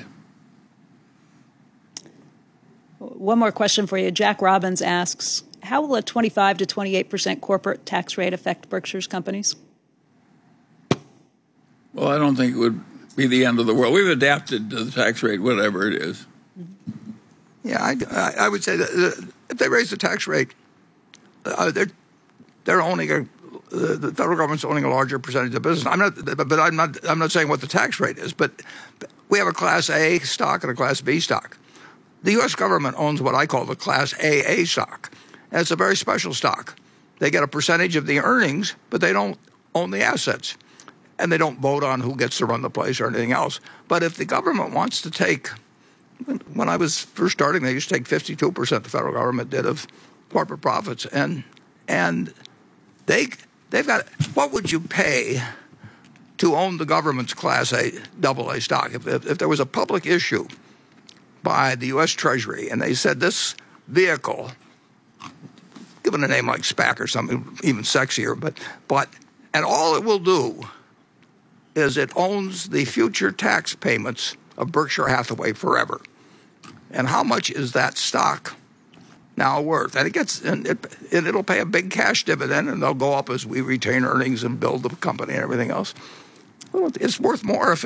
One more question for you. Jack Robbins asks, "How will a 25%-28% corporate tax rate affect Berkshire's companies?" I don't think it would be the end of the world. We've adapted to the tax rate, whatever it is. Yeah, I would say that if they raise the tax rate, the Federal Government's owning a larger percentage of the business. I'm not saying what the tax rate is, we have a Class A stock and a Class B stock. The U.S. government owns what I call the Class AA stock. It's a very special stock. They get a percentage of the earnings, they don't own the assets, they don't vote on who gets to run the place or anything else. When I was first starting, they used to take 52%, the Federal Government did, of corporate profits. They've got. What would you pay to own the government's Class A, AA stock? If there was a public issue by the U.S. Treasury and they said, "This vehicle," give it a name like SPAC or something even sexier, but, and all it will do is it owns the future tax payments of Berkshire Hathaway forever. How much is that stock now worth? It'll pay a big cash dividend, and they'll go up as we retain earnings and build the company and everything else. Well, it's worth more if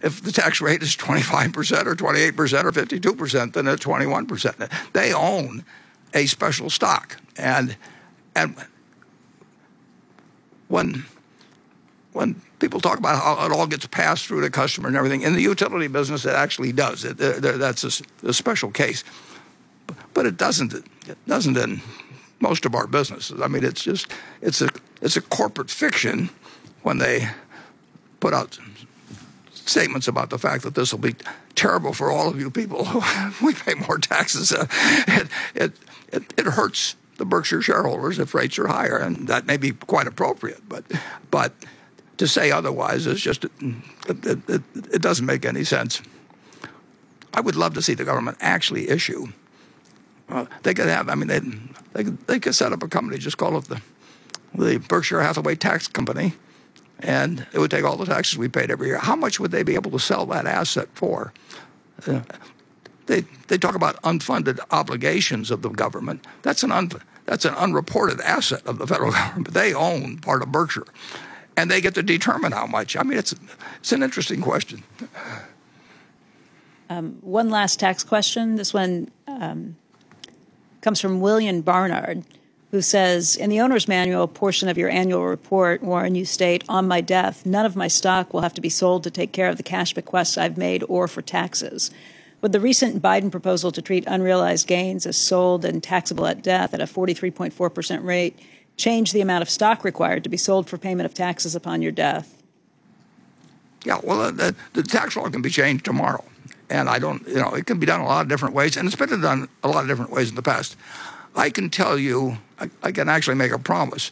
the tax rate is 25% or 28% or 52% than at 21%. They own a special stock. When people talk about how it all gets passed through to customer and everything, in the utility business it actually does. That's a special case. It doesn't in most of our businesses. I mean, it's just, it's a corporate fiction when they put out statements about the fact that this will be terrible for all of you people if we pay more taxes. It hurts the Berkshire shareholders if rates are higher, and that may be quite appropriate, but to say otherwise is just, it doesn't make any sense. I would love to see the government actually issue. Well, they could have, I mean, they could set up a company, just call it the Berkshire Hathaway Tax Company, and it would take all the taxes we paid every year. How much would they be able to sell that asset for? You know, they talk about unfunded obligations of the government. That's an unreported asset of the Federal Government. They own part of Berkshire, and they get to determine how much. I mean, it's an interesting question. One last tax question. This one comes from William Barnard, who says, "In the owner's manual portion of your annual report, Warren, you state, 'On my death, none of my stock will have to be sold to take care of the cash bequests I've made or for taxes.' Would the recent Biden proposal to treat unrealized gains as sold and taxable at death at a 43.4% rate change the amount of stock required to be sold for payment of taxes upon your death?" Yeah, well, the tax law can be changed tomorrow, and I don't, you know, it can be done a lot of different ways, and it's been done a lot of different ways in the past. I can tell you, I can actually make a promise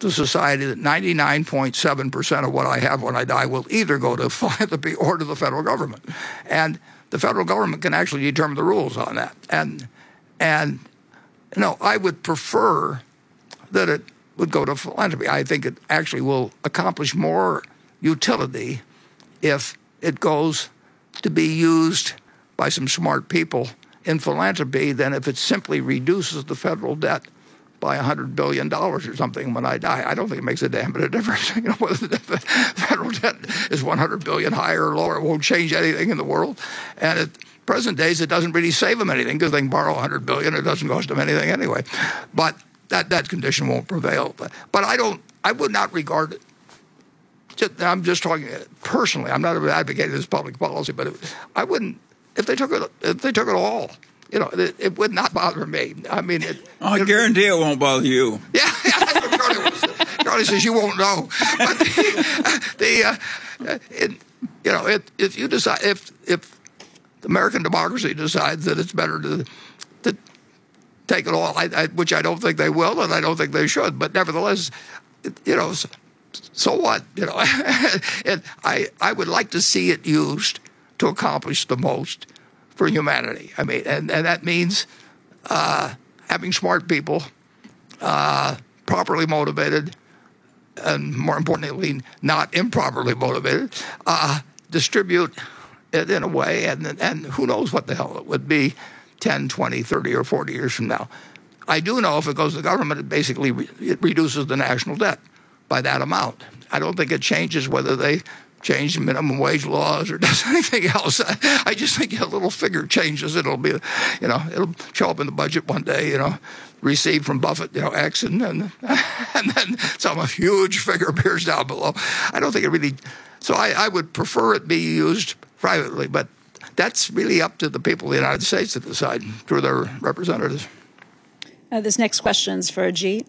to society that 99.7% of what I have when I die will either go to philanthropy or to the Federal Government. The Federal Government can actually determine the rules on that. You know, I would prefer that it would go to philanthropy. I think it actually will accomplish more utility if it goes to be used by some smart people in philanthropy than if it simply reduces the federal debt by $100 billion or something when I die. I don't think it makes a damn bit of difference, you know, whether the federal debt is $100 billion higher or lower. It won't change anything in the world. At present days, it doesn't really save them anything, because they can borrow $100 billion. It doesn't cost them anything anyway. That condition won't prevail. I don't, I would not regard it. I'm just talking personally. I'm not advocating this as public policy, but it, I wouldn't if they took it all, you know, it would not bother me. I guarantee it won't bother you. Yeah. That's what Charlie would say. Charlie says you won't know. The, it, you know, if American democracy decides that it's better to take it all, I, which I don't think they will, and I don't think they should, nevertheless, it, you know, so what? You know, I would like to see it used to accomplish the most for humanity. I mean, that means having smart people properly motivated, and more importantly, not improperly motivated, distribute it in a way, then, who knows what the hell it would be 10, 20, 30 or 40 years from now. I do know if it goes to the government, it basically reduces the national debt by that amount. I don't think it changes whether they change the minimum wage laws or does anything else. I just think in little figure changes it'll be, you know, it'll show up in the budget one day, you know, received from Buffett, you know, X, and then, and then some huge figure appears down below. I would prefer it be used privately, but that's really up to the people of the United States to decide through their representatives. This next question's for Ajit.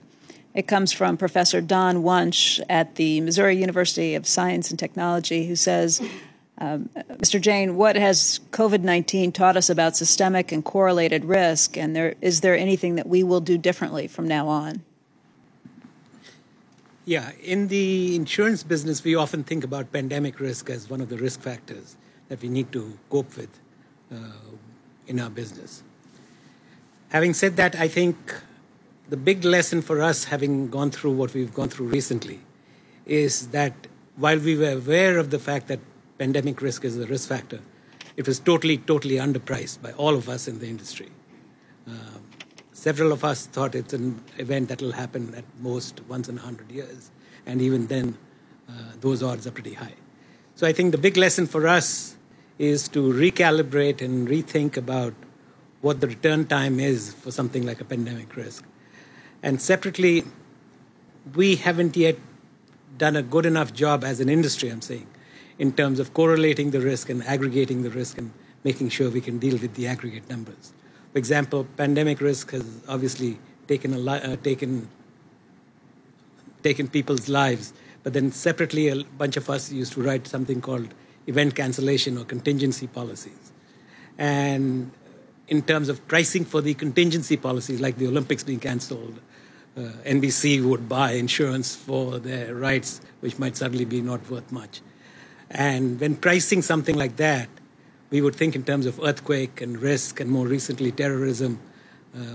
It comes from Professor Donald Wunsch at the Missouri University of Science and Technology, who says, "Mr. Jain, what has COVID-19 taught us about systemic and correlated risk? Is there anything that we will do differently from now on?" Yeah. In the insurance business, we often think about pandemic risk as one of the risk factors that we need to cope with in our business. Having said that, I think the big lesson for us having gone through what we've gone through recently is that while we were aware of the fact that pandemic risk is a risk factor, it was totally underpriced by all of us in the industry. Several of us thought it an event that'll happen at most once in 100 years, and even then, those odds are pretty high. I think the big lesson for us is to recalibrate and rethink about what the return time is for something like a pandemic risk. Separately, we haven't yet done a good enough job as an industry, I'm saying, in terms of correlating the risk and aggregating the risk and making sure we can deal with the aggregate numbers. For example, pandemic risk has obviously taken people's lives. Separately, a bunch of us used to write something called event cancellation or contingency policies, and in terms of pricing for the contingency policies, like the Olympics being canceled, NBC would buy insurance for their rights, which might suddenly be not worth much. When pricing something like that, we would think in terms of earthquake and risk, and more recently terrorism,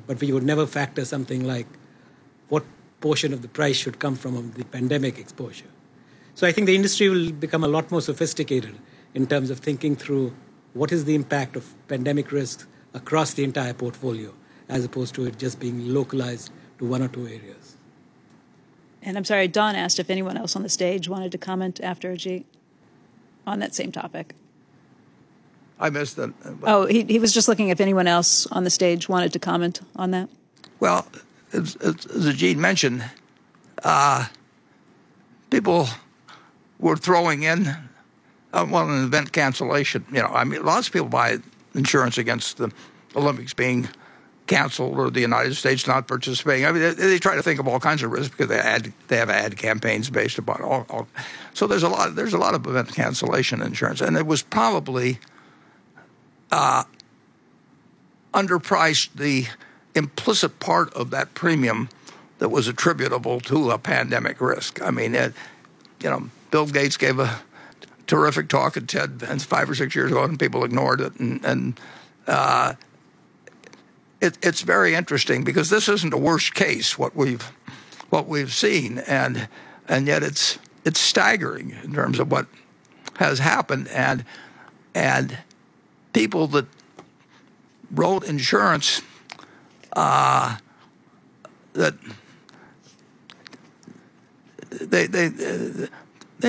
but we would never factor something like what portion of the price should come from the pandemic exposure. I think the industry will become a lot more sophisticated in terms of thinking through what is the impact of pandemic risk across the entire portfolio, as opposed to it just being localized to one or two areas. I'm sorry, Don asked if anyone else on the stage wanted to comment after Ajit on that same topic. I missed that. Oh, he was just looking if anyone else on the stage wanted to comment on that. Well, as Ajit mentioned, people were throwing in, well, an event cancellation. You know, I mean, lots of people buy insurance against the Olympics being canceled or the United States not participating. I mean, they try to think of all kinds of risks because they had, they have ad campaigns based upon all. There's a lot of event cancellation insurance, and it was probably underpriced the implicit part of that premium that was attributable to a pandemic risk. I mean, you know, Bill Gates gave a terrific talk at TED that's five or six years ago, people ignored it. It's very interesting because this isn't a worst case, what we've seen, yet it's staggering in terms of what has happened. People that wrote insurance, that they, they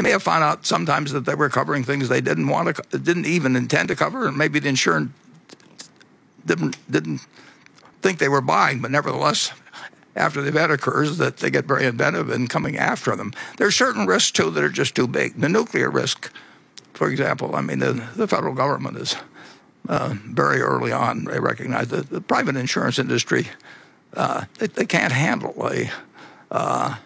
may have found out sometimes that they were covering things they didn't even intend to cover, and maybe the insurance didn't think they were buying, but nevertheless, after the event occurs, that they get very inventive in coming after them. There are certain risks too that are just too big. The nuclear risk, for example, I mean, the Federal Government is very early on, they recognized that the private insurance industry, they can't handle the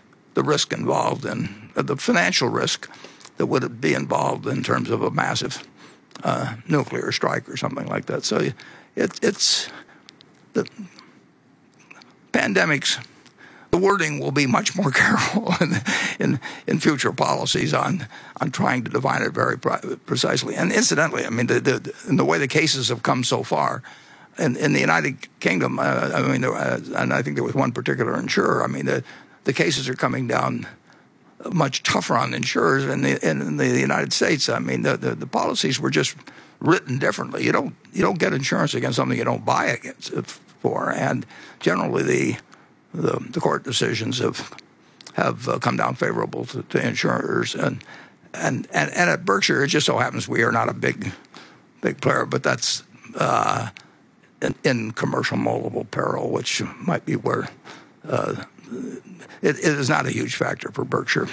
risk involved in the financial risk that would be involved in terms of a massive nuclear strike or something like that. It's the pandemics, the wording will be much more careful in future policies on trying to define it very precisely. Incidentally, I mean, the in the way the cases have come so far, in the United Kingdom, I mean, there and I think there was one particular insurer. I mean, the cases are coming down much tougher on insurers. In the United States, I mean, the policies were just written differently. You don't get insurance against something you don't buy against for. Generally the court decisions have come down favorable to insurers. At Berkshire, it just so happens we are not a big player, but that's in commercial multiple peril, which might be where It is not a huge factor for Berkshire.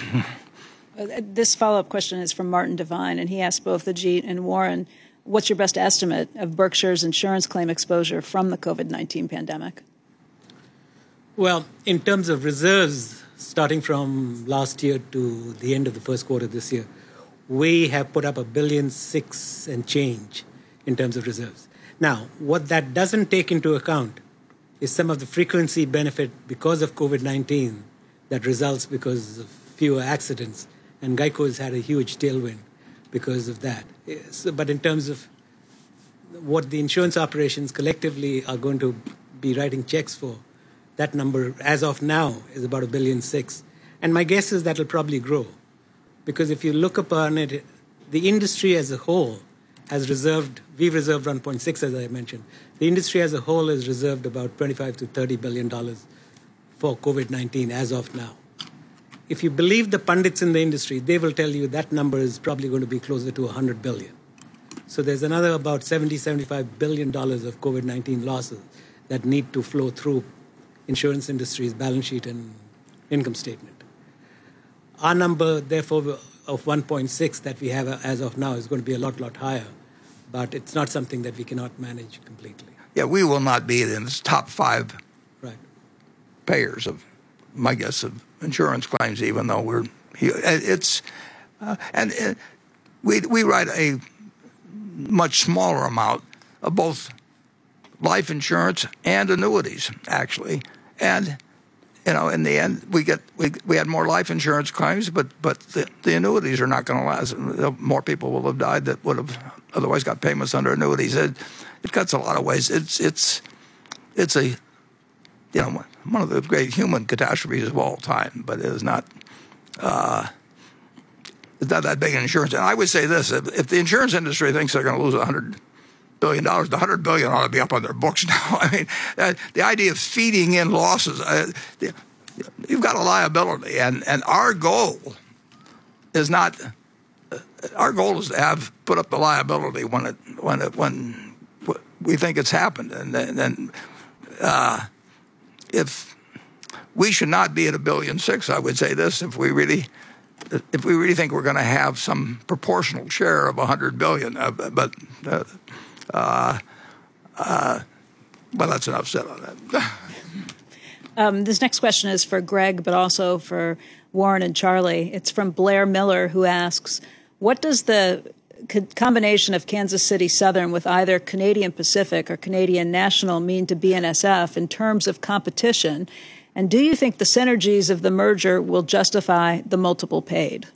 This follow-up question is from Martin Devine, and he asked both Ajit and Warren, "What's your best estimate of Berkshire's insurance claim exposure from the COVID-19 pandemic?" Well, in terms of reserves, starting from last year to the end of the first quarter this year, we have put up $1.6 billion and change in terms of reserves. What that doesn't take into account is some of the frequency benefit because of COVID-19 that results because of fewer accidents, and GEICO's had a huge tailwind because of that. In terms of what the insurance operations collectively are going to be writing checks for, that number as of now is about $1.6 billion. My guess is that'll probably grow because if you look upon it, the industry as a whole has we've reserved $1.6 billion, as I mentioned. The industry as a whole has reserved about $25 billion-$30 billion for COVID-19 as of now. If you believe the pundits in the industry, they will tell you that number is probably gonna be closer to $100 billion. There's another about $70 billion-$75 billion of COVID-19 losses that need to flow through insurance industry's balance sheet and income statement. Our number, therefore, of $1.6 billion that we have as of now is gonna be a lot higher, but it's not something that we cannot manage completely. Yeah, we will not be in its top five- Right payers of, my guess, of insurance claims, even though we write a much smaller amount of both life insurance and annuities actually. You know, in the end, we had more life insurance claims, but the annuities are not gonna last. More people will have died that would've otherwise got payments under annuities. It cuts a lot of ways. It's a, you know, one of the great human catastrophes of all time, but it is not that big in insurance. I would say this, if the insurance industry thinks they're gonna lose $100 billion, the $100 billion ought to be up on their books now. I mean, the idea of feeding in losses. You've got a liability and our goal is not. Our goal is to have put up the liability when it, when it, when we think it's happened and then, if we should not be at $1.6 billion, I would say this, if we really, if we really think we're gonna have some proportional share of $100 billion. Well, that's enough said on that. This next question is for Greg, but also for Warren and Charlie. It's from Blair Miller who asks, "What does the combination of Kansas City Southern with either Canadian Pacific or Canadian National mean to BNSF in terms of competition? And do you think the synergies of the merger will justify the multiple paid?"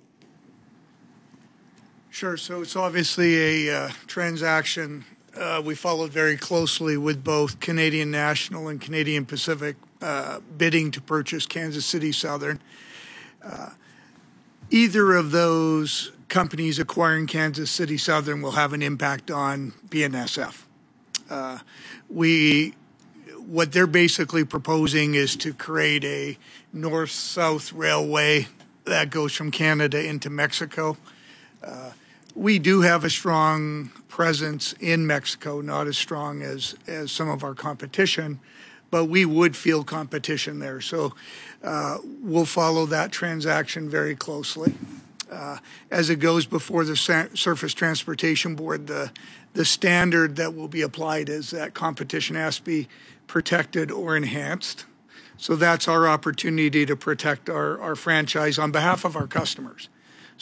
Sure. It's obviously a transaction we followed very closely with both Canadian National and Canadian Pacific bidding to purchase Kansas City Southern. Either of those companies acquiring Kansas City Southern will have an impact on BNSF. What they're basically proposing is to create a north-south railway that goes from Canada into Mexico. We do have a strong presence in Mexico, not as strong as some of our competition, but we would feel competition there. We'll follow that transaction very closely as it goes before the Surface Transportation Board. The standard that will be applied is that competition has to be protected or enhanced. That's our opportunity to protect our franchise on behalf of our customers.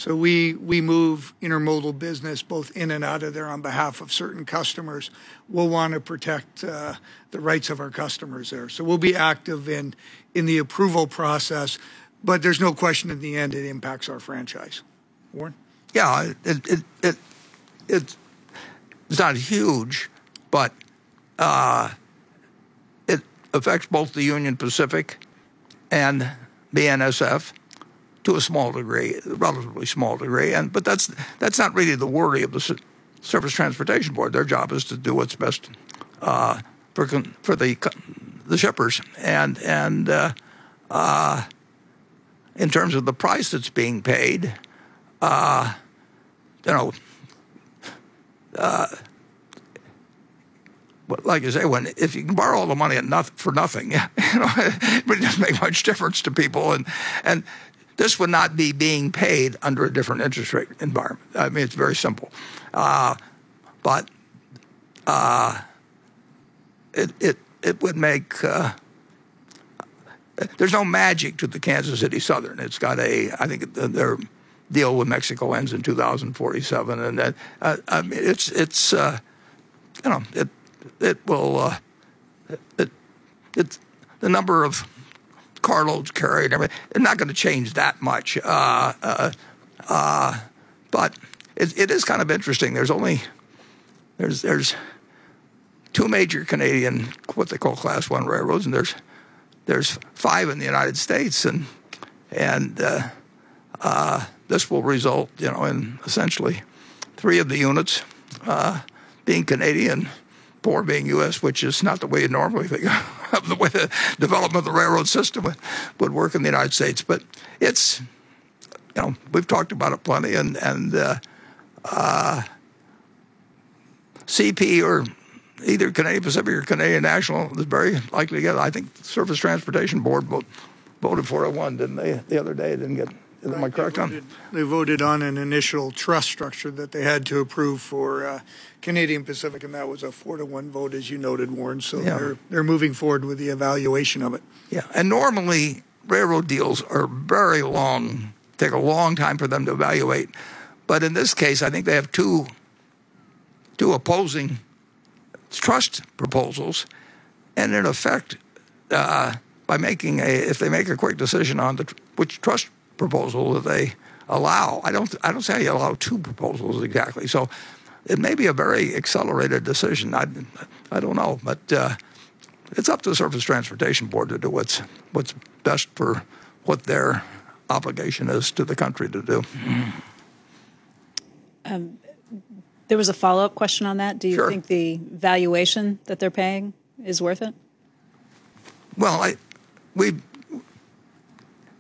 We move intermodal business both in and out of there on behalf of certain customers. We'll wanna protect, the rights of our customers there. We'll be active in the approval process, but there's no question in the end it impacts our franchise. Warren? Yeah, it's not huge, but it affects both the Union Pacific and BNSF to a small degree, relatively small degree. That's not really the worry of the Surface Transportation Board. Their job is to do what's best for the shippers. In terms of the price that's being paid, you know, well, like I say, when if you can borrow all the money for nothing, you know, it wouldn't make much difference to people and this would not be being paid under a different interest rate environment. I mean, it's very simple. It would make, there's no magic to the Kansas City Southern. I think their deal with Mexico ends in 2047. I mean, it's, you know, it's the number of carloads carried, I mean, they're not gonna change that much. It is kind of interesting. There's only two major Canadian, what they call Class I railroads, and there's five in the United States and this will result, you know, in essentially three of the units being Canadian, four being U.S., which is not the way you'd normally think of the way the development of the railroad system would work in the United States. It's, you know, we've talked about it plenty and CP or either Canadian Pacific or Canadian National is very likely to get it. I think Surface Transportation Board vote, voted 4 to 1, didn't they, the other day? They didn't get. Am I correct on that? They voted on an initial trust structure that they had to approve for Canadian Pacific. That was a 4-to-1 vote as you noted, Warren. Yeah. They're moving forward with the evaluation of it. Yeah. Normally, railroad deals are very long, take a long time for them to evaluate. In this case, I think they have two opposing trust proposals, and in effect, if they make a quick decision on which trust proposal that they allow, I don't see how you allow two proposals exactly. It may be a very accelerated decision. I don't know. It's up to the Surface Transportation Board to do what's best for what their obligation is to the country to do. There was a follow-up question on that. Sure. Do you think the valuation that they're paying is worth it?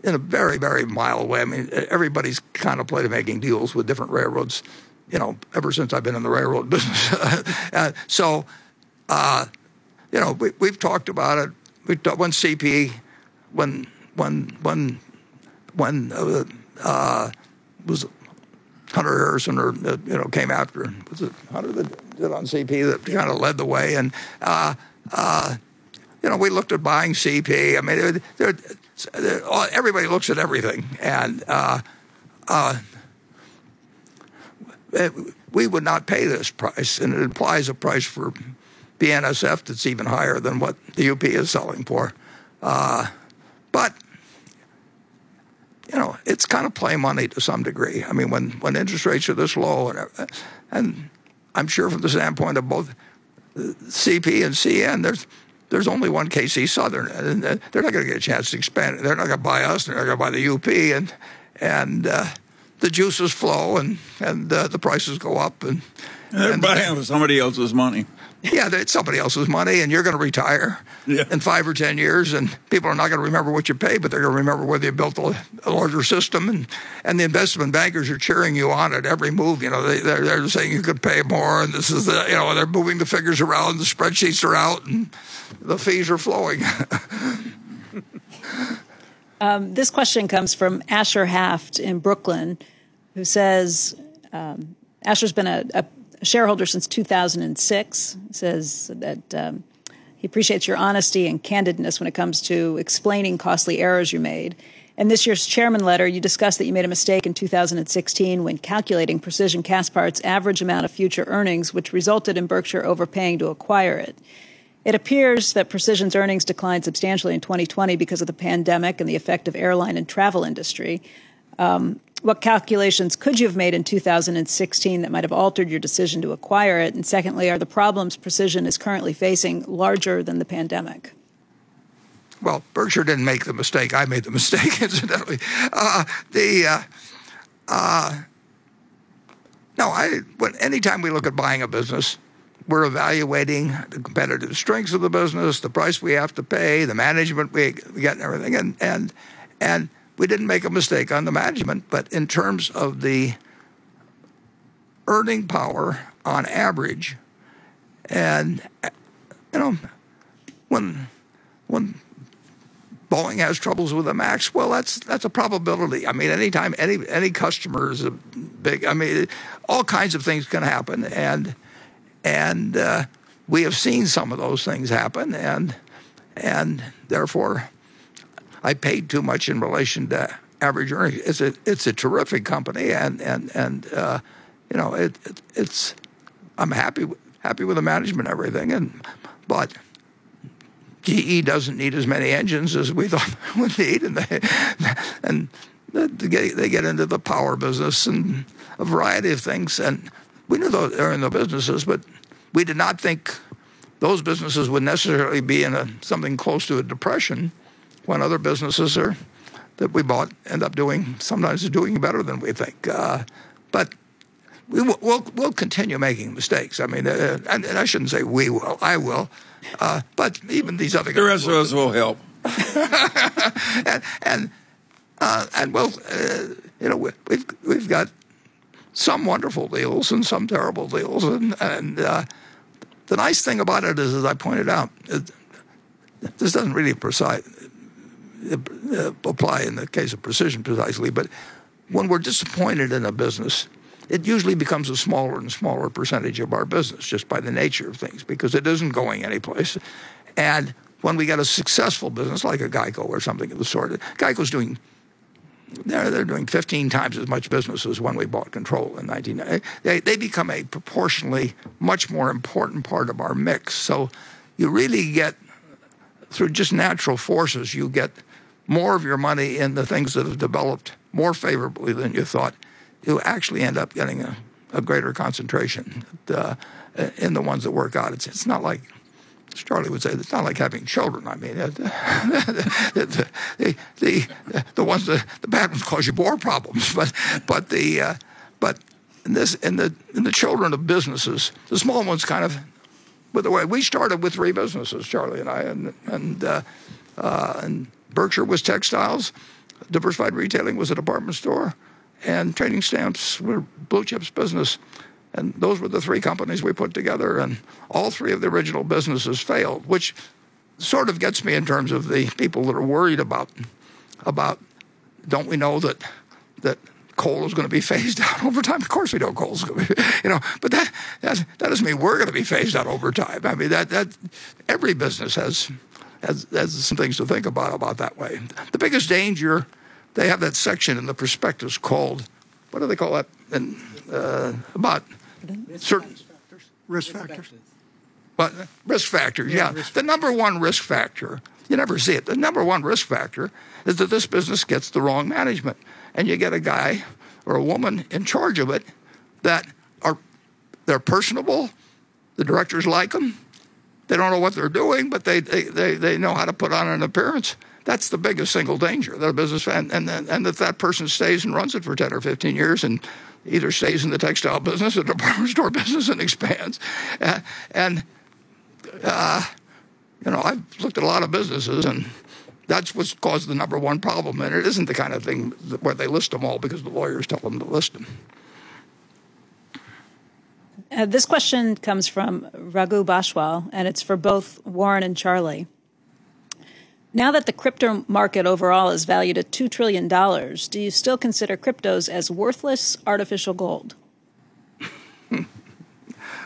In a very, very mild way, I mean, everybody's kind of play to making deals with different railroads, you know, ever since I've been in the railroad business. You know, we've talked about it. When CP, when Hunter Harrison or, you know, came after him? Was it Hunter that did it on CP that kind of led the way. You know, we looked at buying CP. I mean, they're, everybody looks at everything, and we would not pay this price, and it implies a price for BNSF that's even higher than what the UP is selling for. You know, it's kind of play money to some degree. I mean, when interest rates are this low and everything. I'm sure from the standpoint of both CP and CN, there's only one Kansas City Southern, and they're not gonna get a chance to expand it. They're not gonna buy us, they're not gonna buy the UP. The juices flow, and the prices go up. They're buying with somebody else's money. Yeah, it's somebody else's money, and you're gonna retire. Yeah In five or 10 years, people are not going to remember what you pay, but they're going to remember whether you built a larger system. The investment bankers are cheering you on at every move, you know. They're saying you could pay more. You know, they're moving the figures around, the spreadsheets are out, and the fees are flowing. This question comes from Asher Haft in Brooklyn, who says, Asher's been a shareholder since 2006. Says that he appreciates your honesty and candidness when it comes to explaining costly errors you made. In this year's Chairman's Letter, you discussed that you made a mistake in 2016 when calculating Precision Castparts' average amount of future earnings, which resulted in Berkshire overpaying to acquire it. It appears that Precision's earnings declined substantially in 2020 because of the pandemic and the effect of airline and travel industry. What calculations could you have made in 2016 that might have altered your decision to acquire it? Secondly, are the problems Precision is currently facing larger than the pandemic? Berkshire didn't make the mistake. I made the mistake incidentally. No, any time we look at buying a business, we're evaluating the competitive strengths of the business, the price we have to pay, the management we get and everything. We didn't make a mistake on the management, but in terms of the earning power on average, and, you know, when Boeing has troubles with the 737 MAX, well, that's a probability. I mean, any time any customer is a big I mean, all kinds of things can happen. We have seen some of those things happen, and therefore I paid too much in relation to average earnings. It's a terrific company, and, you know, it's, I'm happy with the management and everything. GE doesn't need as many engines as we thought it would need, and they get into the power business and a variety of things. We knew they were in the businesses, but we did not think those businesses would necessarily be in something close to a depression when other businesses are, that we bought end up doing, sometimes are doing better than we think. We'll continue making mistakes. I mean, and I shouldn't say we will. I will. Even these other guys- The rest of us will help. you know, we've got some wonderful deals and some terrible deals. The nice thing about it is, as I pointed out, this doesn't really apply in the case of Precision precisely, but when we're disappointed in a business, it usually becomes a smaller and smaller percentage of our business just by the nature of things, because it isn't going any place. When we get a successful business like a GEICO or something of the sort, GEICO's doing, they're doing 15x as much business as when we bought control in 19. They become a proportionally much more important part of our mix. You really get, through just natural forces, you get more of your money in the things that have developed more favorably than you thought. You'll actually end up getting a greater concentration in the ones that work out. It's not like Charlie would say, it's not like having children. I mean, the ones, the bad ones cause you more problems, but this, in the children of businesses, the small ones kind of wither away. We started with three businesses, Charlie and I, and Berkshire was textiles, Diversified Retailing was a department store, and trading stamps were Blue Chip Stamps business, and those were the three companies we put together, and all three of the original businesses failed. Which sort of gets me in terms of the people that are worried about don't we know that coal is gonna be phased out over time? Of course, we know coal is gonna be. You know, that doesn't mean we're gonna be phased out over time. I mean, that every business has some things to think about that way. The biggest danger, they have that section in the prospectus called, what do they call that? I don't. Certain- Risk factors. Risk factors. What? Risk factors, yeah. Yeah, risk factors. The number one risk factor, you never see it, the number one risk factor is that this business gets the wrong management, and you get a guy or a woman in charge of it that are, they're personable, the directors like them. They don't know what they're doing, but they know how to put on an appearance. That's the biggest single danger that a business. If that person stays and runs it for 10 or 15 years and either stays in the textile business or department store business and expands. you know, I've looked at a lot of businesses, and that's what's caused the number one problem, and it isn't the kind of thing where they list them all because the lawyers tell them to list them. This question comes from Raghu Boswell, and it's for both Warren and Charlie. Now that the crypto market overall is valued at $2 trillion, do you still consider cryptos as worthless artificial gold?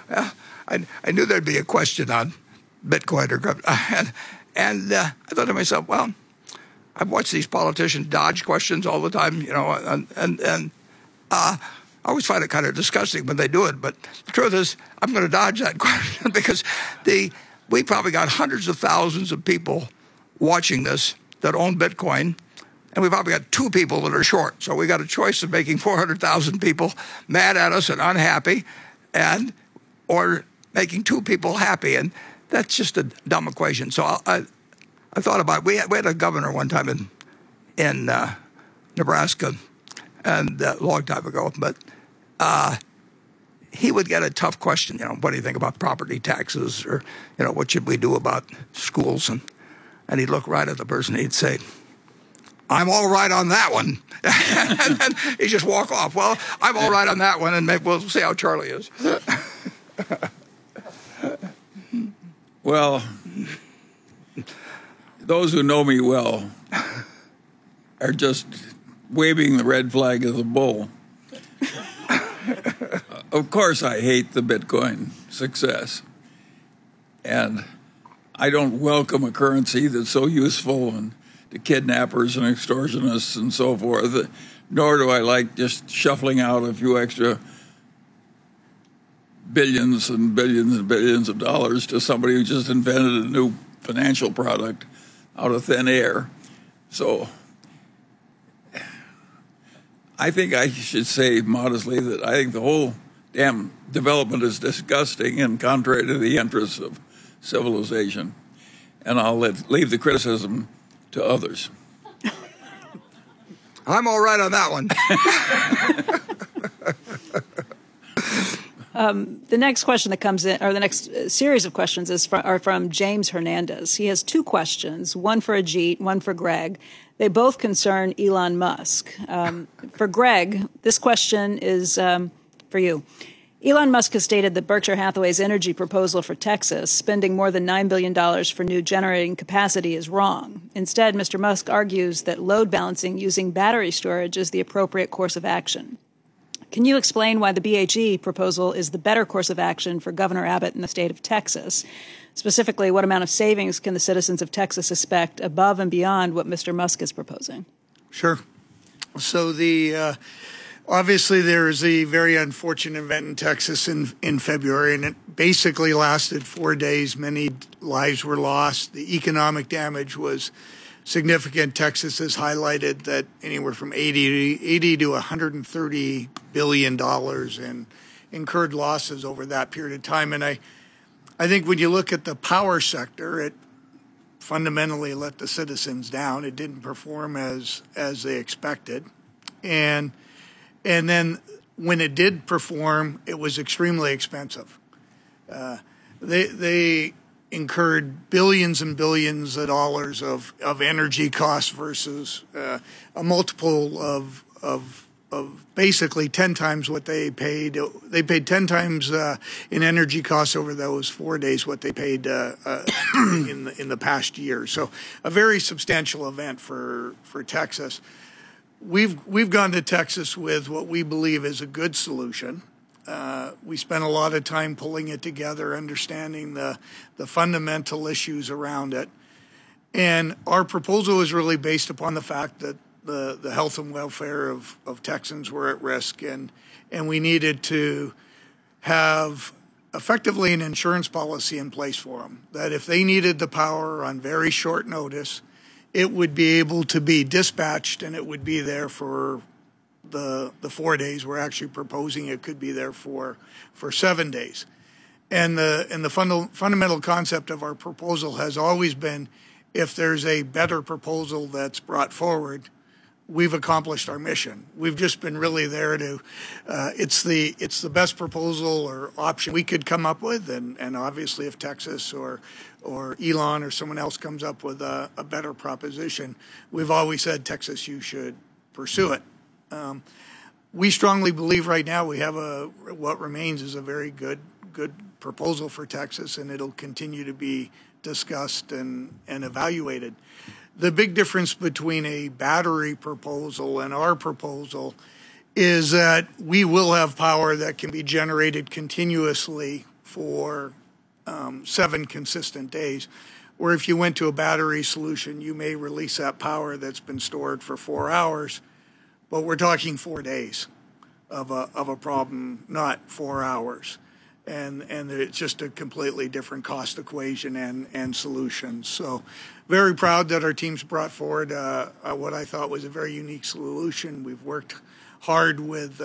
I knew there'd be a question on Bitcoin or I thought to myself, "Well, I watch these politicians dodge questions all the time, you know, I always find it kind of disgusting when they do it" but the truth is, I'm gonna dodge that question because we've probably got hundreds of thousands of people watching this that own Bitcoin, and we've probably got two people that are short. We've got a choice of making 400,000 people mad at us and unhappy or making two people happy, and that's just a dumb equation. I thought about it. We had a governor one time in Nebraska, a long time ago, but he would get a tough question, you know, "What do you think about property taxes?" Or, you know, "What should we do about schools and." He'd look right at the person and he'd say, "I'm all right on that one." He'd just walk off. Well, I'm all right on that one, we'll see how Charlie is. Well, those who know me well are just waving the red flag of the bull. Of course, I hate the Bitcoin success, and I don't welcome a currency that's so useful, and the kidnappers and extortionists and so forth. Nor do I like just shuffling out a few extra billions and billions and billions of dollars to somebody who just invented a new financial product out of thin air. So I think I should say modestly that I think the whole damn development is disgusting and contrary to the interests of civilization, and I'll leave the criticism to others. I'm all right on that one. The next question that comes in, or the next series of questions are from James Hernandez. He has two questions. One for Ajit, one for Greg. They both concern Elon Musk. For Greg, this question is for you. Elon Musk has stated that Berkshire Hathaway's energy proposal for Texas, spending more than $9 billion for new generating capacity is wrong. Instead, Mr. Musk argues that load balancing using battery storage is the appropriate course of action. Can you explain why the BHE proposal is the better course of action for Governor Abbott and the State of Texas? Specifically, what amount of savings can the citizens of Texas expect above and beyond what Mr. Musk is proposing? Sure. Obviously there is a very unfortunate event in Texas in February, and it basically lasted four days. Many lives were lost. The economic damage was significant. Texas has highlighted that anywhere from $80 billion-$130 billion in incurred losses over that period of time. I think when you look at the power sector, it fundamentally let the citizens down. It didn't perform as they expected. When it did perform, it was extremely expensive. They incurred billions and billions of dollars of energy costs versus a multiple of basically 10x what they paid. They paid 10x in energy costs over those four days what they paid in the past year. A very substantial event for Texas. We've gone to Texas with what we believe is a good solution. We spent a lot of time pulling it together, understanding the fundamental issues around it, and our proposal is really based upon the fact that the health and welfare of Texans were at risk and we needed to have effectively an insurance policy in place for them, that if they needed the power on very short notice, it would be able to be dispatched and it would be there for the four days. We're actually proposing it could be there for seven days. The fundamental concept of our proposal has always been, if there's a better proposal that's brought forward, we've accomplished our mission. We've just been really there to, it's the best proposal or option we could come up with and obviously if Texas or Elon or someone else comes up with a better proposition, we've always said, "Texas, you should pursue it." We strongly believe right now we have a what remains is a very good proposal for Texas, it'll continue to be discussed and evaluated. The big difference between a battery proposal and our proposal is that we will have power that can be generated continuously for seven consistent days. Where if you went to a battery solution, you may release that power that's been stored for four hours, we're talking four days of a problem, not four hours. It's just a completely different cost equation and solution. Very proud that our team's brought forward what I thought was a very unique solution. We've worked hard with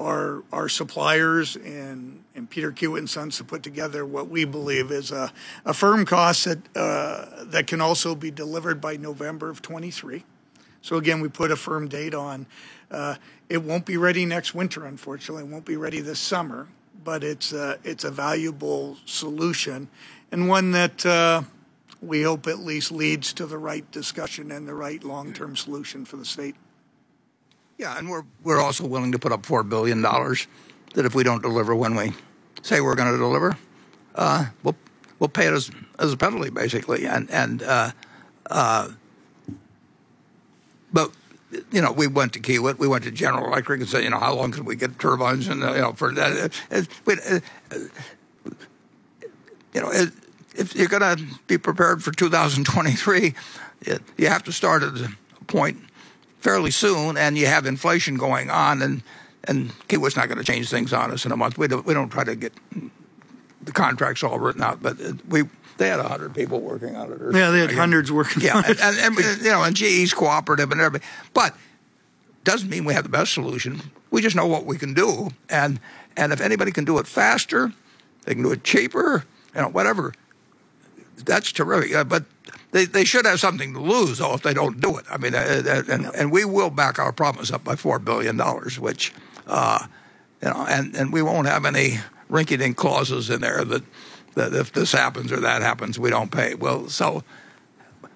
our suppliers and Peter Kiewit Sons' to put together what we believe is a firm cost that can also be delivered by November of 2023. Again, we put a firm date on. It won't be ready next winter, unfortunately. It won't be ready this summer, but it's a valuable solution, and one that we hope at least leads to the right discussion and the right long-term solution for the state. Yeah, we're also willing to put up $4 billion that if we don't deliver when we say we're gonna deliver, we'll pay it as a penalty, basically. You know, we went to Kiewit, we went to General Electric and said, you know, "How long can we get turbines?" You know, for that, you know, if you're gonna be prepared for 2023, you have to start at a point fairly soon, and you have inflation going on, and Kiewit's not gonna change things on us in a month. We don't try to get the contracts all written out. They had 100 people working on it. Yeah, they had hundreds working on it. Yeah, and, you know, GE's cooperative and everything. Doesn't mean we have the best solution. We just know what we can do. If anybody can do it faster, they can do it cheaper, you know, whatever, that's terrific. They should have something to lose though if they don't do it. I mean, and we will back our promise up by $4 billion, which, you know, and we won't have any ricketing clauses in there that if this happens or that happens, we don't pay. We'll sell.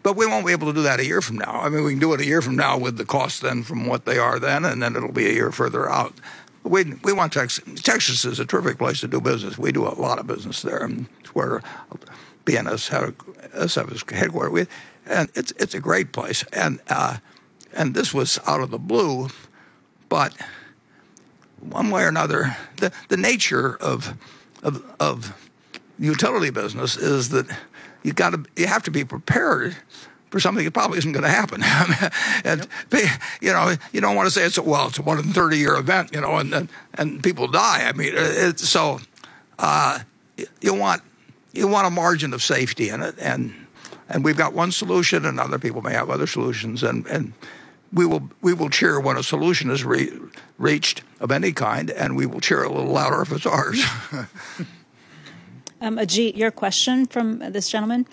We won't be able to do that a year from now. I mean, we can do it a year from now with the costs then from what they are then it'll be a year further out. Texas is a terrific place to do business. We do a lot of business there. It's where BNSF is headquartered with. It's a great place. This was out of the blue. One way or another, the nature of utility business is that you gotta, you have to be prepared for something that probably isn't gonna happen. Yep and be, you know, you don't want to say it's a, "Well, it's a one in 30 year event," you know. Then, people die. I mean, it, so, you want a margin of safety in it. We've got one solution, and other people may have other solutions. We will cheer when a solution is reached of any kind, and we will cheer a little louder if it's ours. Ajit, your question from this gentleman.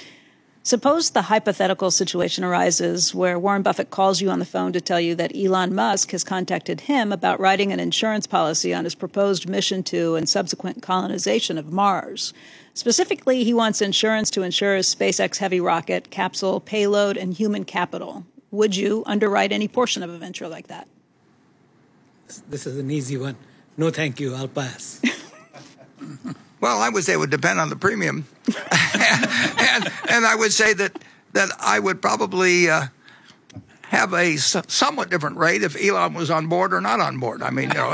Suppose the hypothetical situation arises where Warren Buffett calls you on the phone to tell you that Elon Musk has contacted him about writing an insurance policy on his proposed mission to and subsequent colonization of Mars. Specifically, he wants insurance to insure his SpaceX Heavy rocket, capsule, payload, and human capital. Would you underwrite any portion of a venture like that? This is an easy one. No, thank you. I'll pass. Well, I would say it would depend on the premium. I would say that I would probably have a somewhat different rate if Elon was on board or not on board. I mean, you know,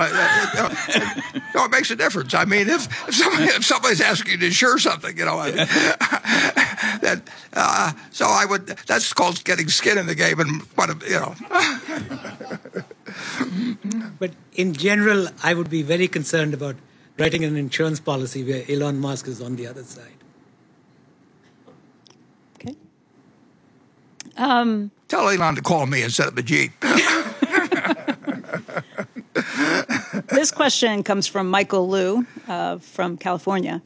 it makes a difference. I mean, if somebody's asking you to insure something, you know, that, That's called getting skin in the game and part of, you know. In general, I would be very concerned about writing an insurance policy where Elon Musk is on the other side. Okay. Tell Elon to call me instead of Ajit. This question comes from Michael Lu, from California.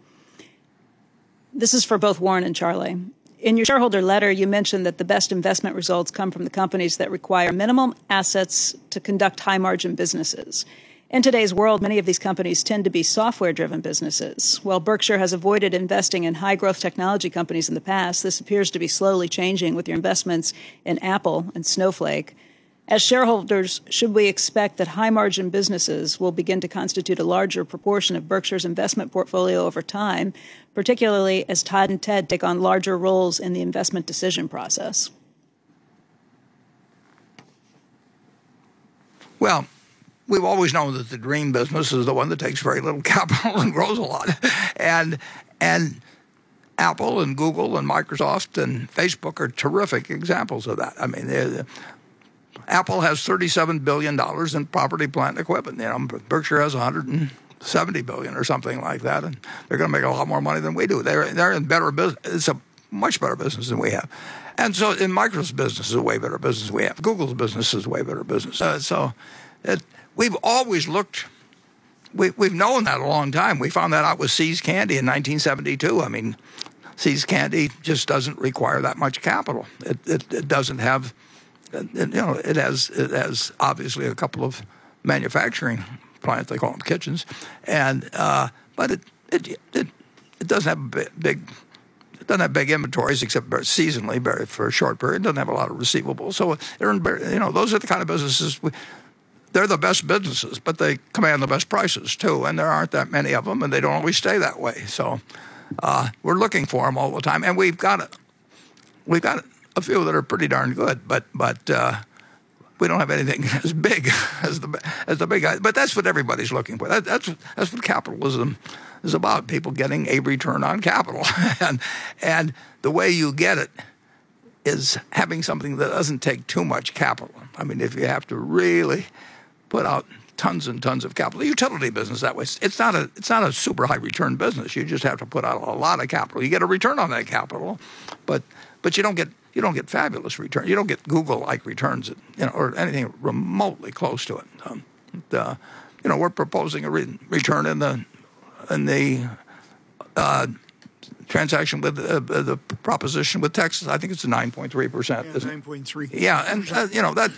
This is for both Warren and Charlie. In your shareholder letter, you mentioned that the best investment results come from the companies that require minimum assets to conduct high-margin businesses. In today's world, many of these companies tend to be software-driven businesses. While Berkshire has avoided investing in high-growth technology companies in the past, this appears to be slowly changing with your investments in Apple and Snowflake. As shareholders, should we expect that high-margin businesses will begin to constitute a larger proportion of Berkshire's investment portfolio over time, particularly as Todd and Ted take on larger roles in the investment decision process? Well, we've always known that the dream business is the one that takes very little capital and grows a lot. Apple and Google and Microsoft and Facebook are terrific examples of that. I mean, Apple has $37 billion in property, plant, and equipment. You know, Berkshire has $170 billion or something like that, and they're gonna make a whole lot more money than we do. They're in better business. It's a much better business than we have. Microsoft's business is a way better business than we have. Google's business is a way better business. We've always looked, we've known that a long time. We found that out with See's Candy in 1972. I mean, See's Candy just doesn't require that much capital. It doesn't have, you know, obviously a couple of manufacturing plants. They call them kitchens. But it doesn't have big inventories except for seasonally, very, for a short period. It doesn't have a lot of receivables. They're in very, you know, those are the kind of businesses we, they're the best businesses, but they command the best prices too, and there aren't that many of them, and they don't always stay that way. We're looking for them all the time, and we've got a few that are pretty darn good, but we don't have anything as big as the big guy. That's what everybody's looking for. That's what capitalism is about, people getting a return on capital. The way you get it is having something that doesn't take too much capital. I mean, if you have to really put out tons and tons of capital utility business, that was, it's not a super high-return business. You just have to put out a lot of capital. You get a return on that capital, but you don't get fabulous return. You don't get Google-like returns, you know, or anything remotely close to it. You know, we're proposing a return in the transaction with the proposition with Texas. I think it's a 9.3%, isn't it? Yeah, 9.3%. Yeah, you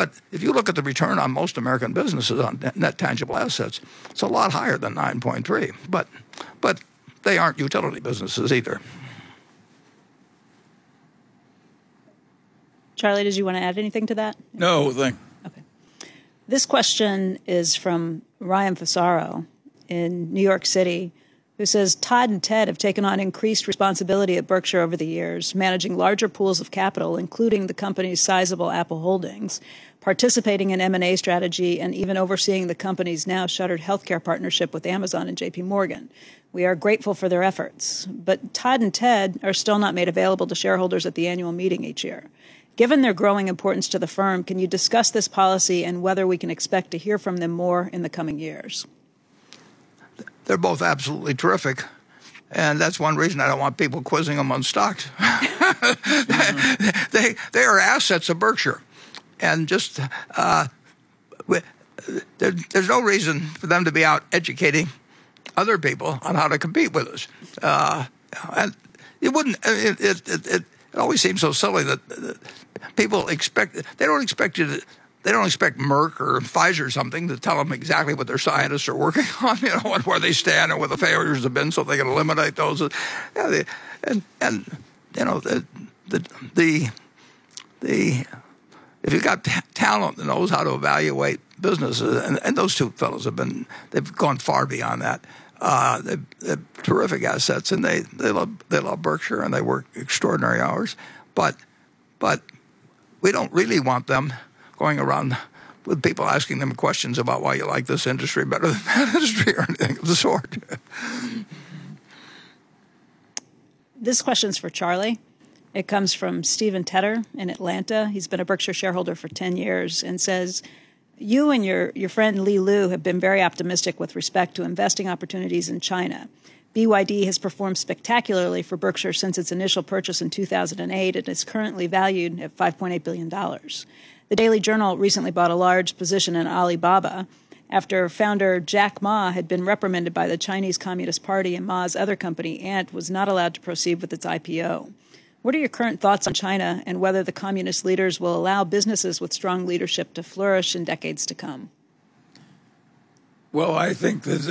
know, that, if you look at the return on most American businesses on net tangible assets, it's a lot higher than 9.3%, but they aren't utility businesses either. Charlie, did you want to add anything to that? No, thank you. This question is from Ryan Fusaro in New York City, who says, "Todd and Ted have taken on increased responsibility at Berkshire over the years, managing larger pools of capital, including the company's sizable Apple holdings, participating in M&A strategy, and even overseeing the company's now shuttered healthcare partnership with Amazon and JPMorgan. We are grateful for their efforts, but Todd and Ted are still not made available to shareholders at the annual meeting each year. Given their growing importance to the firm, can you discuss this policy and whether we can expect to hear from them more in the coming years? They're both absolutely terrific. That's one reason I don't want people quizzing them on stocks. They are assets of Berkshire. Just, there's no reason for them to be out educating other people on how to compete with us. It always seems so silly that people expect. They don't expect Merck or Pfizer or something to tell them exactly what their scientists are working on, you know, and where they stand or where the failures have been so they can eliminate those. Yeah, they. You know, if you've got talent that knows how to evaluate businesses, and those two fellows have been, they've gone far beyond that. They're terrific assets, and they love Berkshire, and they work extraordinary hours. We don't really want them going around with people asking them questions about why you like this industry better than that industry or anything of the sort. This question's for Charlie. It comes from Steven Tedder in Atlanta. He's been a Berkshire shareholder for 10 years and says, "You and your friend Li Lu have been very optimistic with respect to investing opportunities in China. BYD has performed spectacularly for Berkshire since its initial purchase in 2008. It is currently valued at $5.8 billion. The Daily Journal recently bought a large position in Alibaba after founder Jack Ma had been reprimanded by the Communist Party of China and Ma's other company, Ant, was not allowed to proceed with its IPO. What are your current thoughts on China and whether the communist leaders will allow businesses with strong leadership to flourish in decades to come? Well, I think that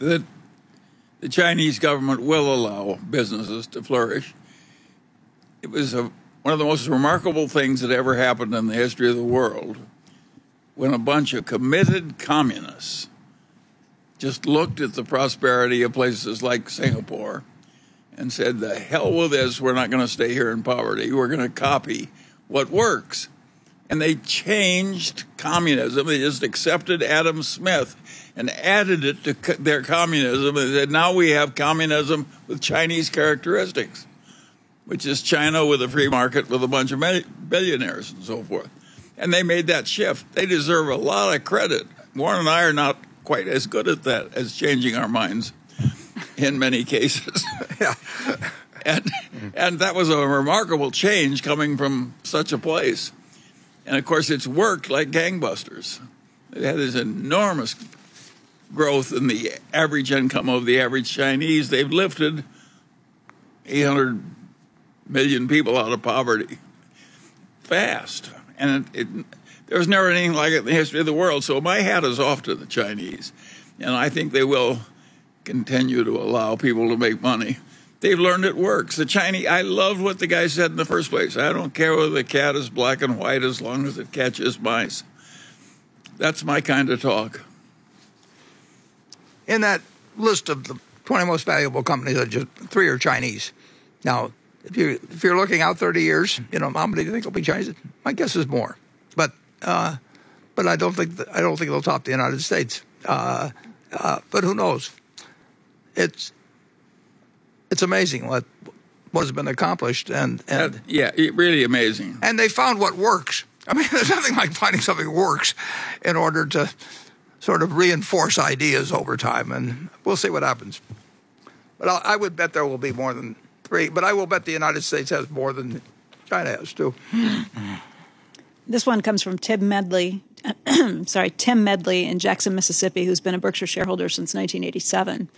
the Chinese government will allow businesses to flourish. It was one of the most remarkable things that ever happened in the history of the world when a bunch of committed communists just looked at the prosperity of places like Singapore and said, "The hell with this. We're not gonna stay here in poverty. We're gonna copy what works." They changed communism. They just accepted Adam Smith and added it to their communism, and now we have communism with Chinese characteristics, which is China with a free market with a bunch of billionaires and so forth. They made that shift. They deserve a lot of credit. Warren and I are not quite as good at that, as changing our minds, in many cases. Yeah. That was a remarkable change coming from such a place. Of course, it's worked like gangbusters. They've had this enormous growth in the average income of the average Chinese. They've lifted 800 million people out of poverty fast, and it There was never anything like it in the history of the world. My hat is off to the Chinese, and I think they will continue to allow people to make money. They've learned it works. I love what the guy said in the first place, "I don't care whether the cat is black and white, as long as it catches mice." That's my kind of talk. In that list of the 20 most valuable companies, there are just three are Chinese. If you're looking out 30 years, you know, how many do you think will be Chinese? My guess is more. I don't think it'll top the United States. Who knows? It's amazing what has been accomplished. Yeah, it really amazing. They found what works. I mean, there's nothing like finding something that works in order to sort of reinforce ideas over time. We'll see what happens. I would bet there will be more than three, but I will bet the United States has more than China has, too. This one comes from Tim Medley in Jackson, Mississippi, who's been a Berkshire shareholder since 1987.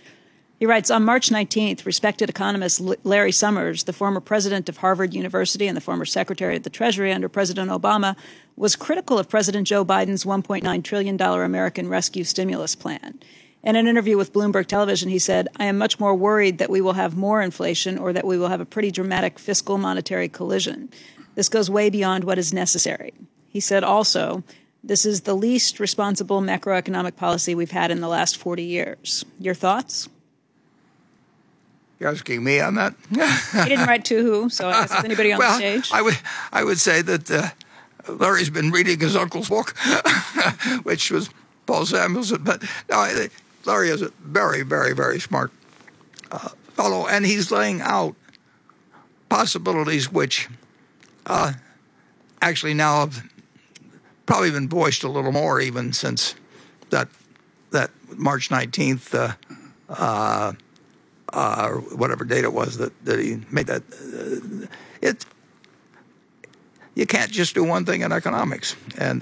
He writes, "On March 19th, respected economist Larry Summers, the former president of Harvard University and the former Secretary of the Treasury under President Obama, was critical of President Joe Biden's $1.9 trillion American Rescue stimulus plan. In an interview with Bloomberg Television, he said, 'I am much more worried that we will have more inflation or that we will have a pretty dramatic fiscal monetary collision. This goes way beyond what is necessary.' He said also, 'This is the least responsible macroeconomic policy we've had in the last 40 years.' Your thoughts? You're asking me on that? He didn't write to who, so it could be anybody on the stage. Well, I would say that Larry's been reading his uncle's book, which was Paul Samuelson. No, I think Larry is a very smart fellow, and he's laying out possibilities which actually now have probably been voiced a little more even since that March 19th, whatever date it was that he made that it. You can't just do one thing in economics, and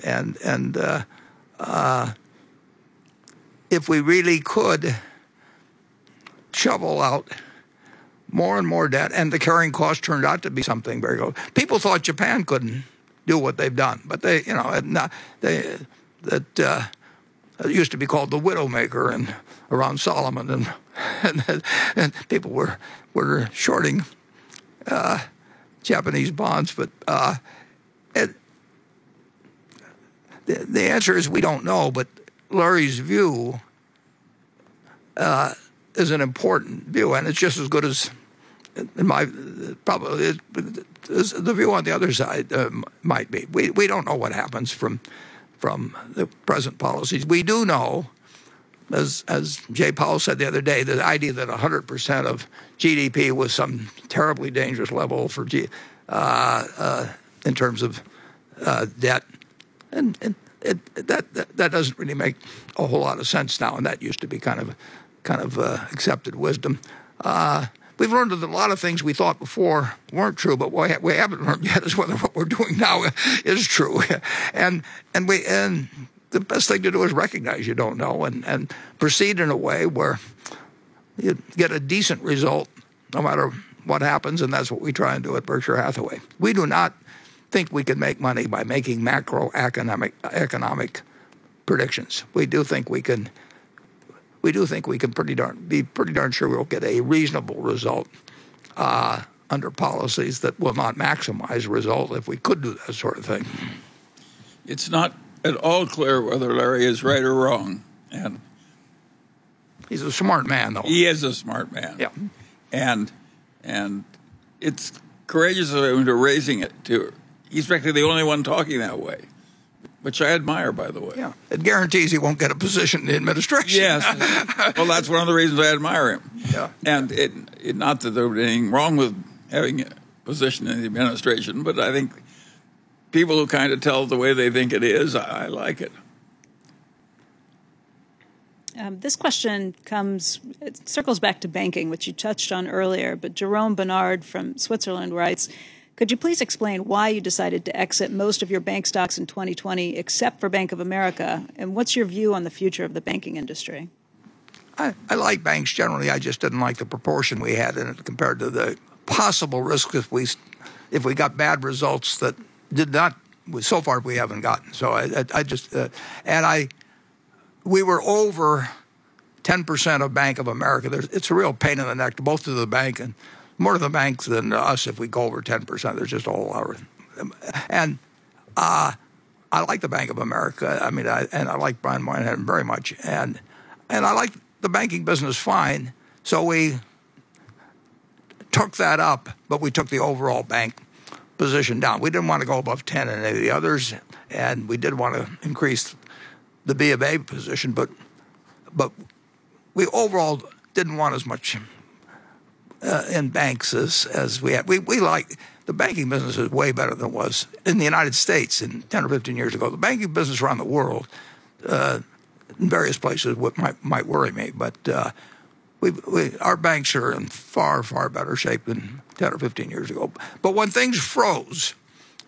if we really could shovel out more and more debt, and the carrying cost turned out to be something very low. People thought Japan couldn't do what they've done, but they, you know, and now they, that it used to be called the widow maker in, around Salomon and people were shorting Japanese bonds, but the answer is we don't know. Larry's view is an important view, and it's just as good as in my, probably, the view on the other side might be. We don't know what happens from the present policies. We do know, as Jay Powell said the other day, the idea that 100% of GDP was some terribly dangerous level for GDP in terms of debt, and that doesn't really make a whole lot of sense now, and that used to be kind of accepted wisdom. We've learned that a lot of things we thought before weren't true, but what we haven't learned yet is whether what we're doing now is true. The best thing to do is recognize you don't know and proceed in a way where you get a decent result no matter what happens, and that's what we try and do at Berkshire Hathaway. We do not think we can make money by making macroeconomic, economic predictions. We do think we can pretty darn sure we'll get a reasonable result under policies that will not maximize result if we could do that sort of thing. It's not at all clear whether Larry is right or wrong. He's a smart man, though. He is a smart man. Yeah. It's courageous of him to raising it, too. He's practically the only one talking that way, which I admire, by the way. Yeah. It guarantees he won't get a position in the administration. Yes. Well, that's one of the reasons I admire him. Yeah. It, not that there would be anything wrong with having a position in the administration, but I think people who kind of tell it the way they think it is, I like it. This question comes, it circles back to banking, which you touched on earlier. Jerome Bernard from Switzerland writes, "Could you please explain why you decided to exit most of your bank stocks in 2020, except for Bank of America, and what's your view on the future of the banking industry?" I like banks generally. I just didn't like the proportion we had in it compared to the possible risk if we got bad results that did not, so far we haven't gotten. I just. We were over 10% of Bank of America. There's, it's a real pain in the neck to both of the bank and more to the banks than to us if we go over 10%. They're just all over. I like the Bank of America. I mean, I like Brian Moynihan very much. I like the banking business fine. We took that up, but we took the overall bank position down. We didn't want to go above 10 in any of the others. We did wanna increase the BofA position, but we overall didn't want as much in banks as we had. We like the banking business way better than it was in the United States in 10 or 15 years ago. The banking business around the world, in various places might worry me. Our banks are in far better shape than 10 or 15 years ago. When things froze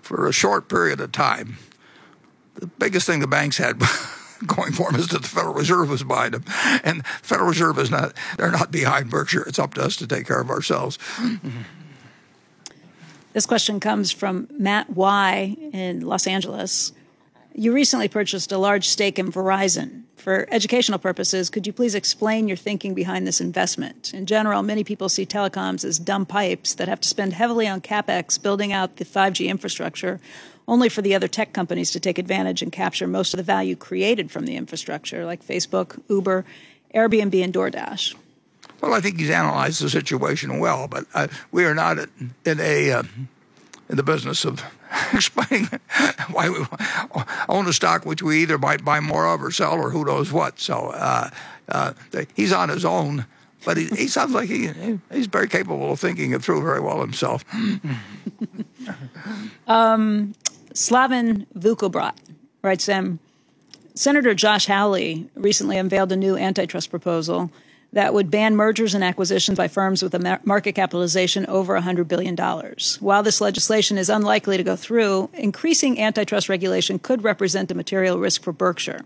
for a short period of time, the biggest thing the banks had going for them was that the Federal Reserve was behind them. Federal Reserve is not, they're not behind Berkshire. It's up to us to take care of ourselves. This question comes from Matt Y in Los Angeles. "You recently purchased a large stake in Verizon. For educational purposes, could you please explain your thinking behind this investment? In general, many people see telecoms as dumb pipes that have to spend heavily on CapEx building out the 5G infrastructure, only for the other tech companies to take advantage and capture most of the value created from the infrastructure, like Facebook, Uber, Airbnb, and DoorDash? Well, I think he's analyzed the situation well, but we are not in the business of explaining why we own a stock which we either might buy more of or sell or who knows what. He's on his own, but he sounds like he's very capable of thinking it through very well himself. Slaven Vukobrat writes, "Senator Josh Hawley recently unveiled a new antitrust proposal that would ban mergers and acquisitions by firms with a market capitalization over $100 billion. While this legislation is unlikely to go through, increasing antitrust regulation could represent a material risk for Berkshire.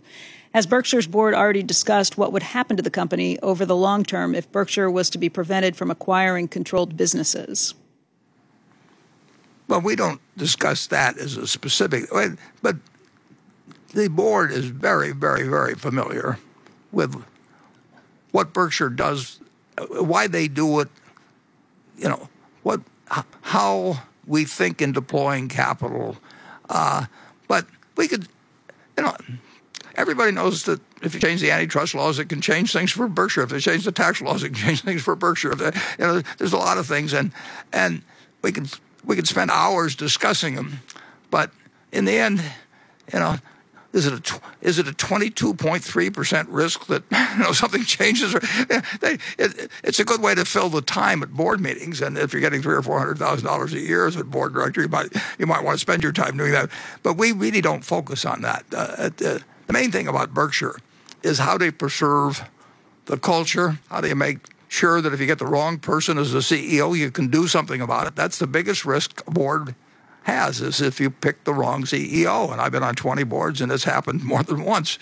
Has Berkshire's board already discussed what would happen to the company over the long term if Berkshire was to be prevented from acquiring controlled businesses? We don't discuss that as a specific way, the board is very, very, very familiar with what Berkshire does, why they do it, you know, how we think in deploying capital. We could, you know, everybody knows that if you change the antitrust laws, it can change things for Berkshire. If you change the tax laws, it can change things for Berkshire. There, you know, there's a lot of things and we could spend hours discussing them. In the end, you know, is it a 22.3% risk that you know, something changes? Or, you know, it's a good way to fill the time at board meetings, and if you're getting $300,000 or $400,000 a year as a board director, you might wanna spend your time doing that. We really don't focus on that. The main thing about Berkshire is how do you preserve the culture, how do you make sure that if you get the wrong person as the CEO, you can do something about it. That's the biggest risk a board has, is if you pick the wrong CEO, and I've been on 20 boards, and it's happened more than once.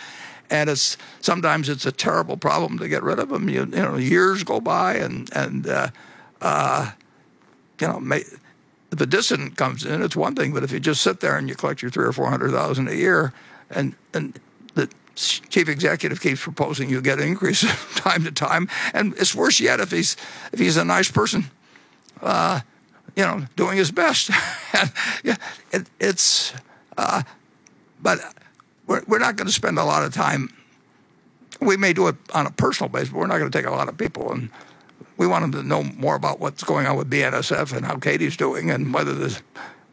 Sometimes it's a terrible problem to get rid of them. You know, years go by and you know, if a dissident comes in, it's one thing, but if you just sit there and you collect your $300,000 or $400,000 a year, and the chief executive keeps proposing you'll get an increase time to time, and it's worse yet if he's, if he's a nice person, you know, doing his best. Yeah, it's, but we're not gonna spend a lot of time. We may do it on a personal basis, but we're not gonna take a lot of people in. We want them to know more about what's going on with BNSF and how Katie's doing and whether the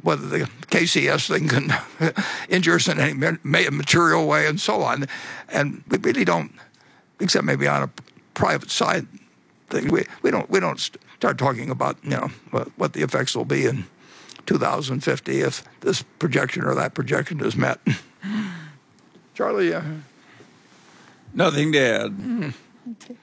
KCS thing can injure us in any material way and so on. We really don't, except maybe on a private side thing, we don't start talking about, you know, what the effects will be in 2050 if this projection or that projection is met. Charlie? Nothing to add. Okay.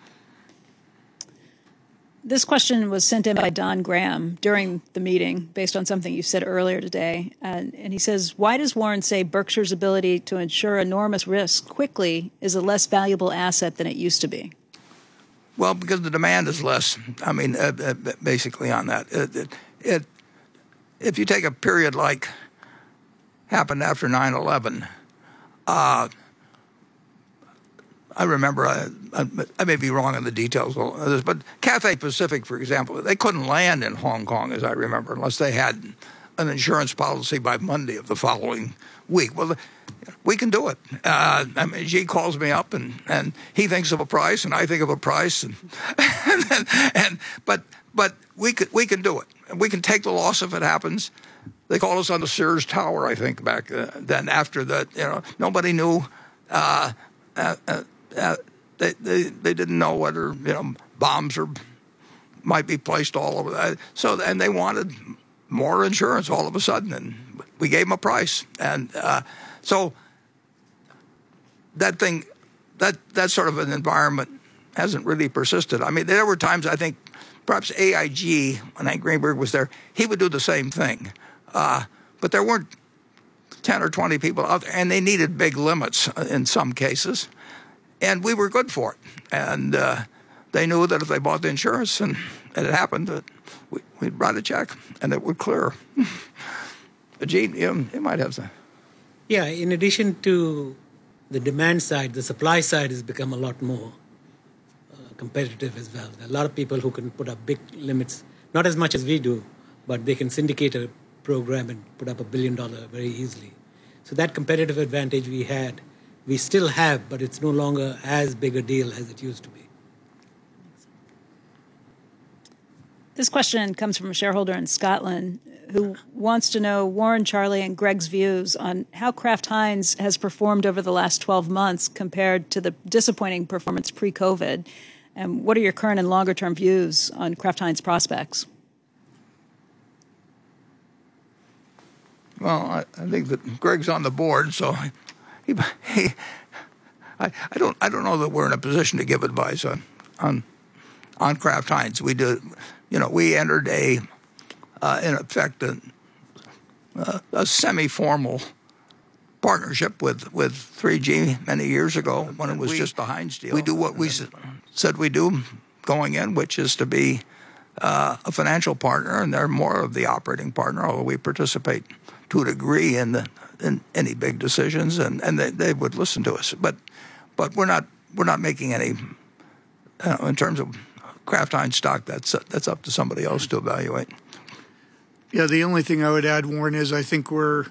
This question was sent in by Don Graham during the meeting based on something you said earlier today. He says, "Why does Warren say Berkshire's ability to insure enormous risk quickly is a less valuable asset than it used to be?" Well, because the demand is less, I mean, basically on that. If you take a period like happened after 9/11, I remember, I may be wrong on the details on this, but Cathay Pacific, for example, they couldn't land in Hong Kong, as I remember, unless they had an insurance policy by Monday of the following week. Well, we can do it. I mean, Ajit calls me up, and he thinks of a price, and I think of a price, and but we can, we can do it. We can take the loss if it happens. They called us on the Sears Tower, I think, back then. You know, nobody knew, they didn't know whether, you know, bombs were might be placed. They wanted more insurance all of a sudden, and we gave them a price. That thing, that sort of an environment hasn't really persisted. I mean, there were times, I think, perhaps AIG, when Hank Greenberg was there, he would do the same thing. There weren't 10 or 20 people out there, and they needed big limits in some cases, and we were good for it. They knew that if they bought the insurance and it happened, that we'd write a check, and it would clear. Ajit, you might have something. In addition to the demand side, the supply side has become a lot more competitive as well. There are a lot of people who can put up big limits, not as much as we do, but they can syndicate a program and put up $1 billion very easily. That competitive advantage we had, we still have, but it's no longer as big a deal as it used to be. This question comes from a shareholder in Scotland who wants to know Warren, Charlie, and Greg's views on how Kraft Heinz has performed over the last 12 months compared to the disappointing performance pre-COVID, and what are your current and longer-term views on Kraft Heinz prospects? I think that Greg's on the board, so he I don't know that we're in a position to give advice on Kraft Heinz. We do, you know, we entered a in effect, a semi-formal partnership with 3G many years ago when it was just the Heinz deal. We do what we said we'd do going in, which is to be a financial partner, and they're more of the operating partner, although we participate to a degree in any big decisions, and they would listen to us. We're not making any in terms of Kraft Heinz stock, that's up to somebody else to evaluate. Yeah, the only thing I would add, Warren, is I think we're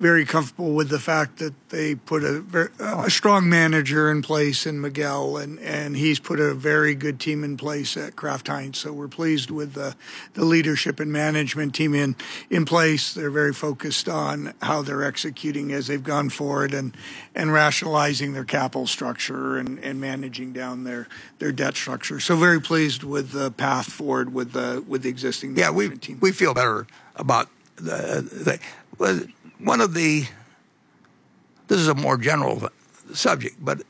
very comfortable with the fact that they put a strong manager in place in Miguel Patricio, and he's put a very good team in place at Kraft Heinz. We're pleased with the leadership and management team in place. They're very focused on how they're executing as they've gone forward and rationalizing their capital structure and managing down their debt structure. Very pleased with the path forward with the existing management team. Yeah, we feel better about the. Well, this is a more general subject, but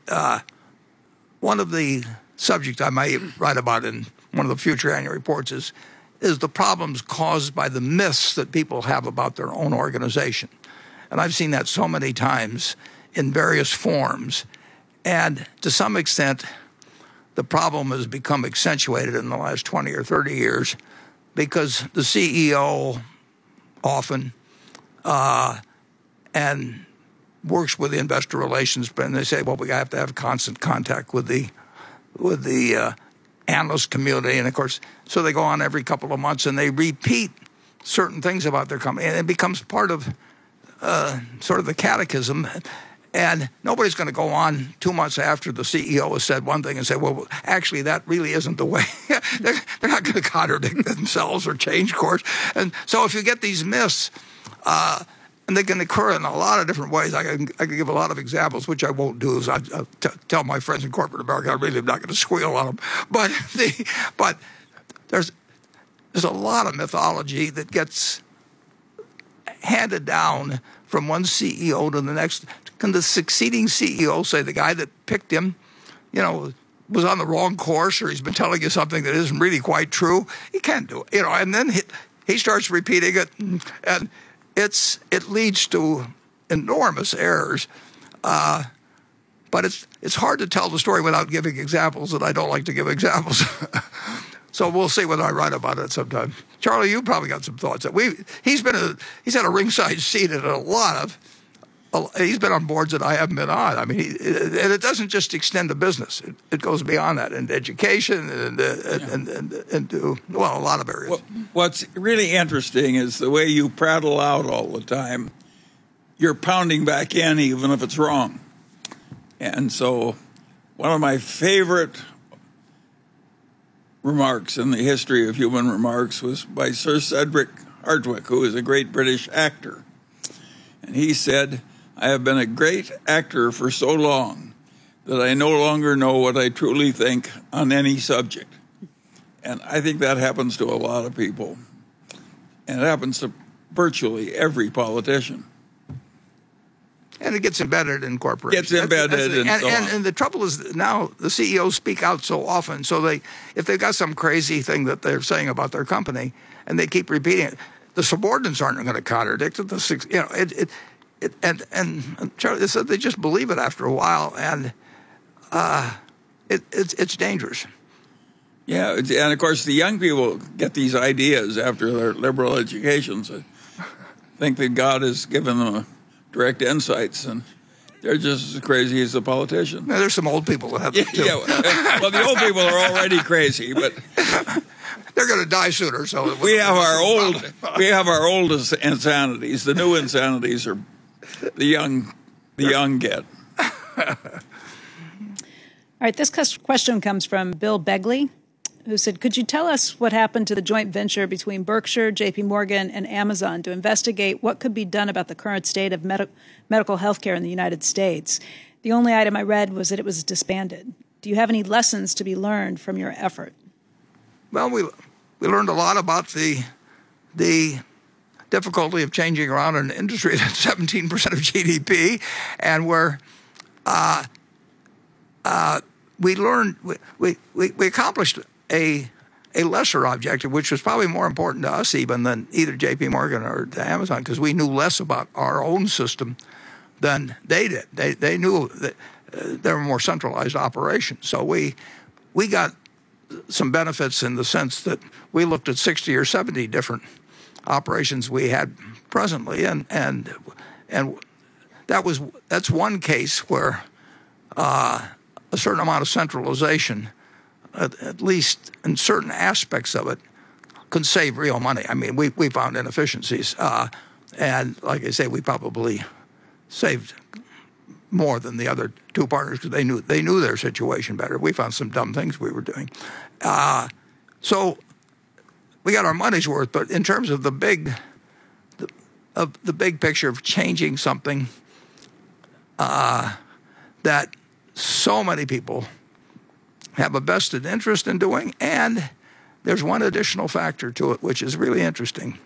one of the subjects I might write about in one of the future annual reports is the problems caused by the myths that people have about their own organization, and I've seen that so many times in various forms. To some extent, the problem has become accentuated in the last 20 or 30 years because the CEO often works with the investor relations, then they say, "Well, we have to have constant contact with the analyst community." Of course, they go on every couple of months, and they repeat certain things about their company, and it becomes part of sort of the catechism. Nobody's gonna go on two months after the CEO has said one thing and say, "Well, actually, that really isn't the way." They're not gonna contradict themselves or change course. If you get these myths, and they can occur in a lot of different ways. I can give a lot of examples, which I won't do, as I tell my friends in Corporate America, I really am not gonna squeal on them. But there's a lot of mythology that gets handed down from one CEO to the next. Can the succeeding CEO say the guy that picked him, you know, was on the wrong course, or he's been telling you something that isn't really quite true? He can't do it. You know, then he starts repeating it leads to enormous errors. It's hard to tell the story without giving examples, and I don't like to give examples. We'll see whether I write about it sometime. Charlie, you probably got some thoughts that we've. He's had a ringside seat at a lot of, he's been on boards that I haven't been on. I mean, he, it doesn't just extend to business. It goes beyond that, into education. Yeah To, well, a lot of areas. Well, what's really interesting is the way you prattle out all the time, you're pounding back in even if it's wrong. One of my favorite remarks in the history of human remarks was by Sir Cedric Hardwicke, who was a great British actor, and he said, "I have been a great actor for so long that I no longer know what I truly think on any subject." I think that happens to a lot of people. It happens to virtually every politician. It gets embedded in corporations. Gets embedded and so on. The trouble is now the CEOs speak out so often, so they, if they got some crazy thing that they're saying about their company, and they keep repeating it, the subordinates aren't gonna contradict them. You know, it and Charlie, they just believe it after a while, and it's dangerous. Yeah. Of course, the young people get these ideas after their liberal educations and think that God has given them direct insights, and they're just as crazy as the politician. Yeah, there's some old people that have them too. Yeah, well the old people are already crazy, but They're gonna die sooner, so it wouldn't. We have our old- probably. We have our old insanities. The new insanities are the young get. All right, this question comes from Bill Begley, who said, "Could you tell us what happened to the joint venture between Berkshire, JPMorgan, and Amazon to investigate what could be done about the current state of medical healthcare in the United States? The only item I read was that it was disbanded. Do you have any lessons to be learned from your effort? Well, we learned a lot about the difficulty of changing around an industry that's 17% of GDP. We accomplished a lesser objective, which was probably more important to us even than either JPMorgan or to Amazon, 'cause we knew less about our own system than they did. They knew that their more centralized operation. We got some benefits in the sense that we looked at 60 or 70 different operations we had presently and that was, that's one case where a certain amount of centralization, at least in certain aspects of it, can save real money. I mean, we found inefficiencies. Like I say, we probably saved more than the other two partners, 'cause they knew their situation better. We found some dumb things we were doing. We got our money's worth, but in terms of the big picture of changing something, that so many people have a vested interest in doing, and there's one additional factor to it which is really interesting.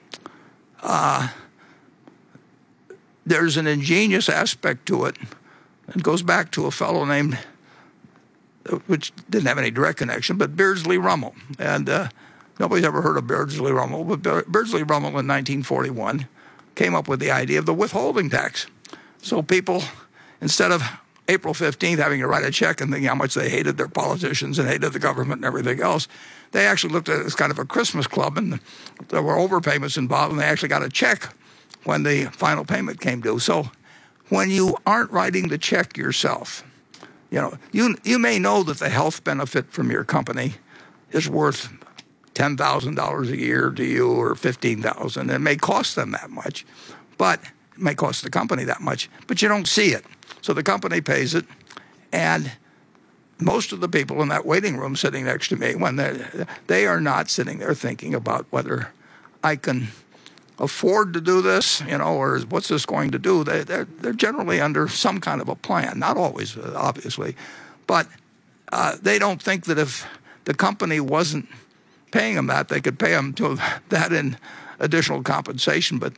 There's an ingenious aspect to it. It goes back to a fellow named, which didn't have any direct connection, but Beardsley Ruml. Nobody's ever heard of Beardsley Ruml. Beardsley Ruml in 1941 came up with the idea of the withholding tax. People, instead of April 15th having to write a check and thinking how much they hated their politicians and hated the government and everything else, they actually looked at it as kind of a Christmas club, and there were overpayments involved, and they actually got a check when the final payment came due. When you aren't writing the check yourself, you know, you may know that the health benefit from your company is worth $10,000 a year to you or $15,000. It may cost them that much. It may cost the company that much, but you don't see it. The company pays it, and most of the people in that waiting room sitting next to me when they are not sitting there thinking about whether I can afford to do this, you know, or what's this going to do? They're generally under some kind of a plan. Not always, obviously. They don't think that if the company wasn't paying them that, they could pay them till that in additional compensation. Of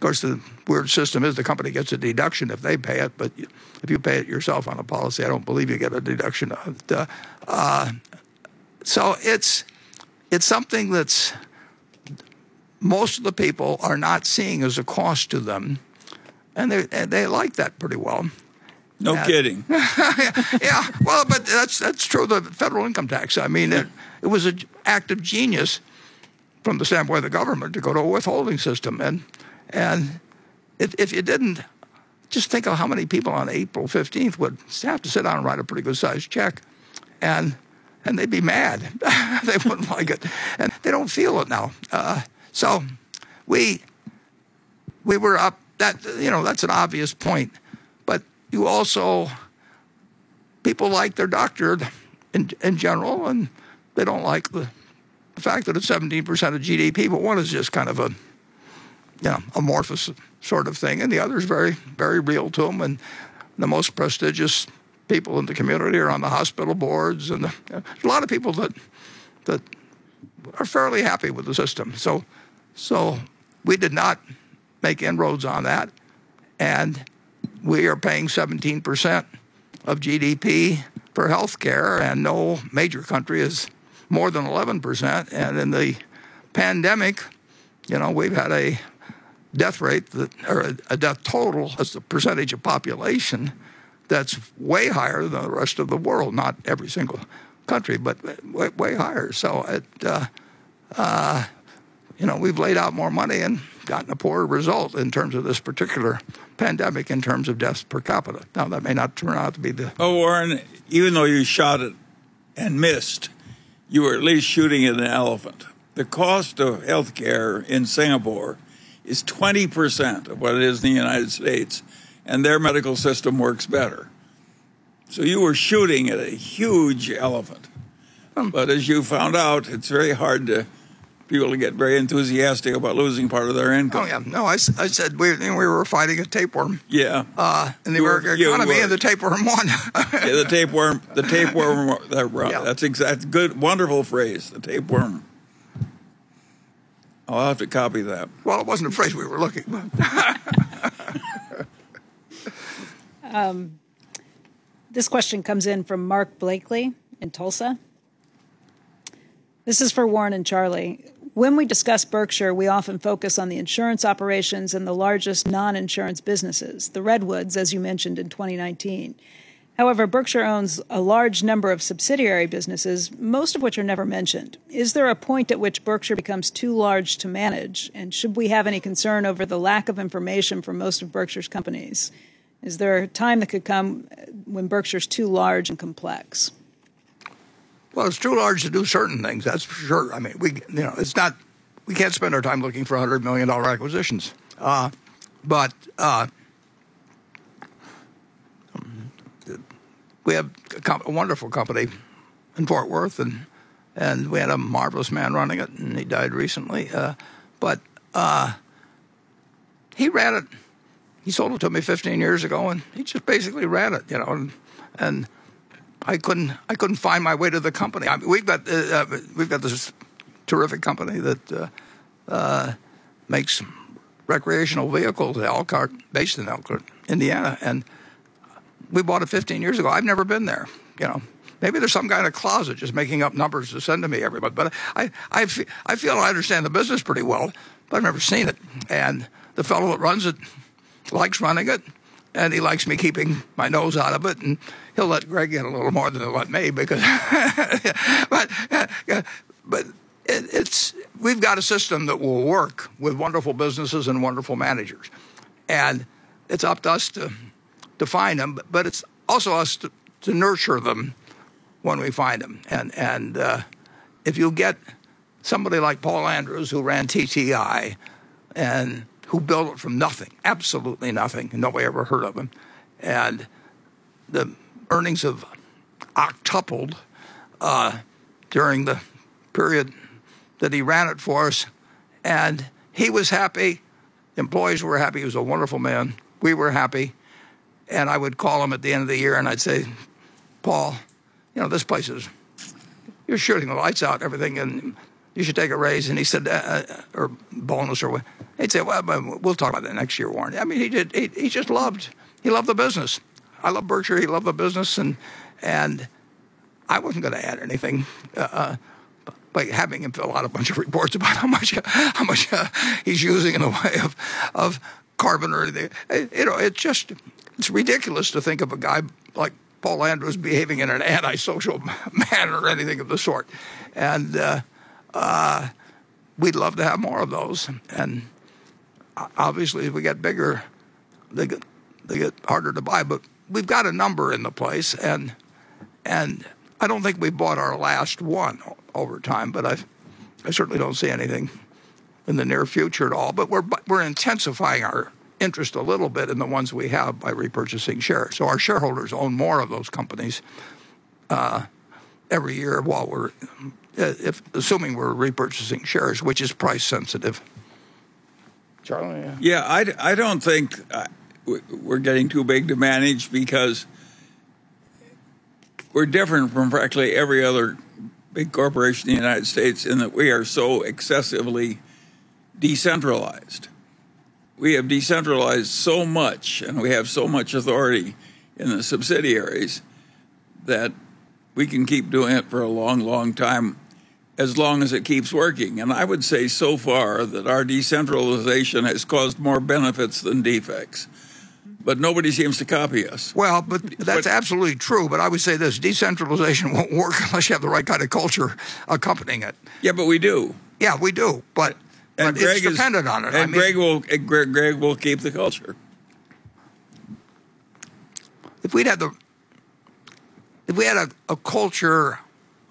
course, the weird system is the company gets a deduction if they pay it, but if you pay it yourself on a policy, I don't believe you get a deduction of the. So it's something that's, most of the people are not seeing as a cost to them, and they like that pretty well. No kidding. Yeah. Well, that's true of the federal income tax. I mean. Yeah it was a act of genius from the standpoint of the government to go to a withholding system. If it didn't, just think of how many people on April 15th would have to sit down and write a pretty good-sized check, and they'd be mad. They wouldn't like it. They don't feel it now. You know, that's an obvious point. You also, people like their doctor in general, and they don't like the fact that it's 17% of GDP, but one is just kind of a, you know, amorphous sort of thing, and the other is very, very real to them. The most prestigious people in the community are on the hospital boards. There's a lot of people that are fairly happy with the system. We did not make inroads on that, and we are paying 17% of GDP for healthcare. No major country is more than 11%. In the pandemic. You know, we've had a death rate that or a death total as a percentage of population that's way higher than the rest of the world. Not every single country, but way higher. It, you know, we've laid out more money and gotten a poorer result in terms of this particular pandemic in terms of deaths per capita. Now, that may not turn out to be the. Oh, Warren, even though you shot it and missed, you were at least shooting at an elephant. The cost of healthcare in Singapore is 20% of what it is in the United States, and their medical system works better. You were shooting at a huge elephant. As you found out, it's very hard to people to get very enthusiastic about losing part of their income. Oh, yeah, no, I said we were fighting a tapeworm. Yeah. The American economy. You were. The tapeworm won. Yeah, the tapeworm, right. Yeah. That's good, wonderful phrase, the tapeworm. Oh, I'll have to copy that. Well, it wasn't a phrase we were looking for. This question comes in from Mark Blakely in Tulsa. This is for Warren and Charlie. When we discuss Berkshire, we often focus on the insurance operations and the largest non-insurance businesses, the Redwoods, as you mentioned, in 2019. However, Berkshire owns a large number of subsidiary businesses, most of which are never mentioned. Is there a point at which Berkshire becomes too large to manage, and should we have any concern over the lack of information for most of Berkshire's companies? Is there a time that could come when Berkshire's too large and complex? Well, it's too large to do certain things, that's for sure. I mean, we, you know, we can't spend our time looking for $100 million acquisitions. We have a wonderful company in Fort Worth, and we had a marvelous man running it, and he died recently. He sold it to me 15 years ago, and he just basically ran it, you know? I couldn't find my way to the company. I mean, we've got this terrific company that makes recreational vehicles, Elkhart, based in Elkhart, Indiana, and we bought it 15 years ago. I've never been there, you know. Maybe there's some guy in a closet just making up numbers to send to me every month. I feel I understand the business pretty well, but I've never seen it. The fellow that runs it likes running it, and he likes me keeping my nose out of it, and he'll let Greg get a little more than he'll let me because, but it's, we've got a system that will work with wonderful businesses and wonderful managers, and it's up to us to find them. But it's also us to nurture them when we find them. If you'll get somebody like Paul Andrews, who ran TTI, and who built it from nothing, absolutely nothing, nobody ever heard of him, and the earnings have octupled during the period that he ran it for us, and he was happy. Employees were happy. He was a wonderful man. We were happy. I would call him at the end of the year, I'd say, "Paul, you know, you're shooting the lights out and everything, you should take a raise." He said, or bonus or what. He'd say, "Well, we'll talk about that next year, Warren." I mean, he did. He just loved, he loved the business. I love Berkshire, he loved the business, I wasn't gonna add anything by having him fill out a bunch of reports about how much he's using in the way of carbon or anything. You know, It's ridiculous to think of a guy like Paul Andrews behaving in an antisocial manner or anything of the sort. We'd love to have more of those. Obviously, as we get bigger, they get harder to buy. We've got a number in the place, and I don't think we bought our last one over time, but I certainly don't see anything in the near future at all. We're intensifying our interest a little bit in the ones we have by repurchasing shares, so our shareholders own more of those companies every year while we're, assuming we're repurchasing shares, which is price sensitive. Charlie? Yeah. Yeah, I don't think we're getting too big to manage because we're different from practically every other big corporation in the United States in that we are so excessively decentralized. We have decentralized so much, and we have so much authority in the subsidiaries, that we can keep doing it for a long, long time, as long as it keeps working. I would say so far that our decentralization has caused more benefits than defects. Nobody seems to copy us. Well, But. That's absolutely true, but I would say this, decentralization won't work unless you have the right kind of culture accompanying it. Yeah, but we do. Yeah, we do. And Greg is. it's dependent on it. Greg will keep the culture. If we had a culture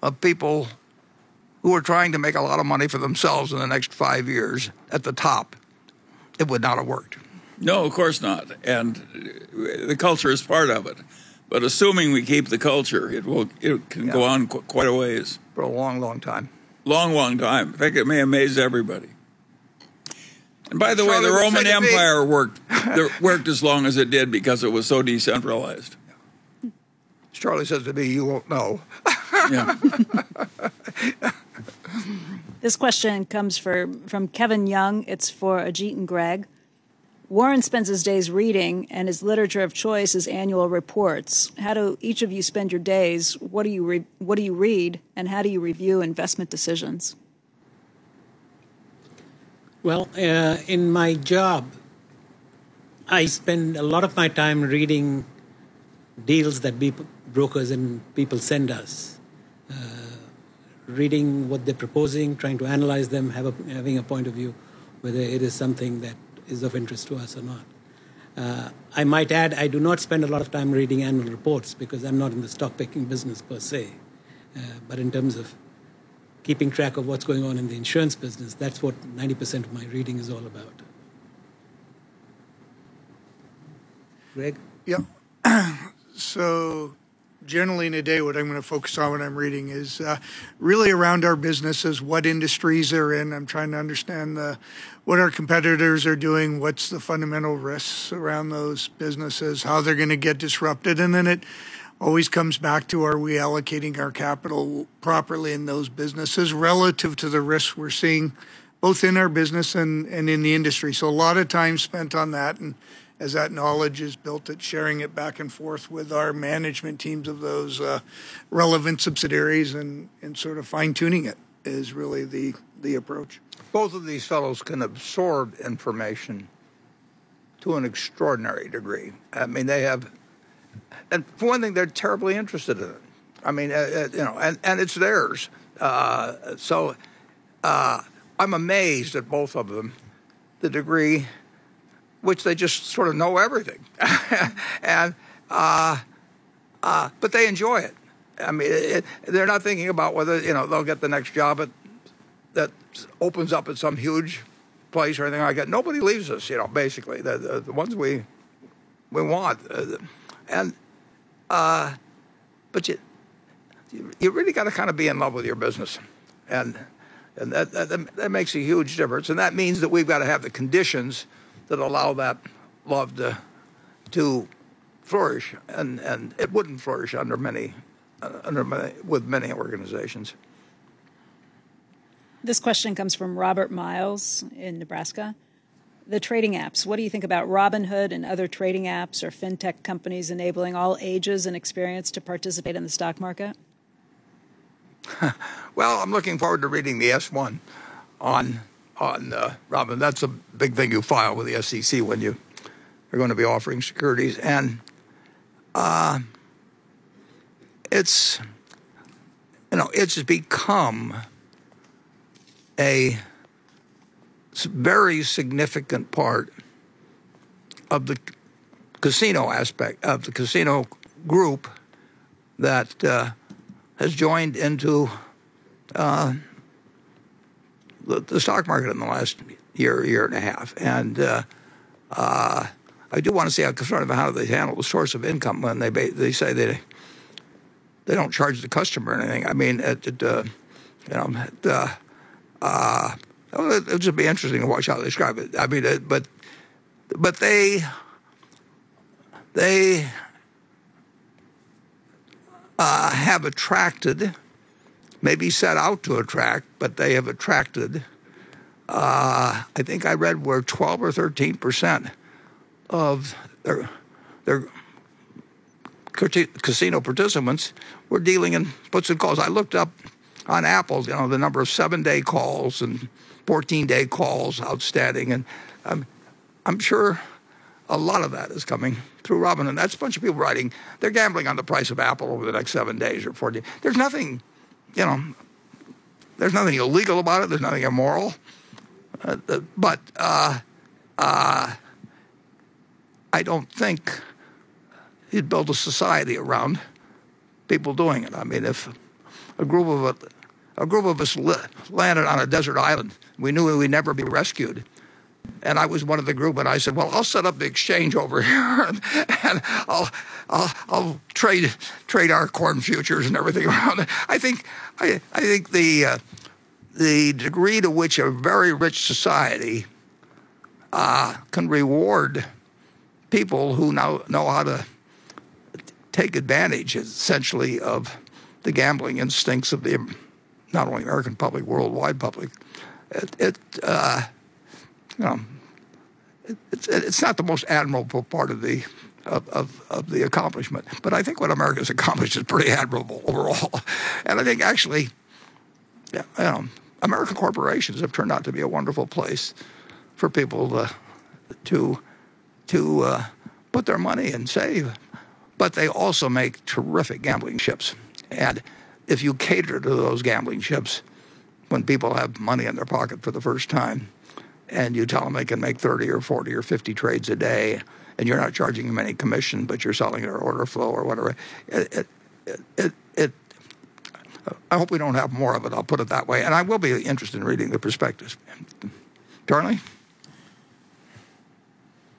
of people who were trying to make a lot of money for themselves in the next five years at the top, it would not have worked. No, of course not. The culture is part of it. Assuming we keep the culture, it can go on quite a ways. For a long, long time. Long, long time. In fact, it may amaze everybody. Charlie says to me By the way, the Roman Empire worked as long as it did because it was so decentralized. Yeah. Charlie says to me, "You won't know." Yeah. This question comes from Kevin Young. It's for Ajit and Greg. Warren spends his days reading, and his literature of choice is annual reports. How do each of you spend your days? What do you read, and how do you review investment decisions?" Well, in my job, I spend a lot of my time reading deals that brokers and people send us. Reading what they're proposing, trying to analyze them, having a point of view whether it is something that is of interest to us or not. I might add, I do not spend a lot of time reading annual reports because I'm not in the stock picking business per se. In terms of keeping track of what's going on in the insurance business, that's what 90% of my reading is all about. Greg? Yeah. Generally in a day, what I'm gonna focus on when I'm reading is really around our businesses, what industries they're in. I'm trying to understand what our competitors are doing, what's the fundamental risks around those businesses, how they're gonna get disrupted. It always comes back to are we allocating our capital properly in those businesses relative to the risks we're seeing both in our business and in the industry. A lot of time spent on that, and as that knowledge is built, it's sharing it back and forth with our management teams of those relevant subsidiaries and sort of fine-tuning it is really the approach. Both of these fellows can absorb information to an extraordinary degree. I mean, they have, for one thing, they're terribly interested in it. I mean, you know, it's theirs. I'm amazed at both of them, the degree which they just sort of know everything. They enjoy it. I mean, they're not thinking about whether, you know, they'll get the next job that opens up at some huge place or anything like that. Nobody leaves us, you know, basically. The ones we want. You really gotta kind of be in love with your business, and that makes a huge difference, and that means that we've gotta have the conditions that allow that love to flourish and it wouldn't flourish under many, with many organizations. This question comes from Robert Miles in Nebraska. The trading apps, what do you think about Robinhood and other trading apps or fintech companies enabling all ages and experience to participate in the stock market? Well, I'm looking forward to reading the S-1 on Robinhood. That's a big thing you file with the SEC when you are going to be offering securities. It's, you know, it's become a very significant part of the casino aspect, of the casino group that has joined into the stock market in the last year and a half. I do want to see how concerned about how they handle the source of income when they say they don't charge the customer anything. I mean, you know, it should be interesting to watch how they describe it. I mean, they have attracted, maybe set out to attract, but they have attracted, I think I read where 12% or 13% of their casino participants were dealing in puts and calls. I looked up on Apple's the number of seven-day calls and 14-day calls outstanding, and I'm sure a lot of that is coming through Robinhood, and that's a bunch of people writing. They're gambling on the price of Apple over the next seven days or 14. There's nothing illegal about it. There's nothing immoral. I don't think you'd build a society around people doing it. I mean, if a group of us landed on a desert island, we knew we would never be rescued, and I was one of the group, and I said, "Well, I'll set up the exchange over here, and I'll trade our corn futures and everything around it." I think the degree to which a very rich society can reward people who know how to take advantage, essentially, of the gambling instincts of the American public, worldwide public, it, you know, it's not the most admirable part of the accomplishment. I think what America's accomplished is pretty admirable overall. I think actually, you know, American corporations have turned out to be a wonderful place for people to put their money and save. They also make terrific gambling chips. If you cater to those gambling chips when people have money in their pocket for the first time, and you tell them they can make 30 or 40 or 50 trades a day, and you're not charging them any commission, but you're selling their order flow or whatever, it, I hope we don't have more of it, I'll put it that way, and I will be interested in reading the prospectus. Charlie?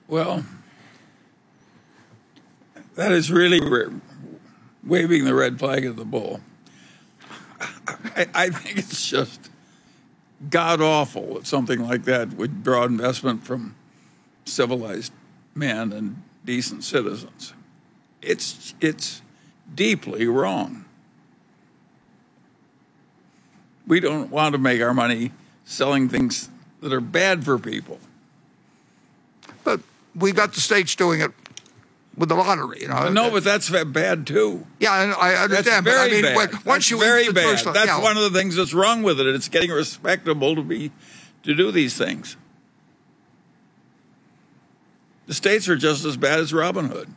Well, that is really waving the red flag at the bull. I think it's just God awful that something like that would draw investment from civilized men and decent citizens. It's deeply wrong. We don't want to make our money selling things that are bad for people. We've got the states doing it with the lottery, you know? No, that's bad too. Yeah, I understand. That's very bad. But, I mean, like, once you get your first- It's very bad. yeah That's one of the things that's wrong with it. It's getting respectable to be, to do these things. The states are just as bad as Robinhood.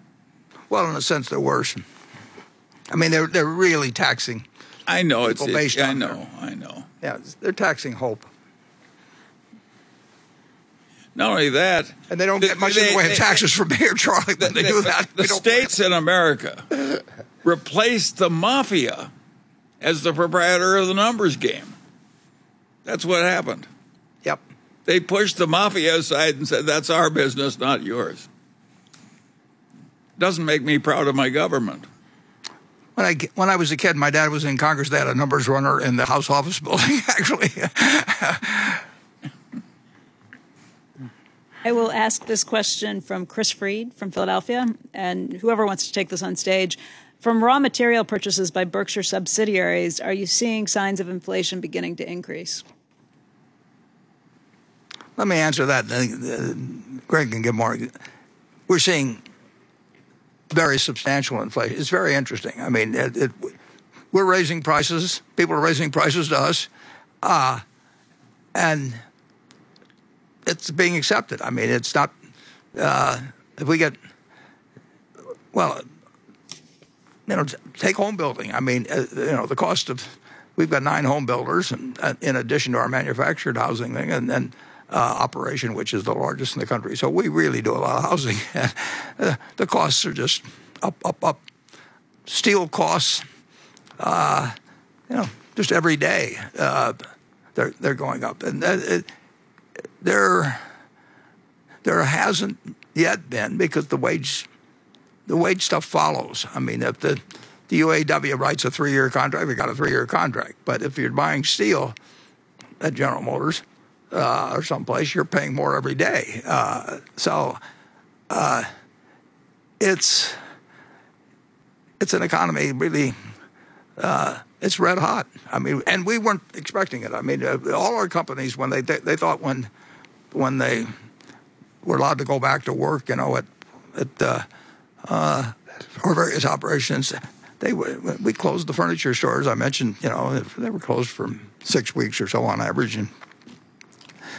Well, in a sense, they're worse. I mean, they're really taxing. I know. people based on- It's I know, I know. Yeah. They're taxing hope. Not only that. They don't get much in the way of taxes for beer truck that they do that. The states in America replaced the mafia as the proprietor of the numbers game. That's what happened. Yep. They pushed the mafia aside and said, "That's our business, not yours." Doesn't make me proud of my government. When I was a kid, my dad was in Congress. They had a numbers runner in the House office building, actually. I will ask this question from Chris Freed from Philadelphia. Whoever wants to take this on stage. From raw material purchases by Berkshire subsidiaries, are you seeing signs of inflation beginning to increase? Let me answer that. Greg can give more. We're seeing very substantial inflation. It's very interesting. I mean, it, we're raising prices. People are raising prices to us, and it's being accepted. I mean, it's not, if we get. Well, you know, take home building. I mean, you know, the cost of, we've got nine home builders in addition to our manufactured housing thing, and then, operation, which is the largest in the country. So we really do a lot of housing. The costs are just up, up. Steel costs, you know, just every day, they're going up. And that, it, there hasn't yet been, because the wage stuff follows. I mean, if the UAW writes a three-year contract, we got a three-year contract. If you're buying steel at General Motors, or someplace, you're paying more every day. It's an economy really, it's red hot. I mean, we weren't expecting it. I mean, all our companies, when they thought when they were allowed to go back to work, you know, at our various operations, we closed the furniture store, as I mentioned. You know, they were closed for six weeks or so on average, and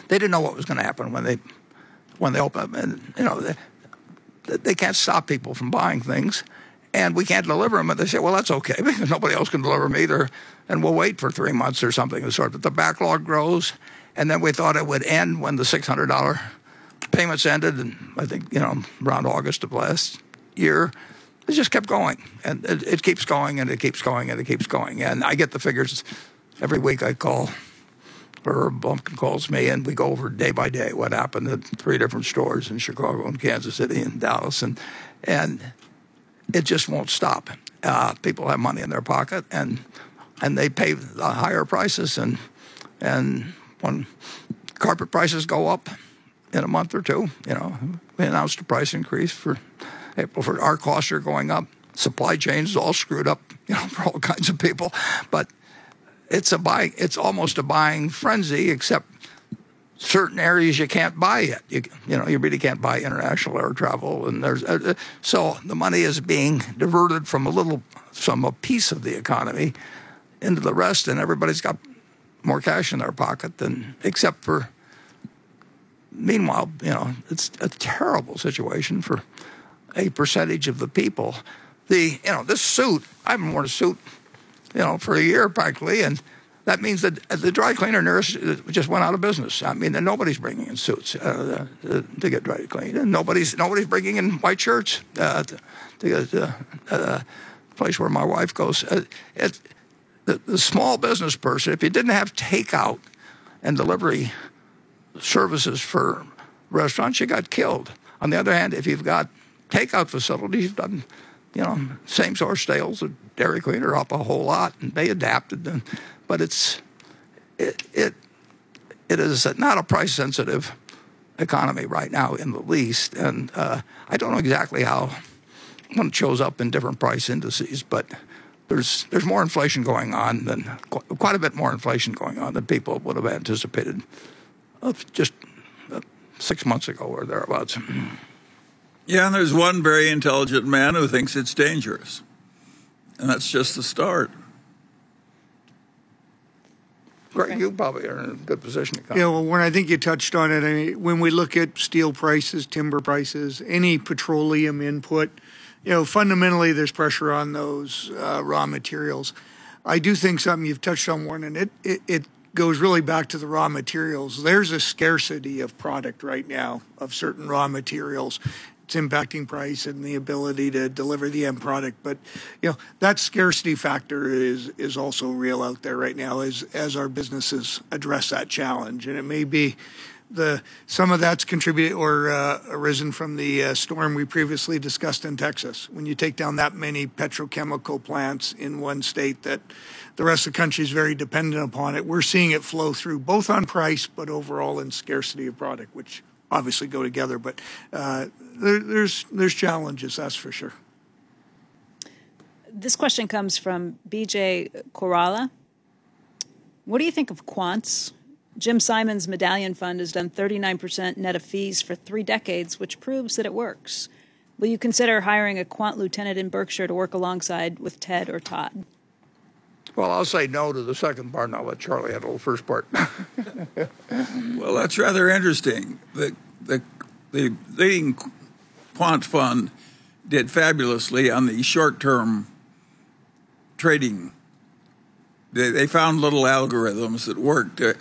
they didn't know what was gonna happen when they opened. You know, they can't stop people from buying things, and we can't deliver them. They said, "Well, that's okay." Nobody else can deliver them either, and we'll wait for three months or something of the sort. The backlog grows, we thought it would end when the $600 payments ended in, I think, you know, around August of last year. It just kept going, it keeps going, it keeps going, and it keeps going. I get the figures. Every week I call, or Blumkin calls me, and we go over day by day what happened at three different stores in Chicago and Kansas City and Dallas, it just won't stop. People have money in their pocket, they pay the higher prices. When carpet prices go up in a month or two, you know, we announced a price increase for April. For our costs are going up. Supply chain's all screwed up, you know, for all kinds of people. It's almost a buying frenzy, except certain areas you can't buy yet. You know, you really can't buy international air travel. The money is being diverted from a piece of the economy into the rest. Everybody's got more cash in their pocket. Except for meanwhile, you know, it's a terrible situation for a percentage of the people. You know, this suit, I haven't worn a suit, you know, for a year practically. That means that the dry cleaner just went out of business. I mean, nobody's bringing in suits to get dry cleaned. Nobody's bringing in my church to the place where my wife goes. The small business person, if you didn't have takeout and delivery services for restaurants, you got killed. On the other hand, if you've got takeout facilities, then, you know, same store sales at Dairy Queen are up a whole lot, and they adapted. It's not a price sensitive economy right now in the least. I don't know exactly how, when it shows up in different price indices, but there's more inflation going on than quite a bit more inflation going on than people would have anticipated of just six months ago or thereabouts. Yeah. There's one very intelligent man who thinks it's dangerous, and that's just the start. Greg, you probably are in a good position to comment. Yeah. Well, Warren, I think you touched on it. When we look at steel prices, timber prices, any petroleum input, you know, fundamentally there's pressure on those raw materials. I do think something you've touched on, Warren, it goes really back to the raw materials. There's a scarcity of product right now of certain raw materials. It's impacting price and the ability to deliver the end product. You know, that scarcity factor is also real out there right now as our businesses address that challenge. It may be the, some of that's contributed or arisen from the storm we previously discussed in Texas. When you take down that many petrochemical plants in one state that the rest of the country is very dependent upon it, we're seeing it flow through both on price, but overall in scarcity of product, which obviously go together. There's challenges, that's for sure. This question comes from BJ Coralla. What do you think of quants? Jim Simons' Medallion Fund has done 39% net of fees for three decades, which proves that it works. Will you consider hiring a quant lieutenant in Berkshire to work alongside with Ted or Todd? Well, I'll say no to the second part, and I'll let Charlie handle the first part. Well, that's rather interesting. The leading quant fund did fabulously on the short-term trading. They found little algorithms that worked. They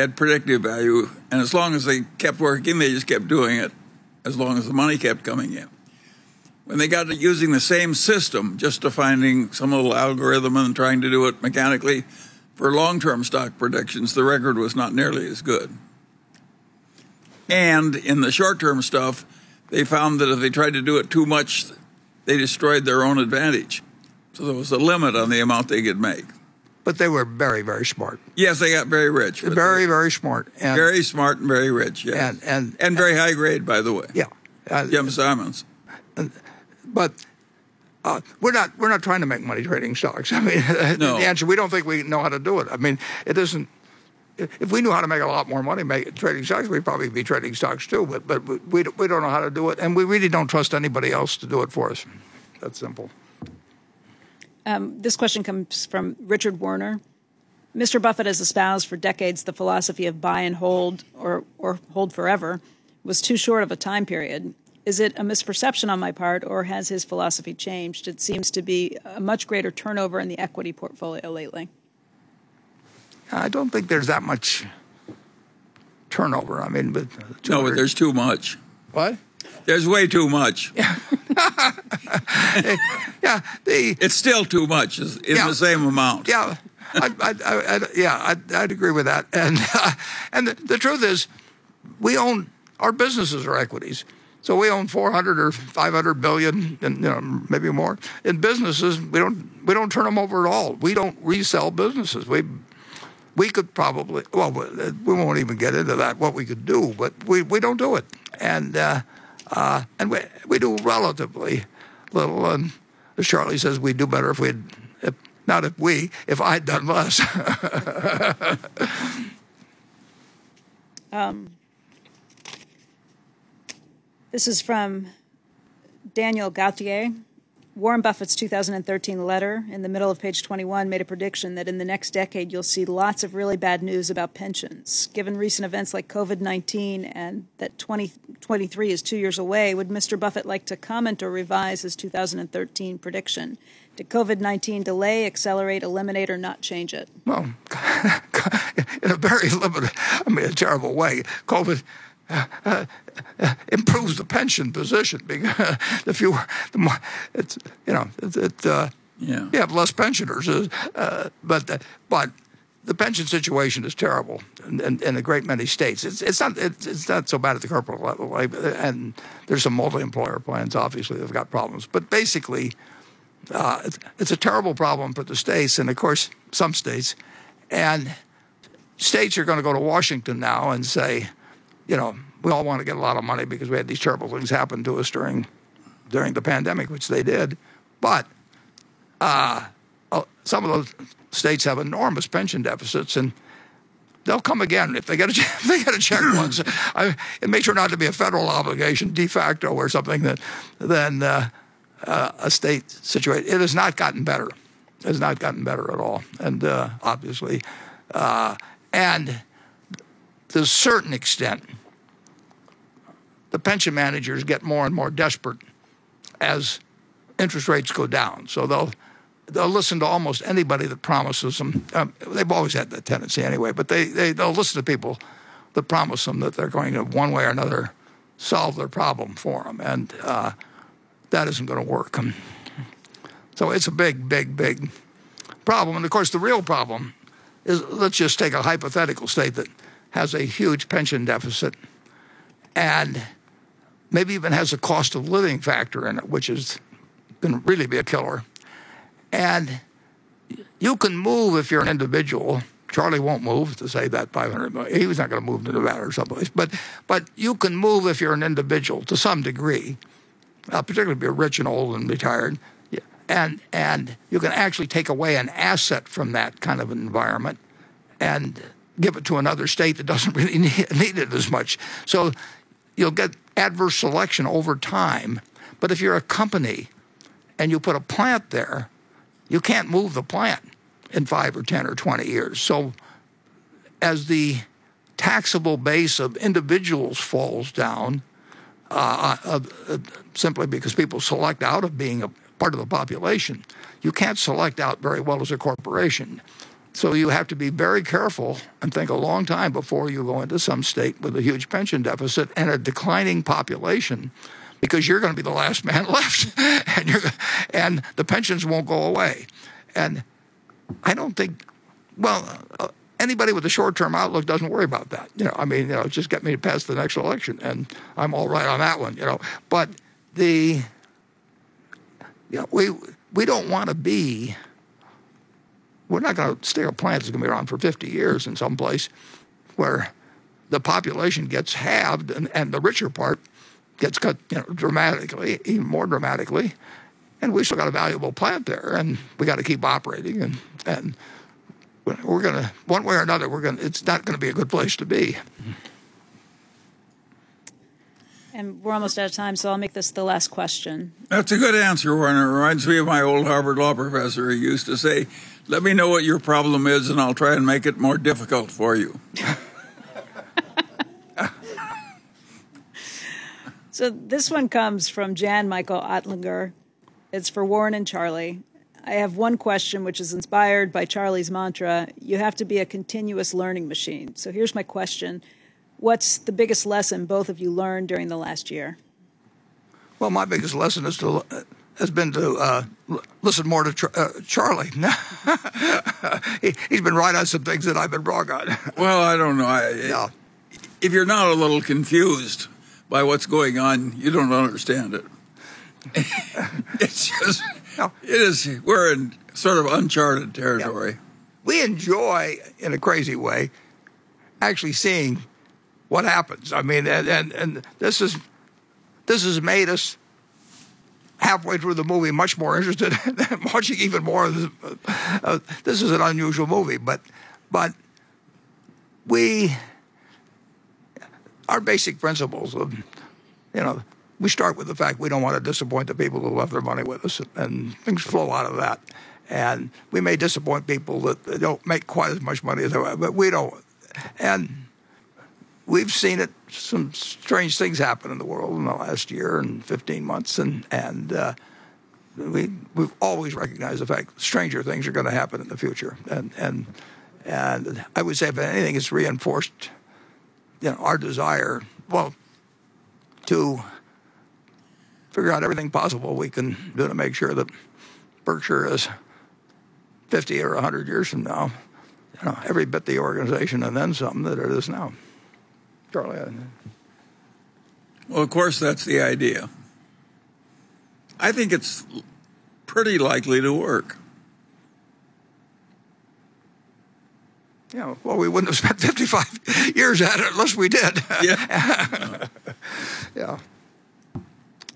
had predictive value, and as long as they kept working, they just kept doing it, as long as the money kept coming in. When they got to using the same system just to finding some little algorithm and trying to do it mechanically for long-term stock predictions, the record was not nearly as good. In the short-term stuff, they found that if they tried to do it too much, they destroyed their own advantage. There was a limit on the amount they could make. They were very, very smart. Yes, they got very rich. Very, very smart. Very smart and very rich, yes. and- Very high grade, by the way. Yeah. Jim Simons. We're not trying to make money trading stocks. I mean. No the answer, we don't think we know how to do it. I mean, if we knew how to make a lot more money trading stocks, we'd probably be trading stocks too. We don't know how to do it, and we really don't trust anybody else to do it for us. That simple. This question comes from Richard Warner. Mr. Buffett has espoused for decades the philosophy of buy and hold or hold forever was too short of a time period. Is it a misperception on my part, or has his philosophy changed? It seems to be a much greater turnover in the equity portfolio lately. I don't think there's that much turnover. I mean. No, but there's too much. what? There's way too much. Yeah. Yeah. It's still too much. Yeah it's the same amount. Yeah, I'd agree with that. The truth is, we own, our businesses are equities, so we own $400 billion or $500 billion and, you know, maybe more. In businesses we don't, we don't turn them over at all. We don't resell businesses. We could probably. Well, we won't even get into that, what we could do, but we don't do it. We do relatively little, and as Charlie says, we'd do better if I'd done less. This is from Daniel Gautier. Warren Buffett's 2013 letter in the middle of page 21 made a prediction that in the next decade, you'll see lots of really bad news about pensions. Given recent events like COVID-19 and that 2023 is two years away, would Mr. Buffett like to comment or revise his 2013 prediction? Did COVID-19 delay, accelerate, eliminate, or not change it? Well, in a very limited, I mean, a terrible way, COVID-19 improves the pension position because the fewer, the more It's, you know, it. Yeah You have less pensioners. The pension situation is terrible in a great many states. It's not so bad at the corporate level. There's some multi-employer plans, obviously, that have got problems. Basically, it's a terrible problem for the states and of course some states. States are gonna go to Washington now and say, "You know, we all want to get a lot of money because we had these terrible things happen to us during the pandemic," which they did. Some of those states have enormous pension deficits, and they'll come again if they get a check once. Make sure not to be a federal obligation de facto or something then. It has not gotten better. It has not gotten better at all, and obviously. To a certain extent, the pension managers get more and more desperate as interest rates go down. They'll listen to almost anybody that promises them. They've always had that tendency anyway, but they'll listen to people that promise them that they're going to one way or another solve their problem for them, and that isn't gonna work. It's a big, big, big problem. Of course the real problem is, let's just take a hypothetical state that has a huge pension deficit, and maybe even has a cost of living factor in it, which is gonna really be a killer, and you can move if you're an individual. Charlie won't move to save that $500 million. He was not gonna move to Nevada or someplace. You can move if you're an individual to some degree, particularly if you're rich and old and retired. Yeah. You can actually take away an asset from that kind of environment and give it to another state that doesn't really need it as much. You'll get adverse selection over time. If you're a company and you put a plant there, you can't move the plant in five or 10 or 20 years. As the taxable base of individuals falls down, simply because people select out of being a part of the population, you can't select out very well as a corporation. You have to be very careful and think a long time before you go into some state with a huge pension deficit and a declining population, because you're gonna be the last man left, and the pensions won't go away. Well, anybody with a short-term outlook doesn't worry about that, you know. I mean, you know, "Just get me past the next election and I'm all right on that one," you know? You know, we're not gonna stay at a plant that's gonna be around for 50 years in some place where the population gets halved and the richer part gets cut, you know, dramatically, even more dramatically, and we still got a valuable plant there, and we gotta keep operating. One way or another, it's not gonna be a good place to be. We're almost out of time, so I'll make this the last question. That's a good answer, Warren. It reminds me of my old Harvard law professor who used to say, "Let me know what your problem is, and I'll try and make it more difficult for you." This one comes from Jan Michael Ottlinger. It's for Warren and Charlie. "I have one question, which is inspired by Charlie's mantra, you have to be a continuous learning machine. Here's my question: What's the biggest lesson both of you learned during the last year?" Well, my biggest lesson is to listen more to Charlie. He's been right on some things that I've been wrong on. Well, I don't know. Yeah If you're not a little confused by what's going on, you don't understand it. It's just. Yeah It is. We're in sort of uncharted territory. Yeah. We enjoy, in a crazy way, actually seeing what happens. I mean, and this has made us halfway through the movie much more interested in watching even more. This is an unusual movie. Our basic principles of, you know, we start with the fact we don't wanna disappoint the people who left their money with us, things flow out of that. We may disappoint people that they don't make quite as much money as they but we don't. We've seen it, some strange things happen in the world in the last year and 15 months, and we've always recognized the fact stranger things are gonna happen in the future. I would say if anything, it's reinforced, you know, our desire to figure out everything possible we can do to make sure that Berkshire is 50 or 100 years from now, you know, every bit the organization and then some that it is now. Charlie, anything? Well, of course that's the idea. I think it's pretty likely to work. Yeah. Well, we wouldn't have spent 55 years at it unless we did. Yeah. Yeah.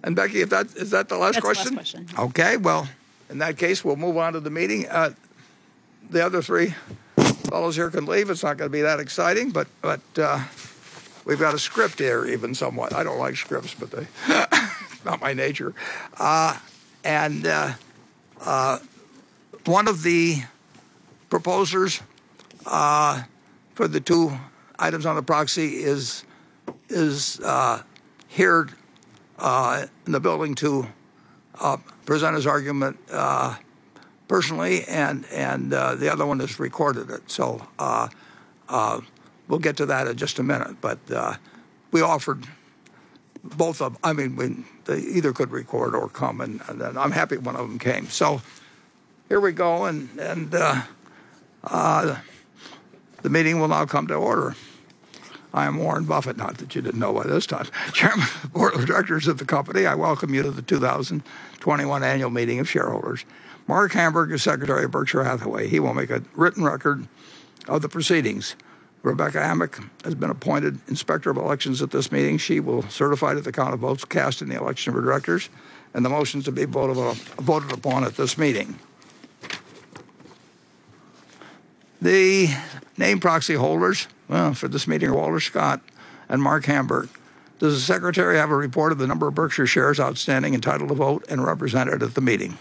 Becky, Is that the last question? That's the last question. Okay. Well, in that case, we'll move on to the meeting. The other three fellows here can leave. It's not gonna be that exciting, but we've got a script here even somewhat. I don't like scripts, but not my nature. One of the proposers for the two items on the proxy is here in the building to present his argument personally, and the other one has recorded it. We'll get to that in just a minute. We offered both of, I mean, when they either could record or come, and I'm happy one of them came. Here we go, and the meeting will now come to order. I am Warren Buffett, not that you didn't know by this time, Chairman of the Board of Directors of the company. I welcome you to the 2021 annual meeting of shareholders. Marc Hamburg is Secretary of Berkshire Hathaway. He will make a written record of the proceedings. Rebecca Amick has been appointed Inspector of Elections at this meeting. She will certify that the count of votes cast in the election of directors and the motions to be voted upon at this meeting. The named proxy holders for this meeting are Walter Scott and Marc Hamburg. Does the Secretary have a report of the number of Berkshire shares outstanding entitled to vote and represented at the meeting?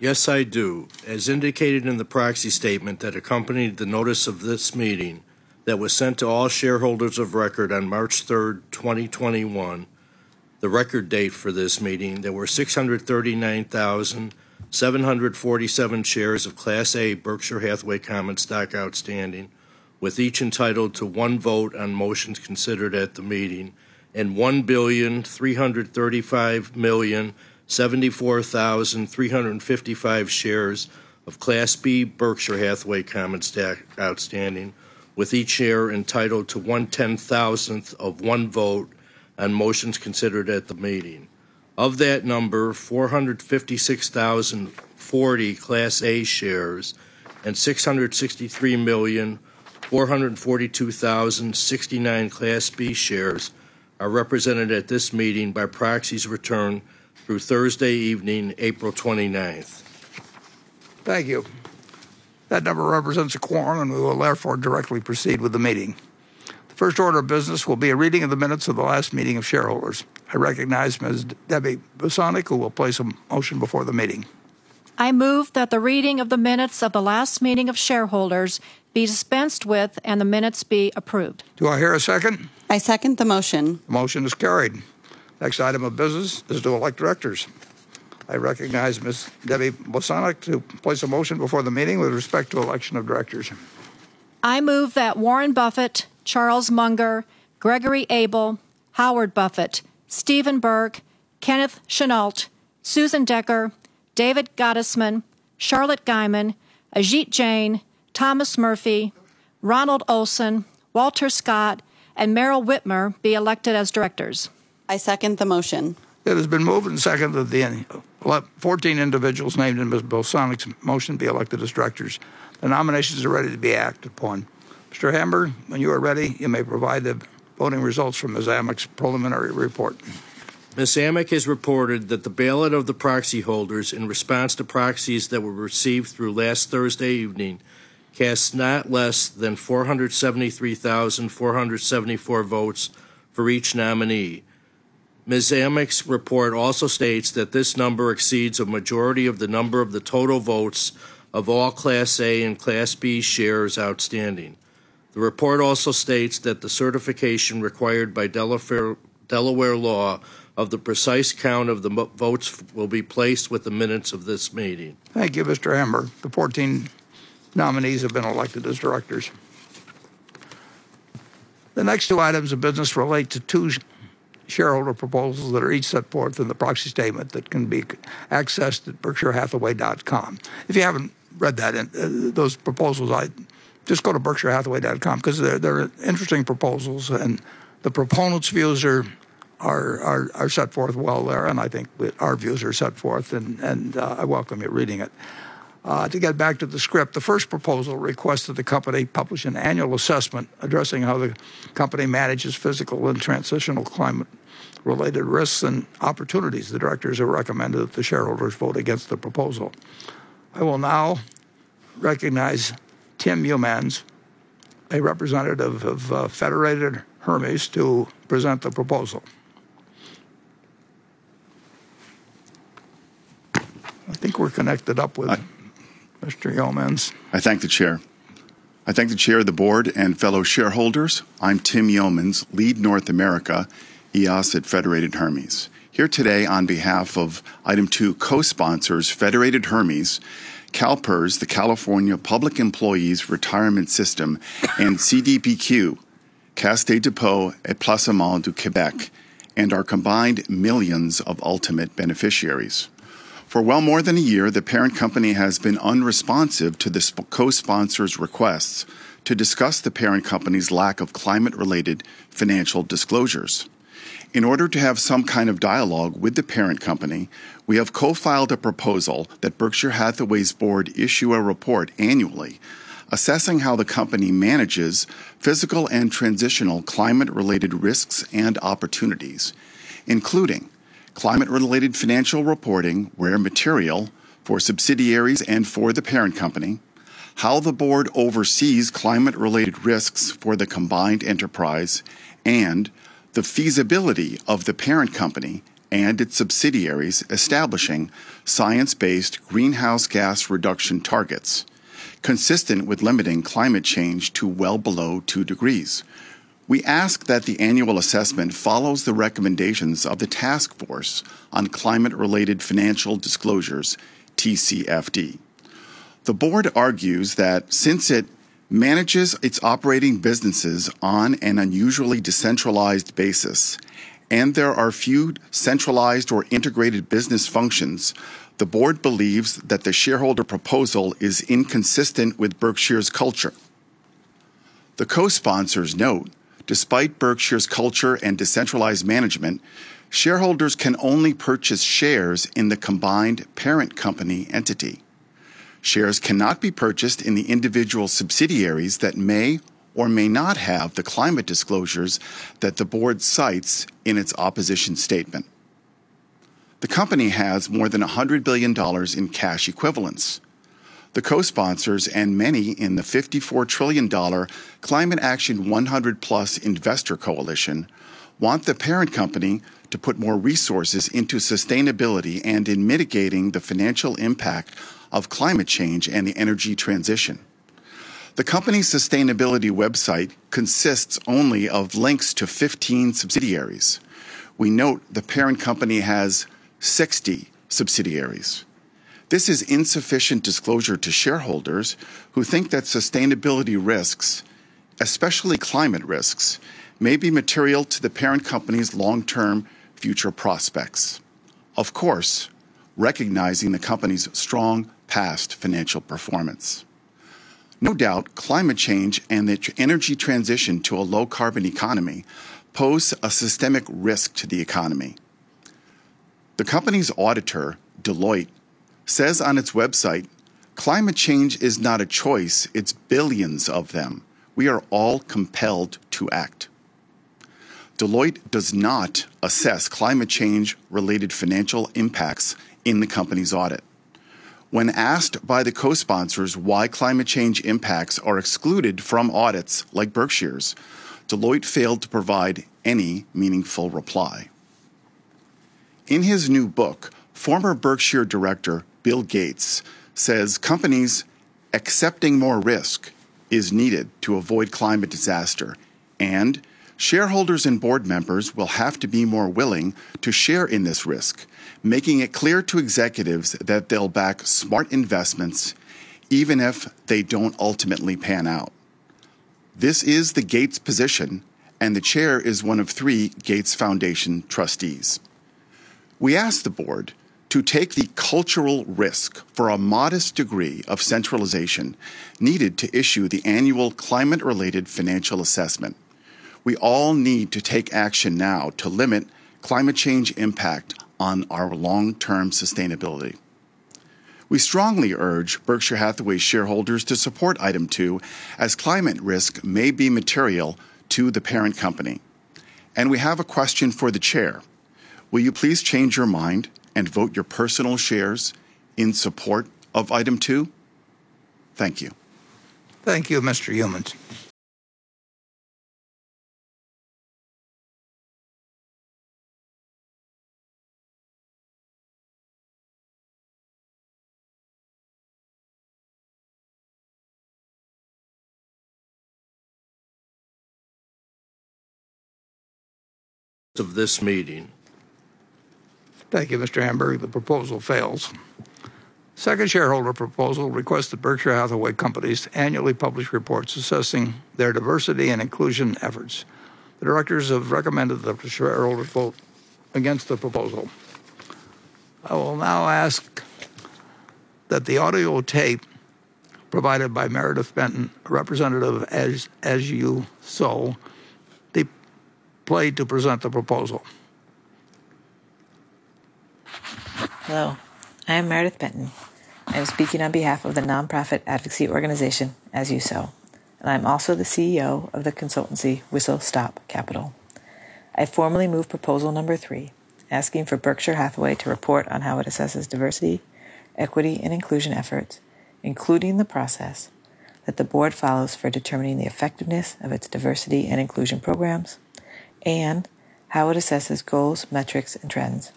Yes, I do. As indicated in the proxy statement that accompanied the notice of this meeting that was sent to all shareholders of record on March 3rd, 2021, the record date for this meeting, there were 639,747 shares of Class A Berkshire Hathaway common stock outstanding, with each entitled to one vote on motions considered at the meeting, and 1,335,074,355 shares of Class B Berkshire Hathaway common stock outstanding, with each share entitled to 1/10,000th of one vote on motions considered at the meeting. Of that number, 456,040 Class A shares and 663,442,069 Class B shares are represented at this meeting by proxies returned through Thursday evening, April 29th. Thank you. That number represents a quorum. We will therefore directly proceed with the meeting. The first order of business will be a reading of the minutes of the last meeting of shareholders. I recognize Ms. Debbie Bosanek, who will place a motion before the meeting. I move that the reading of the minutes of the last meeting of shareholders be dispensed with and the minutes be approved. Do I hear a second? I second the motion. Motion is carried. Next item of business is to elect directors. I recognize Ms. Debbie Bosanek to place a motion before the meeting with respect to election of directors. I move that Warren Buffett, Charles Munger, Gregory Abel, Howard Buffett, Stephen Burke, Kenneth Chenault, Susan Decker, David Gottesman, Charlotte Guyman, Ajit Jain, Thomas Murphy, Ronald Olson, Walter Scott Jr., and Meryl Witmer be elected as directors. I second the motion. It has been moved and seconded that the 14 individuals named in Ms. Bosanek's motion be elected as directors. The nominations are ready to be acted upon. Mr. Hamburg, when you are ready, you may provide the voting results from Ms. Amick's preliminary report. Ms. Amick has reported that the ballot of the proxy holders in response to proxies that were received through last Thursday evening cast not less than 473,474 votes for each nominee. Ms. Amick's report also states that this number exceeds a majority of the number of the total votes of all Class A and Class B shares outstanding. The report also states that the certification required by Delaware law of the precise count of the votes will be placed with the minutes of this meeting. Thank you, Mr. Hamburg. The 14 nominees have been elected as directors. The next two items of business relate to two shareholder proposals that are each set forth in the proxy statement that can be accessed at berkshirehathaway.com. If you haven't read that and those proposals, I'd just go to berkshirehathaway.com because they're interesting proposals, and the proponents' views are set forth well there. I think our views are set forth and I welcome you reading it. To get back to the script, the first proposal requests that the company publish an annual assessment addressing how the company manages physical and transitional climate-related risks and opportunities. The directors have recommended that the shareholders vote against the proposal. I will now recognize Tim Youmans, a representative of Federated Hermes, to present the proposal. I think we're connected up with Mr. Youmans. I thank the chair. I thank the chair of the Board and fellow shareholders. I'm Tim Youmans, Lead North America, EOS at Federated Hermes. Here today on behalf of Item 2 co-sponsors Federated Hermes, CalPERS, the California Public Employees' Retirement System, and CDPQ, Caisse de dépôt et placement du Québec, and our combined millions of ultimate beneficiaries. For well more than a year, the parent company has been unresponsive to the co-sponsors' requests to discuss the parent company's lack of climate-related financial disclosures. In order to have some kind of dialogue with the parent company, we have co-filed a proposal that Berkshire Hathaway's board issue a report annually assessing how the company manages physical and transitional climate-related risks and opportunities, including climate-related financial reporting where material for subsidiaries and for the parent company, how the board oversees climate-related risks for the combined enterprise, and the feasibility of the parent company and its subsidiaries establishing science-based greenhouse gas reduction targets consistent with limiting climate change to well below 2 degrees. We ask that the annual assessment follows the recommendations of the Task Force on Climate-related Financial Disclosures, TCFD. The board argues that since it manages its operating businesses on an unusually decentralized basis, and there are few centralized or integrated business functions, the board believes that the shareholder proposal is inconsistent with Berkshire's culture. The co-sponsors note, despite Berkshire's culture and decentralized management, shareholders can only purchase shares in the combined parent company entity. Shares cannot be purchased in the individual subsidiaries that may or may not have the climate disclosures that the board cites in its opposition statement. The company has more than $100 billion in cash equivalents. The co-sponsors and many in the $54 trillion Climate Action 100+ investor coalition want the parent company to put more resources into sustainability and in mitigating the financial impact of climate change and the energy transition. The company's sustainability website consists only of links to 15 subsidiaries. We note the parent company has 60 subsidiaries. This is insufficient disclosure to shareholders who think that sustainability risks, especially climate risks, may be material to the parent company's long-term future prospects. Of course, recognizing the company's strong past financial performance. No doubt, climate change and the energy transition to a low-carbon economy pose a systemic risk to the economy. The company's auditor, Deloitte, says on its website, "Climate change is not a choice. It's billions of them. We are all compelled to act." Deloitte does not assess climate change-related financial impacts in the company's audit. When asked by the co-sponsors why climate change impacts are excluded from audits like Berkshire's, Deloitte failed to provide any meaningful reply. In his new book, former Berkshire director Bill Gates says companies accepting more risk is needed to avoid climate disaster, and shareholders and board members will have to be more willing to share in this risk, making it clear to executives that they'll back smart investments even if they don't ultimately pan out. This is the Gates position, and the chair is one of three Gates Foundation trustees. We ask the board to take the cultural risk for a modest degree of centralization needed to issue the annual climate-related financial assessment. We all need to take action now to limit climate change impact on our long-term sustainability. We strongly urge Berkshire Hathaway shareholders to support Item 2 as climate risk may be material to the parent company. We have a question for the chair. Will you please change your mind and vote your personal shares in support of Item 2? Thank you. Thank you, Mr. Youmans. Of this meeting. Thank you, Mr. Hamburg. The proposal fails. Second shareholder proposal requests the Berkshire Hathaway companies annually publish reports assessing their diversity and inclusion efforts. The directors have recommended the shareholder vote against the proposal. I will now ask that the audio tape provided by Meredith Benton, a representative of As You Sow, be played to present the proposal. Hello, I am Meredith Benton. I am speaking on behalf of the nonprofit advocacy organization, As You Sow, and I'm also the CEO of the consultancy Whistle Stop Capital. I formally move Proposal No. 3, asking for Berkshire Hathaway to report on how it assesses diversity, equity, and inclusion efforts, including the process that the board follows for determining the effectiveness of its diversity and inclusion programs and how it assesses goals, metrics, and trends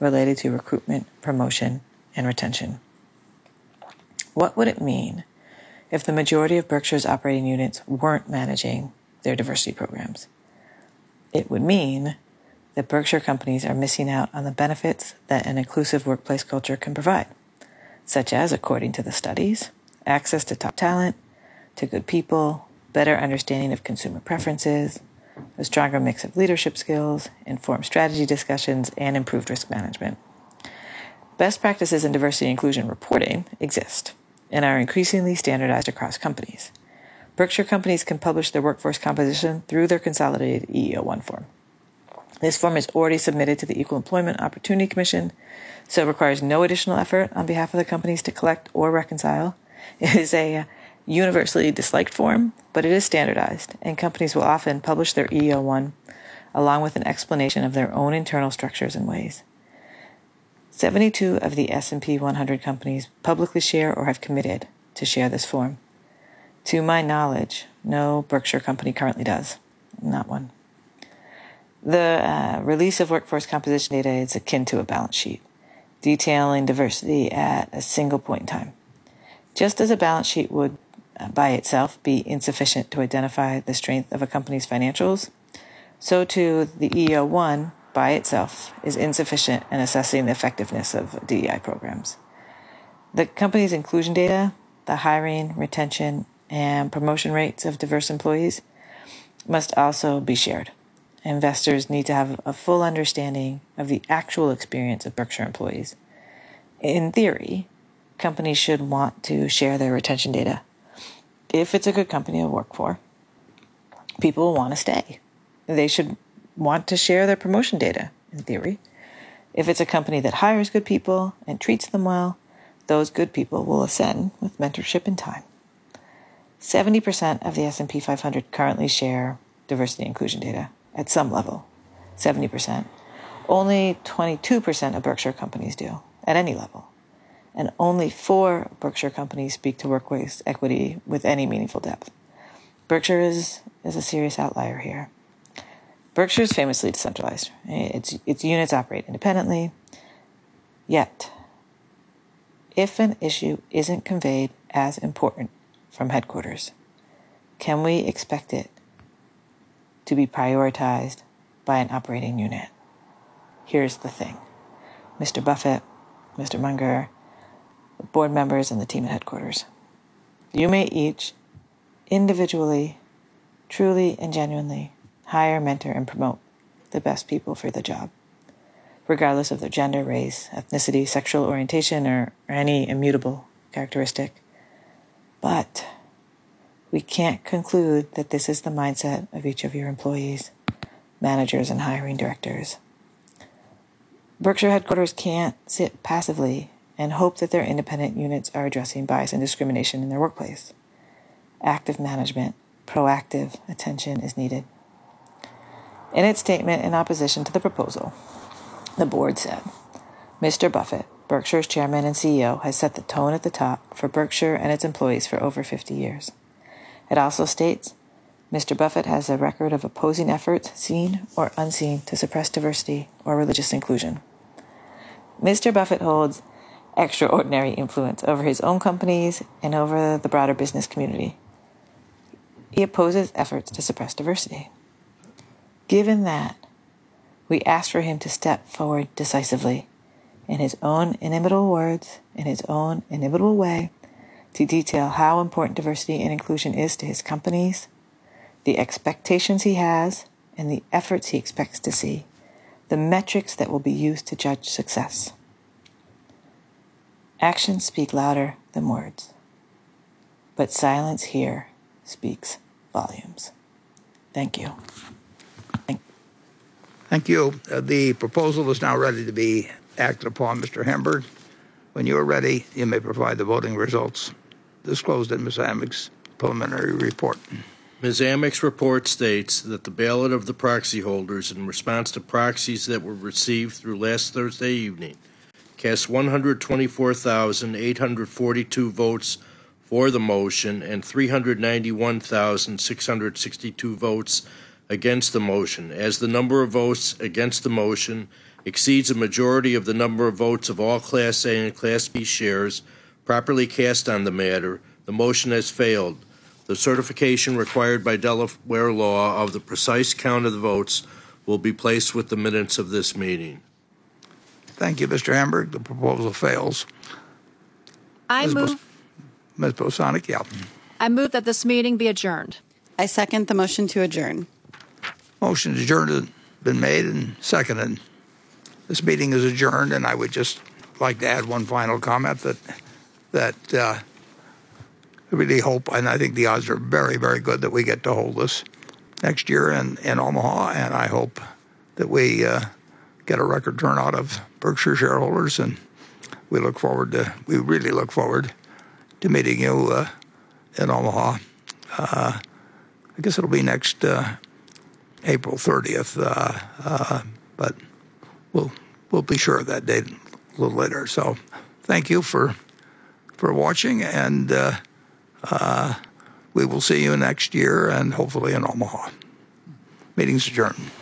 related to recruitment, promotion, and retention. What would it mean if the majority of Berkshire's operating units weren't managing their diversity programs? It would mean that Berkshire companies are missing out on the benefits that an inclusive workplace culture can provide, such as, according to the studies, access to top talent, to good people, better understanding of consumer preferences, a stronger mix of leadership skills, informed strategy discussions, and improved risk management. Best practices in diversity inclusion reporting exist and are increasingly standardized across companies. Berkshire companies can publish their workforce composition through their consolidated EEO-1 form. This form is already submitted to the Equal Employment Opportunity Commission, so it requires no additional effort on behalf of the companies to collect or reconcile. It is a universally disliked form, but it is standardized, and companies will often publish their EEO-1 along with an explanation of their own internal structures and ways. 72 of the S&P 100 companies publicly share or have committed to share this form. To my knowledge, no Berkshire company currently does. Not one. The release of workforce composition data is akin to a balance sheet, detailing diversity at a single point in time. Just as a balance sheet would by itself be insufficient to identify the strength of a company's financials, so too the EEO-1 by itself is insufficient in assessing the effectiveness of DEI programs. The company's inclusion data, the hiring, retention, and promotion rates of diverse employees must also be shared. Investors need to have a full understanding of the actual experience of Berkshire employees. In theory, companies should want to share their retention data. If it's a good company to work for, people will want to stay. They should want to share their promotion data, in theory. If it's a company that hires good people and treats them well, those good people will ascend with mentorship and time. 70% of the S&P 500 currently share diversity inclusion data at some level. 70%. Only 22% of Berkshire companies do at any level, and only four Berkshire companies speak to workplace equity with any meaningful depth. Berkshire is a serious outlier here. Berkshire is famously decentralized. Its units operate independently. Yet, if an issue isn't conveyed as important from headquarters, can we expect it to be prioritized by an operating unit? Here's the thing, Mr. Buffett, Mr. Munger, board members, and the team at headquarters, you may each individually, truly, and genuinely hire, mentor, and promote the best people for the job, regardless of their gender, race, ethnicity, sexual orientation, or any immutable characteristic. We can't conclude that this is the mindset of each of your employees, managers, and hiring directors. Berkshire headquarters can't sit passively and hope that their independent units are addressing bias and discrimination in their workplace. Active management, proactive attention is needed. In its statement in opposition to the proposal, the board said, "Mr. Buffett, Berkshire's chairman and CEO, has set the tone at the top for Berkshire and its employees for over 50 years." It also states, "Mr. Buffett has a record of opposing efforts, seen or unseen, to suppress diversity or religious inclusion." Mr. Buffett holds extraordinary influence over his own companies and over the broader business community. He opposes efforts to suppress diversity. Given that, we ask for him to step forward decisively in his own inimitable words, in his own inimitable way, to detail how important diversity and inclusion is to his companies, the expectations he has and the efforts he expects to see, the metrics that will be used to judge success. Actions speak louder than words, but silence here speaks volumes. Thank you. Thank you. The proposal is now ready to be acted upon. Mr. Hamburg, when you are ready, you may provide the voting results disclosed in Ms. Amick's preliminary report. Ms. Amick's report states that the ballot of the proxy holders in response to proxies that were received through last Thursday evening cast 124,842 votes for the motion and 391,662 votes against the motion. As the number of votes against the motion exceeds a majority of the number of votes of all Class A and Class B shares properly cast on the matter, the motion has failed. The certification required by Delaware law of the precise count of the votes will be placed with the minutes of this meeting. Thank you, Mr. Hamburg. The proposal fails. I move- Ms. Bosanek. Yeah. I move that this meeting be adjourned. I second the motion to adjourn. Motion to adjourn has been made and seconded. This meeting is adjourned, and I would just like to add one final comment that I really hope, and I think the odds are very, very good, that we get to hold this next year in Omaha. I hope that we get a record turnout of Berkshire shareholders, and we really look forward to meeting you in Omaha. I guess it'll be next April 30th. We'll be sure of that date a little later. Thank you for watching, and we will see you next year and hopefully in Omaha. Meeting's adjourned.